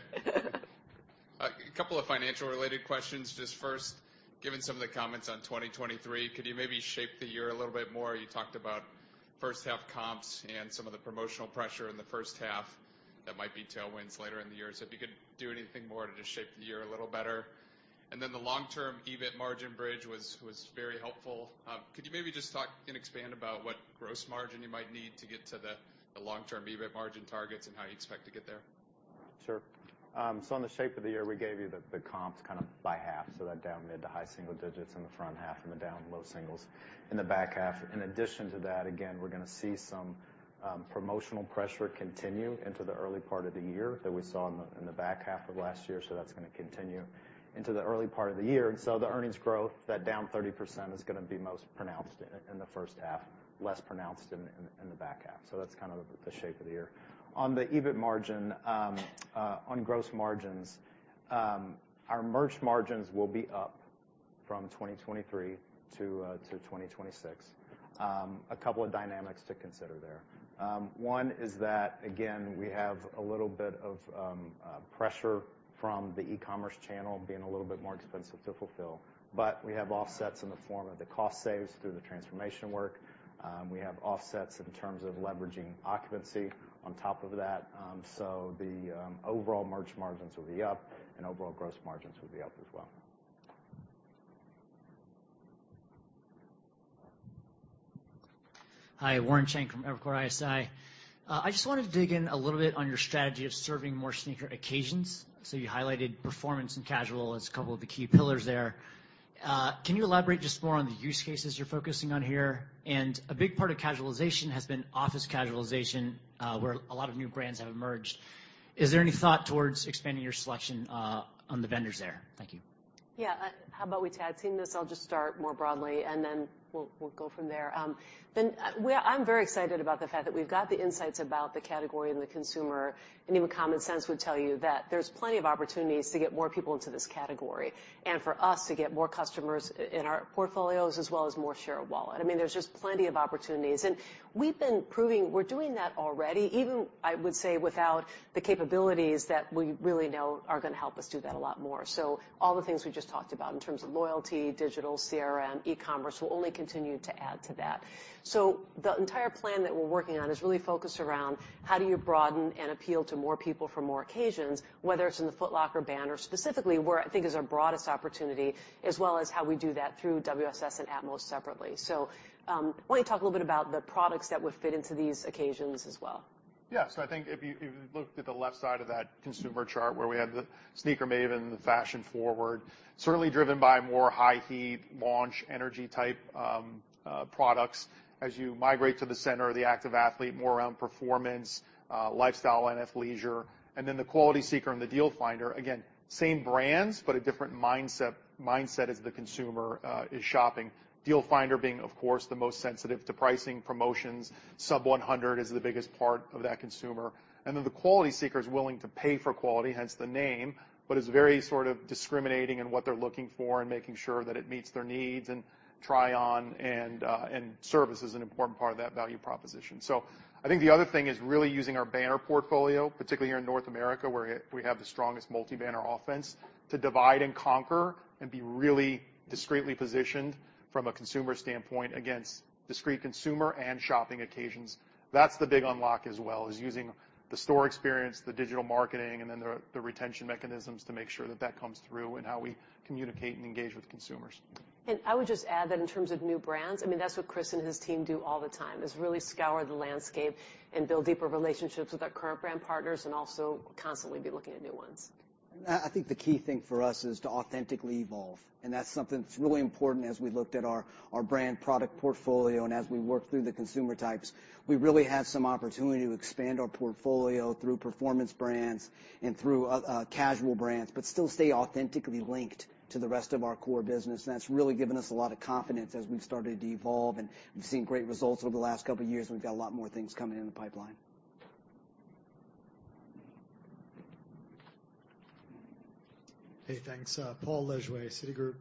A couple of financial related questions. Just first, given some of the comments on 2023, could you maybe shape the year a little bit more? You talked about first half comps and some of the promotional pressure in the first half that might be tailwinds later in the year. If you could do anything more to just shape the year a little better. The long term EBIT margin bridge was very helpful. Could you maybe just talk and expand about what gross margin you might need to get to the long term EBIT margin targets and how you expect to get there? Sure. So on the shape of the year, we gave you the comps kind of by half, so that down mid-to-high single digits in the front half and the down low singles in the back half. In addition to that, again, we're gonna see some promotional pressure continue into the early part of the year that we saw in the back half of last year, so that's gonna continue into the early part of the year. The earnings growth, that down 30%, is gonna be most pronounced in the first half, less pronounced in the back half. That's kind of the shape of the year. On the EBIT margin, on gross margins, our merch margins will be up from 2023 to 2026. A couple of dynamics to consider there. One is that, again, we have a little bit of pressure from the e-commerce channel being a little bit more expensive to fulfill, but we have offsets in the form of the cost saves through the transformation work. We have offsets in terms of leveraging occupancy on top of that. The overall merch margins will be up and overall gross margins will be up as well. Hi, Warren Cheng from Evercore ISI. I just wanted to dig in a little bit on your strategy of serving more sneaker occasions. You highlighted performance and casual as a couple of the key pillars there. Can you elaborate just more on the use cases you're focusing on here? A big part of casualization has been office casualization, where a lot of new brands have emerged. Is there any thought towards expanding your selection, on the vendors there? Thank you. Yeah. How about we tag team this? I'll just start more broadly, and then we'll go from there. I'm very excited about the fact that we've got the insights about the category and the consumer, and even common sense would tell you that there's plenty of opportunities to get more people into this category and for us to get more customers in our portfolios as well as more share of wallet. I mean, there's just plenty of opportunities. We've been proving we're doing that already, even, I would say, without the capabilities that we really know are gonna help us do that a lot more. All the things we just talked about in terms of loyalty, digital, CRM, e-commerce will only continue to add to that. The entire plan that we're working on is really focused around how do you broaden and appeal to more people for more occasions, whether it's in the Foot Locker banner specifically, where I think is our broadest opportunity, as well as how we do that through WSS and atmos separately. Why don't you talk a little bit about the products that would fit into these occasions as well? Yeah. I think if you looked at the left side of that consumer chart where we had the sneaker maven and the fashion-forward, certainly driven by more high heat, launch, energy type products. As you migrate to the center of the active athlete, more around performance, lifestyle and athleisure, and then the quality seeker and the deal finder, again, same brands, but a different mindset as the consumer is shopping. Deal finder being, of course, the most sensitive to pricing, promotions. Sub 100 is the biggest part of that consumer. Then the quality seeker's willing to pay for quality, hence the name, but is very sort of discriminating in what they're looking for and making sure that it meets their needs and try on and service is an important part of that value proposition. I think the other thing is really using our banner portfolio, particularly here in North America, where we have the strongest multi-banner offense, to divide and conquer and be really discreetly positioned from a consumer standpoint against discrete consumer and shopping occasions. That's the big unlock as well is using the store experience, the digital marketing, and then the retention mechanisms to make sure that that comes through in how we communicate and engage with consumers. I would just add that in terms of new brands, I mean, that's what Chris and his team do all the time, is really scour the landscape and build deeper relationships with our current brand partners and also constantly be looking at new ones. I think the key thing for us is to authentically evolve, and that's something that's really important as we looked at our brand product portfolio and as we work through the consumer types. We really have some opportunity to expand our portfolio through performance brands and through casual brands, but still stay authentically linked to the rest of our core business. That's really given us a lot of confidence as we've started to evolve, and we've seen great results over the last couple of years, and we've got a lot more things coming in the pipeline. Hey, thanks. Paul Lejuez, Citigroup.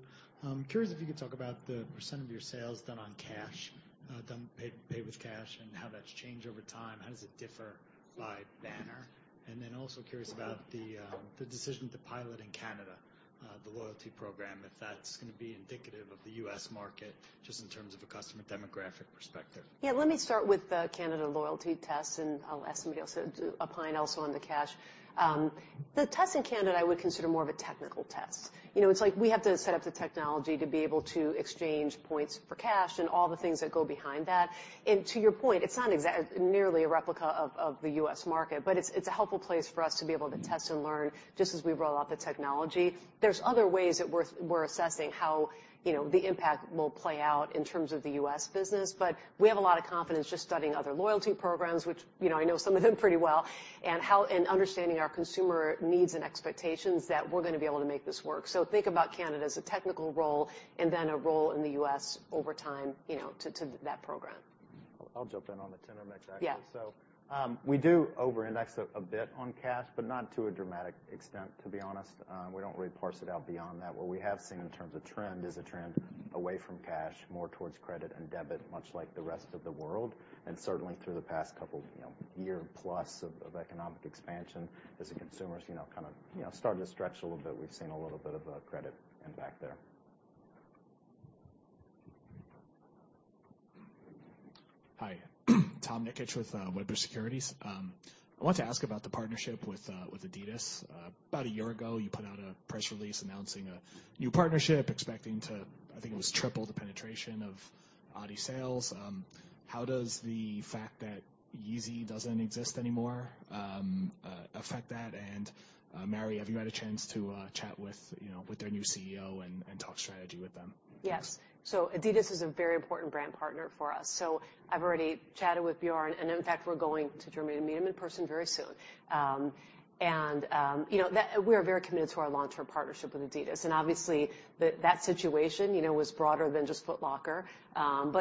I'm curious if you could talk about the percent of your sales done on cash, paid with cash and how that's changed over time. How does it differ by banner? and then also curious about the decision to pilot in Canada, the loyalty program, if that's gonna be indicative of the U.S. market just in terms of a customer demographic perspective. Yeah. Let me start with the Canada loyalty test, and I'll ask somebody else to opine also on the cash. The test in Canada I would consider more of a technical test. You know, it's like we have to set up the technology to be able to exchange points for cash and all the things that go behind that. To your point, it's not nearly a replica of the U.S. market, but it's a helpful place for us to be able to test and learn just as we roll out the technology. There's other ways that we're assessing how, you know, the impact will play out in terms of the U.S. business. We have a lot of confidence just studying other loyalty programs, which, you know, I know some of them pretty well, and understanding our consumer needs and expectations that we're gonna be able to make this work. Think about Canada as a technical role and then a role in the U.S. over time, you know, to that program. I'll jump in on the tender mix actually. Yeah. We do over-index a bit on cash, but not to a dramatic extent, to be honest. We don't really parse it out beyond that. What we have seen in terms of trend is a trend away from cash, more towards credit and debit, much like the rest of the world. Certainly through the past couple, you know, year plus of economic expansion as the consumers, you know, kind of, you know, started to stretch a little bit, we've seen a little bit of credit impact there. Hi. Tom Nikic with Wedbush Securities. I wanted to ask about the partnership with adidas. About a year ago, you put out a press release announcing a new partnership, expecting to, I think it was triple the penetration of Adi sales. How does the fact that Yeezy doesn't exist anymore affect that? And Mary, have you had a chance to chat with, you know, with their new CEO and talk strategy with them? Yes. adidas is a very important brand partner for us. I've already chatted with Bjørn, and in fact, we're going to Germany to meet him in person very soon. You know, we are very committed to our long-term partnership with adidas, and obviously, that situation, you know, was broader than just Foot Locker.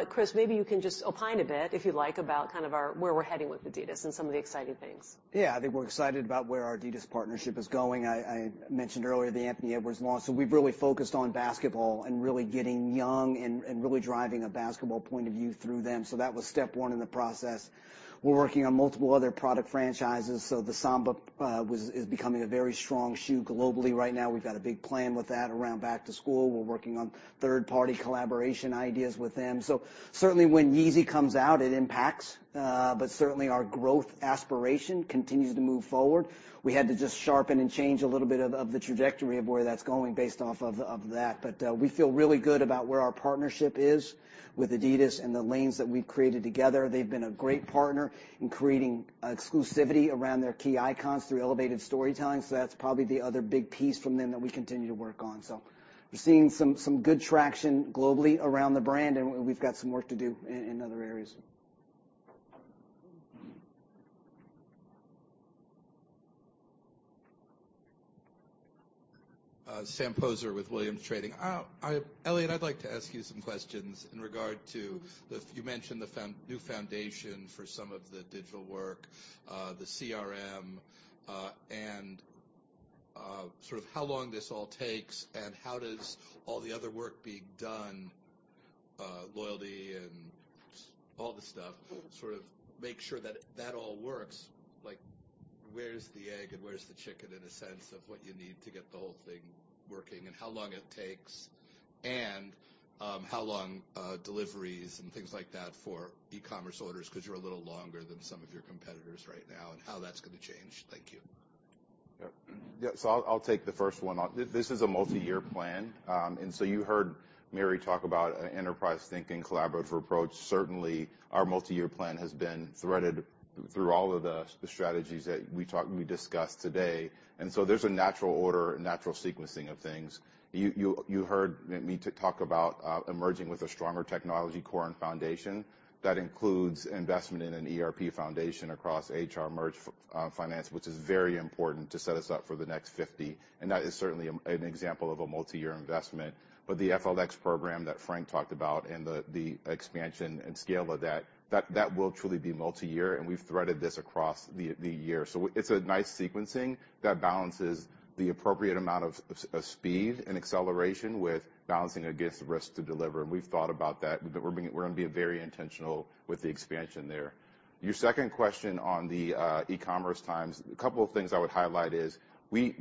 Chris, maybe you can just opine a bit, if you'd like, about kind of where we're heading with adidas and some of the exciting things. Yeah. I think we're excited about where our adidas partnership is going. I mentioned earlier the Anthony Edwards launch. We've really focused on basketball and really getting young and really driving a basketball point of view through them. That was step one in the process. We're working on multiple other product franchises. The Samba is becoming a very strong shoe globally right now. We've got a big plan with that around back to school. We're working on third-party collaboration ideas with them. Certainly, when Yeezy comes out, it impacts, but certainly our growth aspiration continues to move forward. We had to just sharpen and change a little bit of the trajectory of where that's going based off of that. We feel really good about where our partnership is with adidas and the lanes that we've created together. They've been a great partner in creating exclusivity around their key icons through elevated storytelling. That's probably the other big piece from them that we continue to work on. We're seeing some good traction globally around the brand, and we've got some work to do in other areas. Sam Poser with Williams Trading. Elliott, I'd like to ask you some questions in regard to you mentioned the new foundation for some of the digital work, the CRM, and, sort of how long this all takes, and how does all the other work being done, loyalty and all this stuff, sort of make sure that that all works. Like, where's the egg and where's the chicken, in a sense of what you need to get the whole thing working, and how long it takes, and how long deliveries and things like that for e-commerce orders, because you're a little longer than some of your competitors right now, and how that's gonna change? Thank you. Yeah. I'll take the first one. This is a multiyear plan. You heard Mary talk about an enterprise thinking collaborative approach. Certainly, our multiyear plan has been threaded through all of the strategies that we talked and we discussed today. There's a natural order, natural sequencing of things. You heard me talk about emerging with a stronger technology core and foundation. That includes investment in an ERP foundation across HR, merch, finance, which is very important to set us up for the next 50. That is certainly an example of a multiyear investment. The FLX program that Frank talked about and the expansion and scale of that will truly be multiyear, and we've threaded this across the year. It's a nice sequencing that balances the appropriate amount of speed and acceleration with balancing against risk to deliver, and we've thought about that. We're gonna be very intentional with the expansion there. Your second question on the e-commerce times. A couple of things I would highlight is we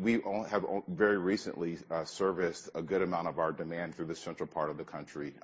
have very recently serviced a good amount of our demand through the central part of the country.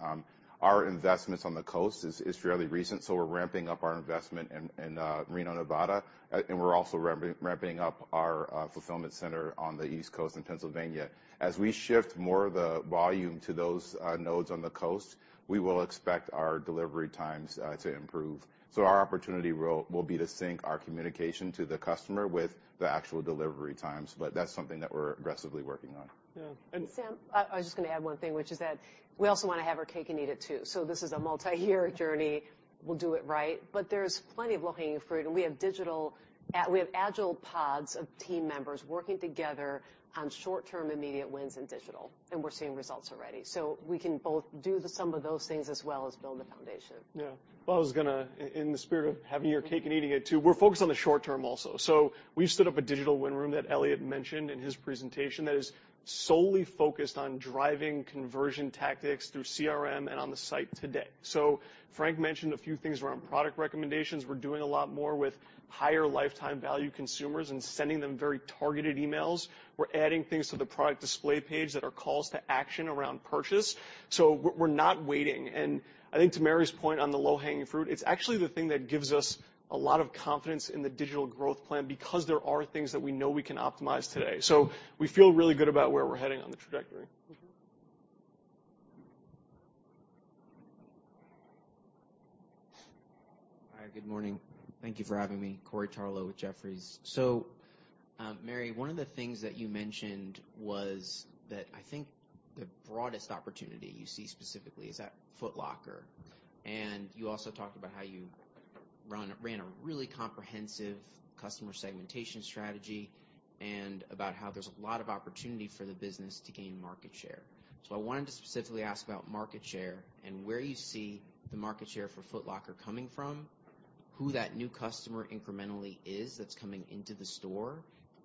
Our investments on the coast is fairly recent, so we're ramping up our investment in Reno, Nevada, and we're also ramping up our fulfillment center on the East Coast in Pennsylvania. As we shift more of the volume to those nodes on the coast, we will expect our delivery times to improve. Our opportunity will be to sync our communication to the customer with the actual delivery times, but that's something that we're aggressively working on. Yeah. And- Sam, I was just gonna add one thing, which is that we also wanna have our cake and eat it too. This is a multiyear journey. We'll do it right, but there's plenty of low-hanging fruit. We have agile pods of team members working together on short-term immediate wins in digital, and we're seeing results already. We can both do the sum of those things as well as build the foundation. Well, in the spirit of having your cake and eating it too, we're focused on the short term also. We've stood up a digital win room that Elliott Rodgers mentioned in his presentation that is solely focused on driving conversion tactics through CRM and on the site today. So Frank Bracken mentioned a few things around product recommendations. We're doing a lot more with higher lifetime value consumers and sending them very targeted emails. We're adding things to the product display page that are calls to action around purchase. We're not waiting. I think to Mary Dillon's point on the low-hanging fruit, it's actually the thing that gives us a lot of confidence in the digital growth plan because there are things that we know we can optimize today. We feel really good about where we're heading on the trajectory. Mm-hmm. Hi, good morning. Thank you for having me. Corey Tarlowe with Jefferies. Mary, one of the things that you mentioned was that I think the broadest opportunity you see specifically is at Foot Locker. You also talked about how you ran a really comprehensive customer segmentation strategy and about how there's a lot of opportunity for the business to gain market share. I wanted to specifically ask about market share and where you see the market share for Foot Locker coming from, who that new customer incrementally is that's coming into the store,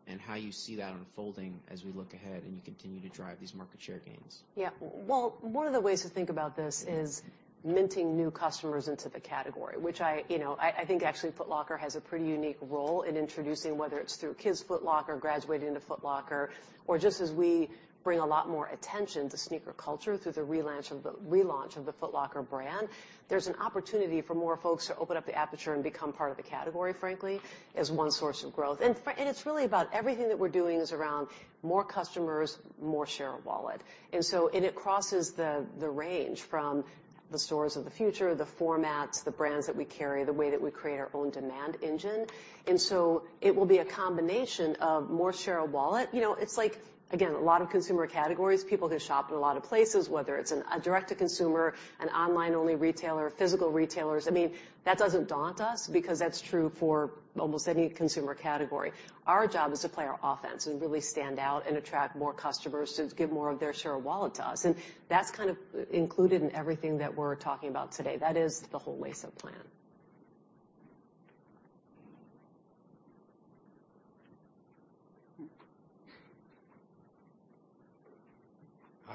and how you see that unfolding as we look ahead, and you continue to drive these market share gains. Well, one of the ways to think about this is minting new customers into the category, which I, you know, I think actually Foot Locker has a pretty unique role in introducing, whether it's through Kids Foot Locker, graduating to Foot Locker, or just as we bring a lot more attention to sneaker culture through the relaunch of the Foot Locker brand, there's an opportunity for more folks to open up the aperture and become part of the category, frankly, as one source of growth. It's really about everything that we're doing is around more customers, more share of wallet. It crosses the range from the store of the future, the formats, the brands that we carry, the way that we create our own demand engine. It will be a combination of more share of wallet. You know, it's like, again, a lot of consumer categories. People can shop in a lot of places, whether it's a direct-to-consumer, an online-only retailer, physical retailers. I mean, that doesn't daunt us because that's true for almost any consumer category. Our job is to play our offense and really stand out and attract more customers to give more of their share of wallet to us. That's kind of included in everything that we're talking about today. That is the whole Lace Up Plan.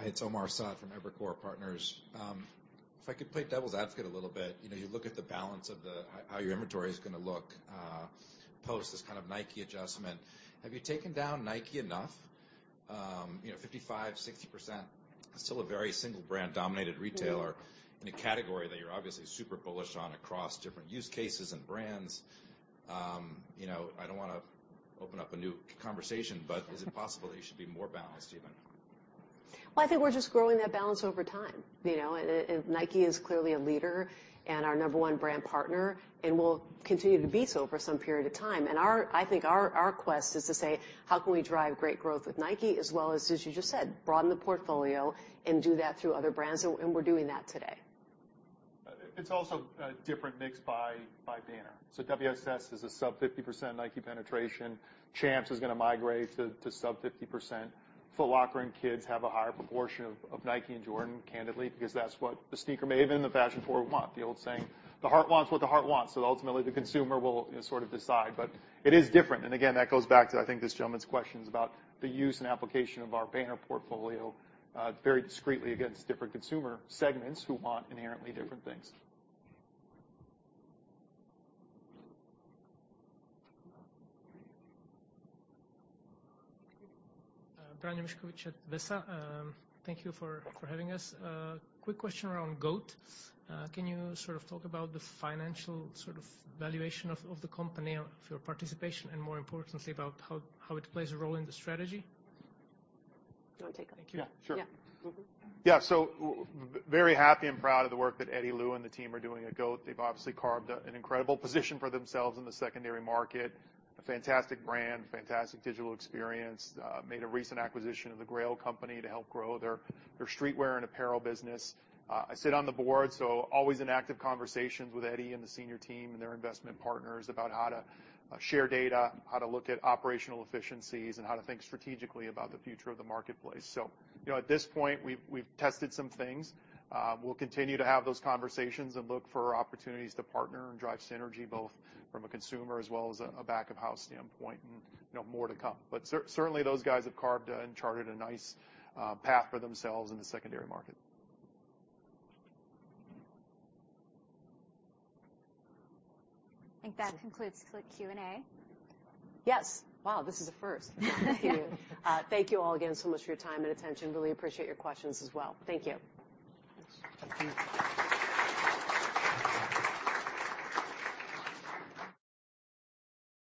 Hi, it's Omar Saad from Evercore Partners. If I could play devil's advocate a little bit. You know, you look at the balance of how your inventory is gonna look, post this kind of Nike adjustment. Have you taken down Nike enough? You know, 55%-60%, still a very single brand dominated retailer in a category that you're obviously super bullish on across different use cases and brands. You know, I don't wanna open up a new conversation, but is it possible that you should be more balanced even? Well, I think we're just growing that balance over time, you know. Nike is clearly a leader and our number one brand partner, and will continue to be so for some period of time. I think our quest is to say, how can we drive great growth with Nike as well as you just said, broaden the portfolio and do that through other brands, and we're doing that today. It's also a different mix by banner. WSS is a sub 50% Nike penetration. Champs is gonna migrate to sub 50%. Foot Locker and Kids have a higher proportion of Nike and Jordan, candidly, because that's what the sneaker maven, the fashion-forward want. The old saying, the heart wants what the heart wants. Ultimately, the consumer will sort of decide, but it is different. Again, that goes back to, I think, this gentleman's questions about the use and application of our banner portfolio, very discreetly against different consumer segments who want inherently different things. Bran Mišković at VESA. Thank you for having us. Quick question around GOAT. Can you sort of talk about the financial sort of valuation of the company or for your participation, and more importantly, about how it plays a role in the strategy? Do you wanna take that? Yeah, sure. Yeah. Very happy and proud of the work that Eddy Lu and the team are doing at GOAT. They've obviously carved an incredible position for themselves in the secondary market. A fantastic brand, fantastic digital experience, made a recent acquisition of the Grailed company to help grow their streetwear and apparel business. I sit on the board, always in active conversations with Eddy and the senior team and their investment partners about how to share data, how to look at operational efficiencies, and how to think strategically about the future of the marketplace. You know, at this point, we've tested some things. We'll continue to have those conversations and look for opportunities to partner and drive synergy both from a consumer as well as a back of house standpoint and, you know, more to come. Certainly, those guys have carved a and charted a nice path for themselves in the secondary market. I think that concludes Q&A. Yes. Wow, this is a first. Thank you. Thank you all again so much for your time and attention. Really appreciate your questions as well. Thank you. Thank you.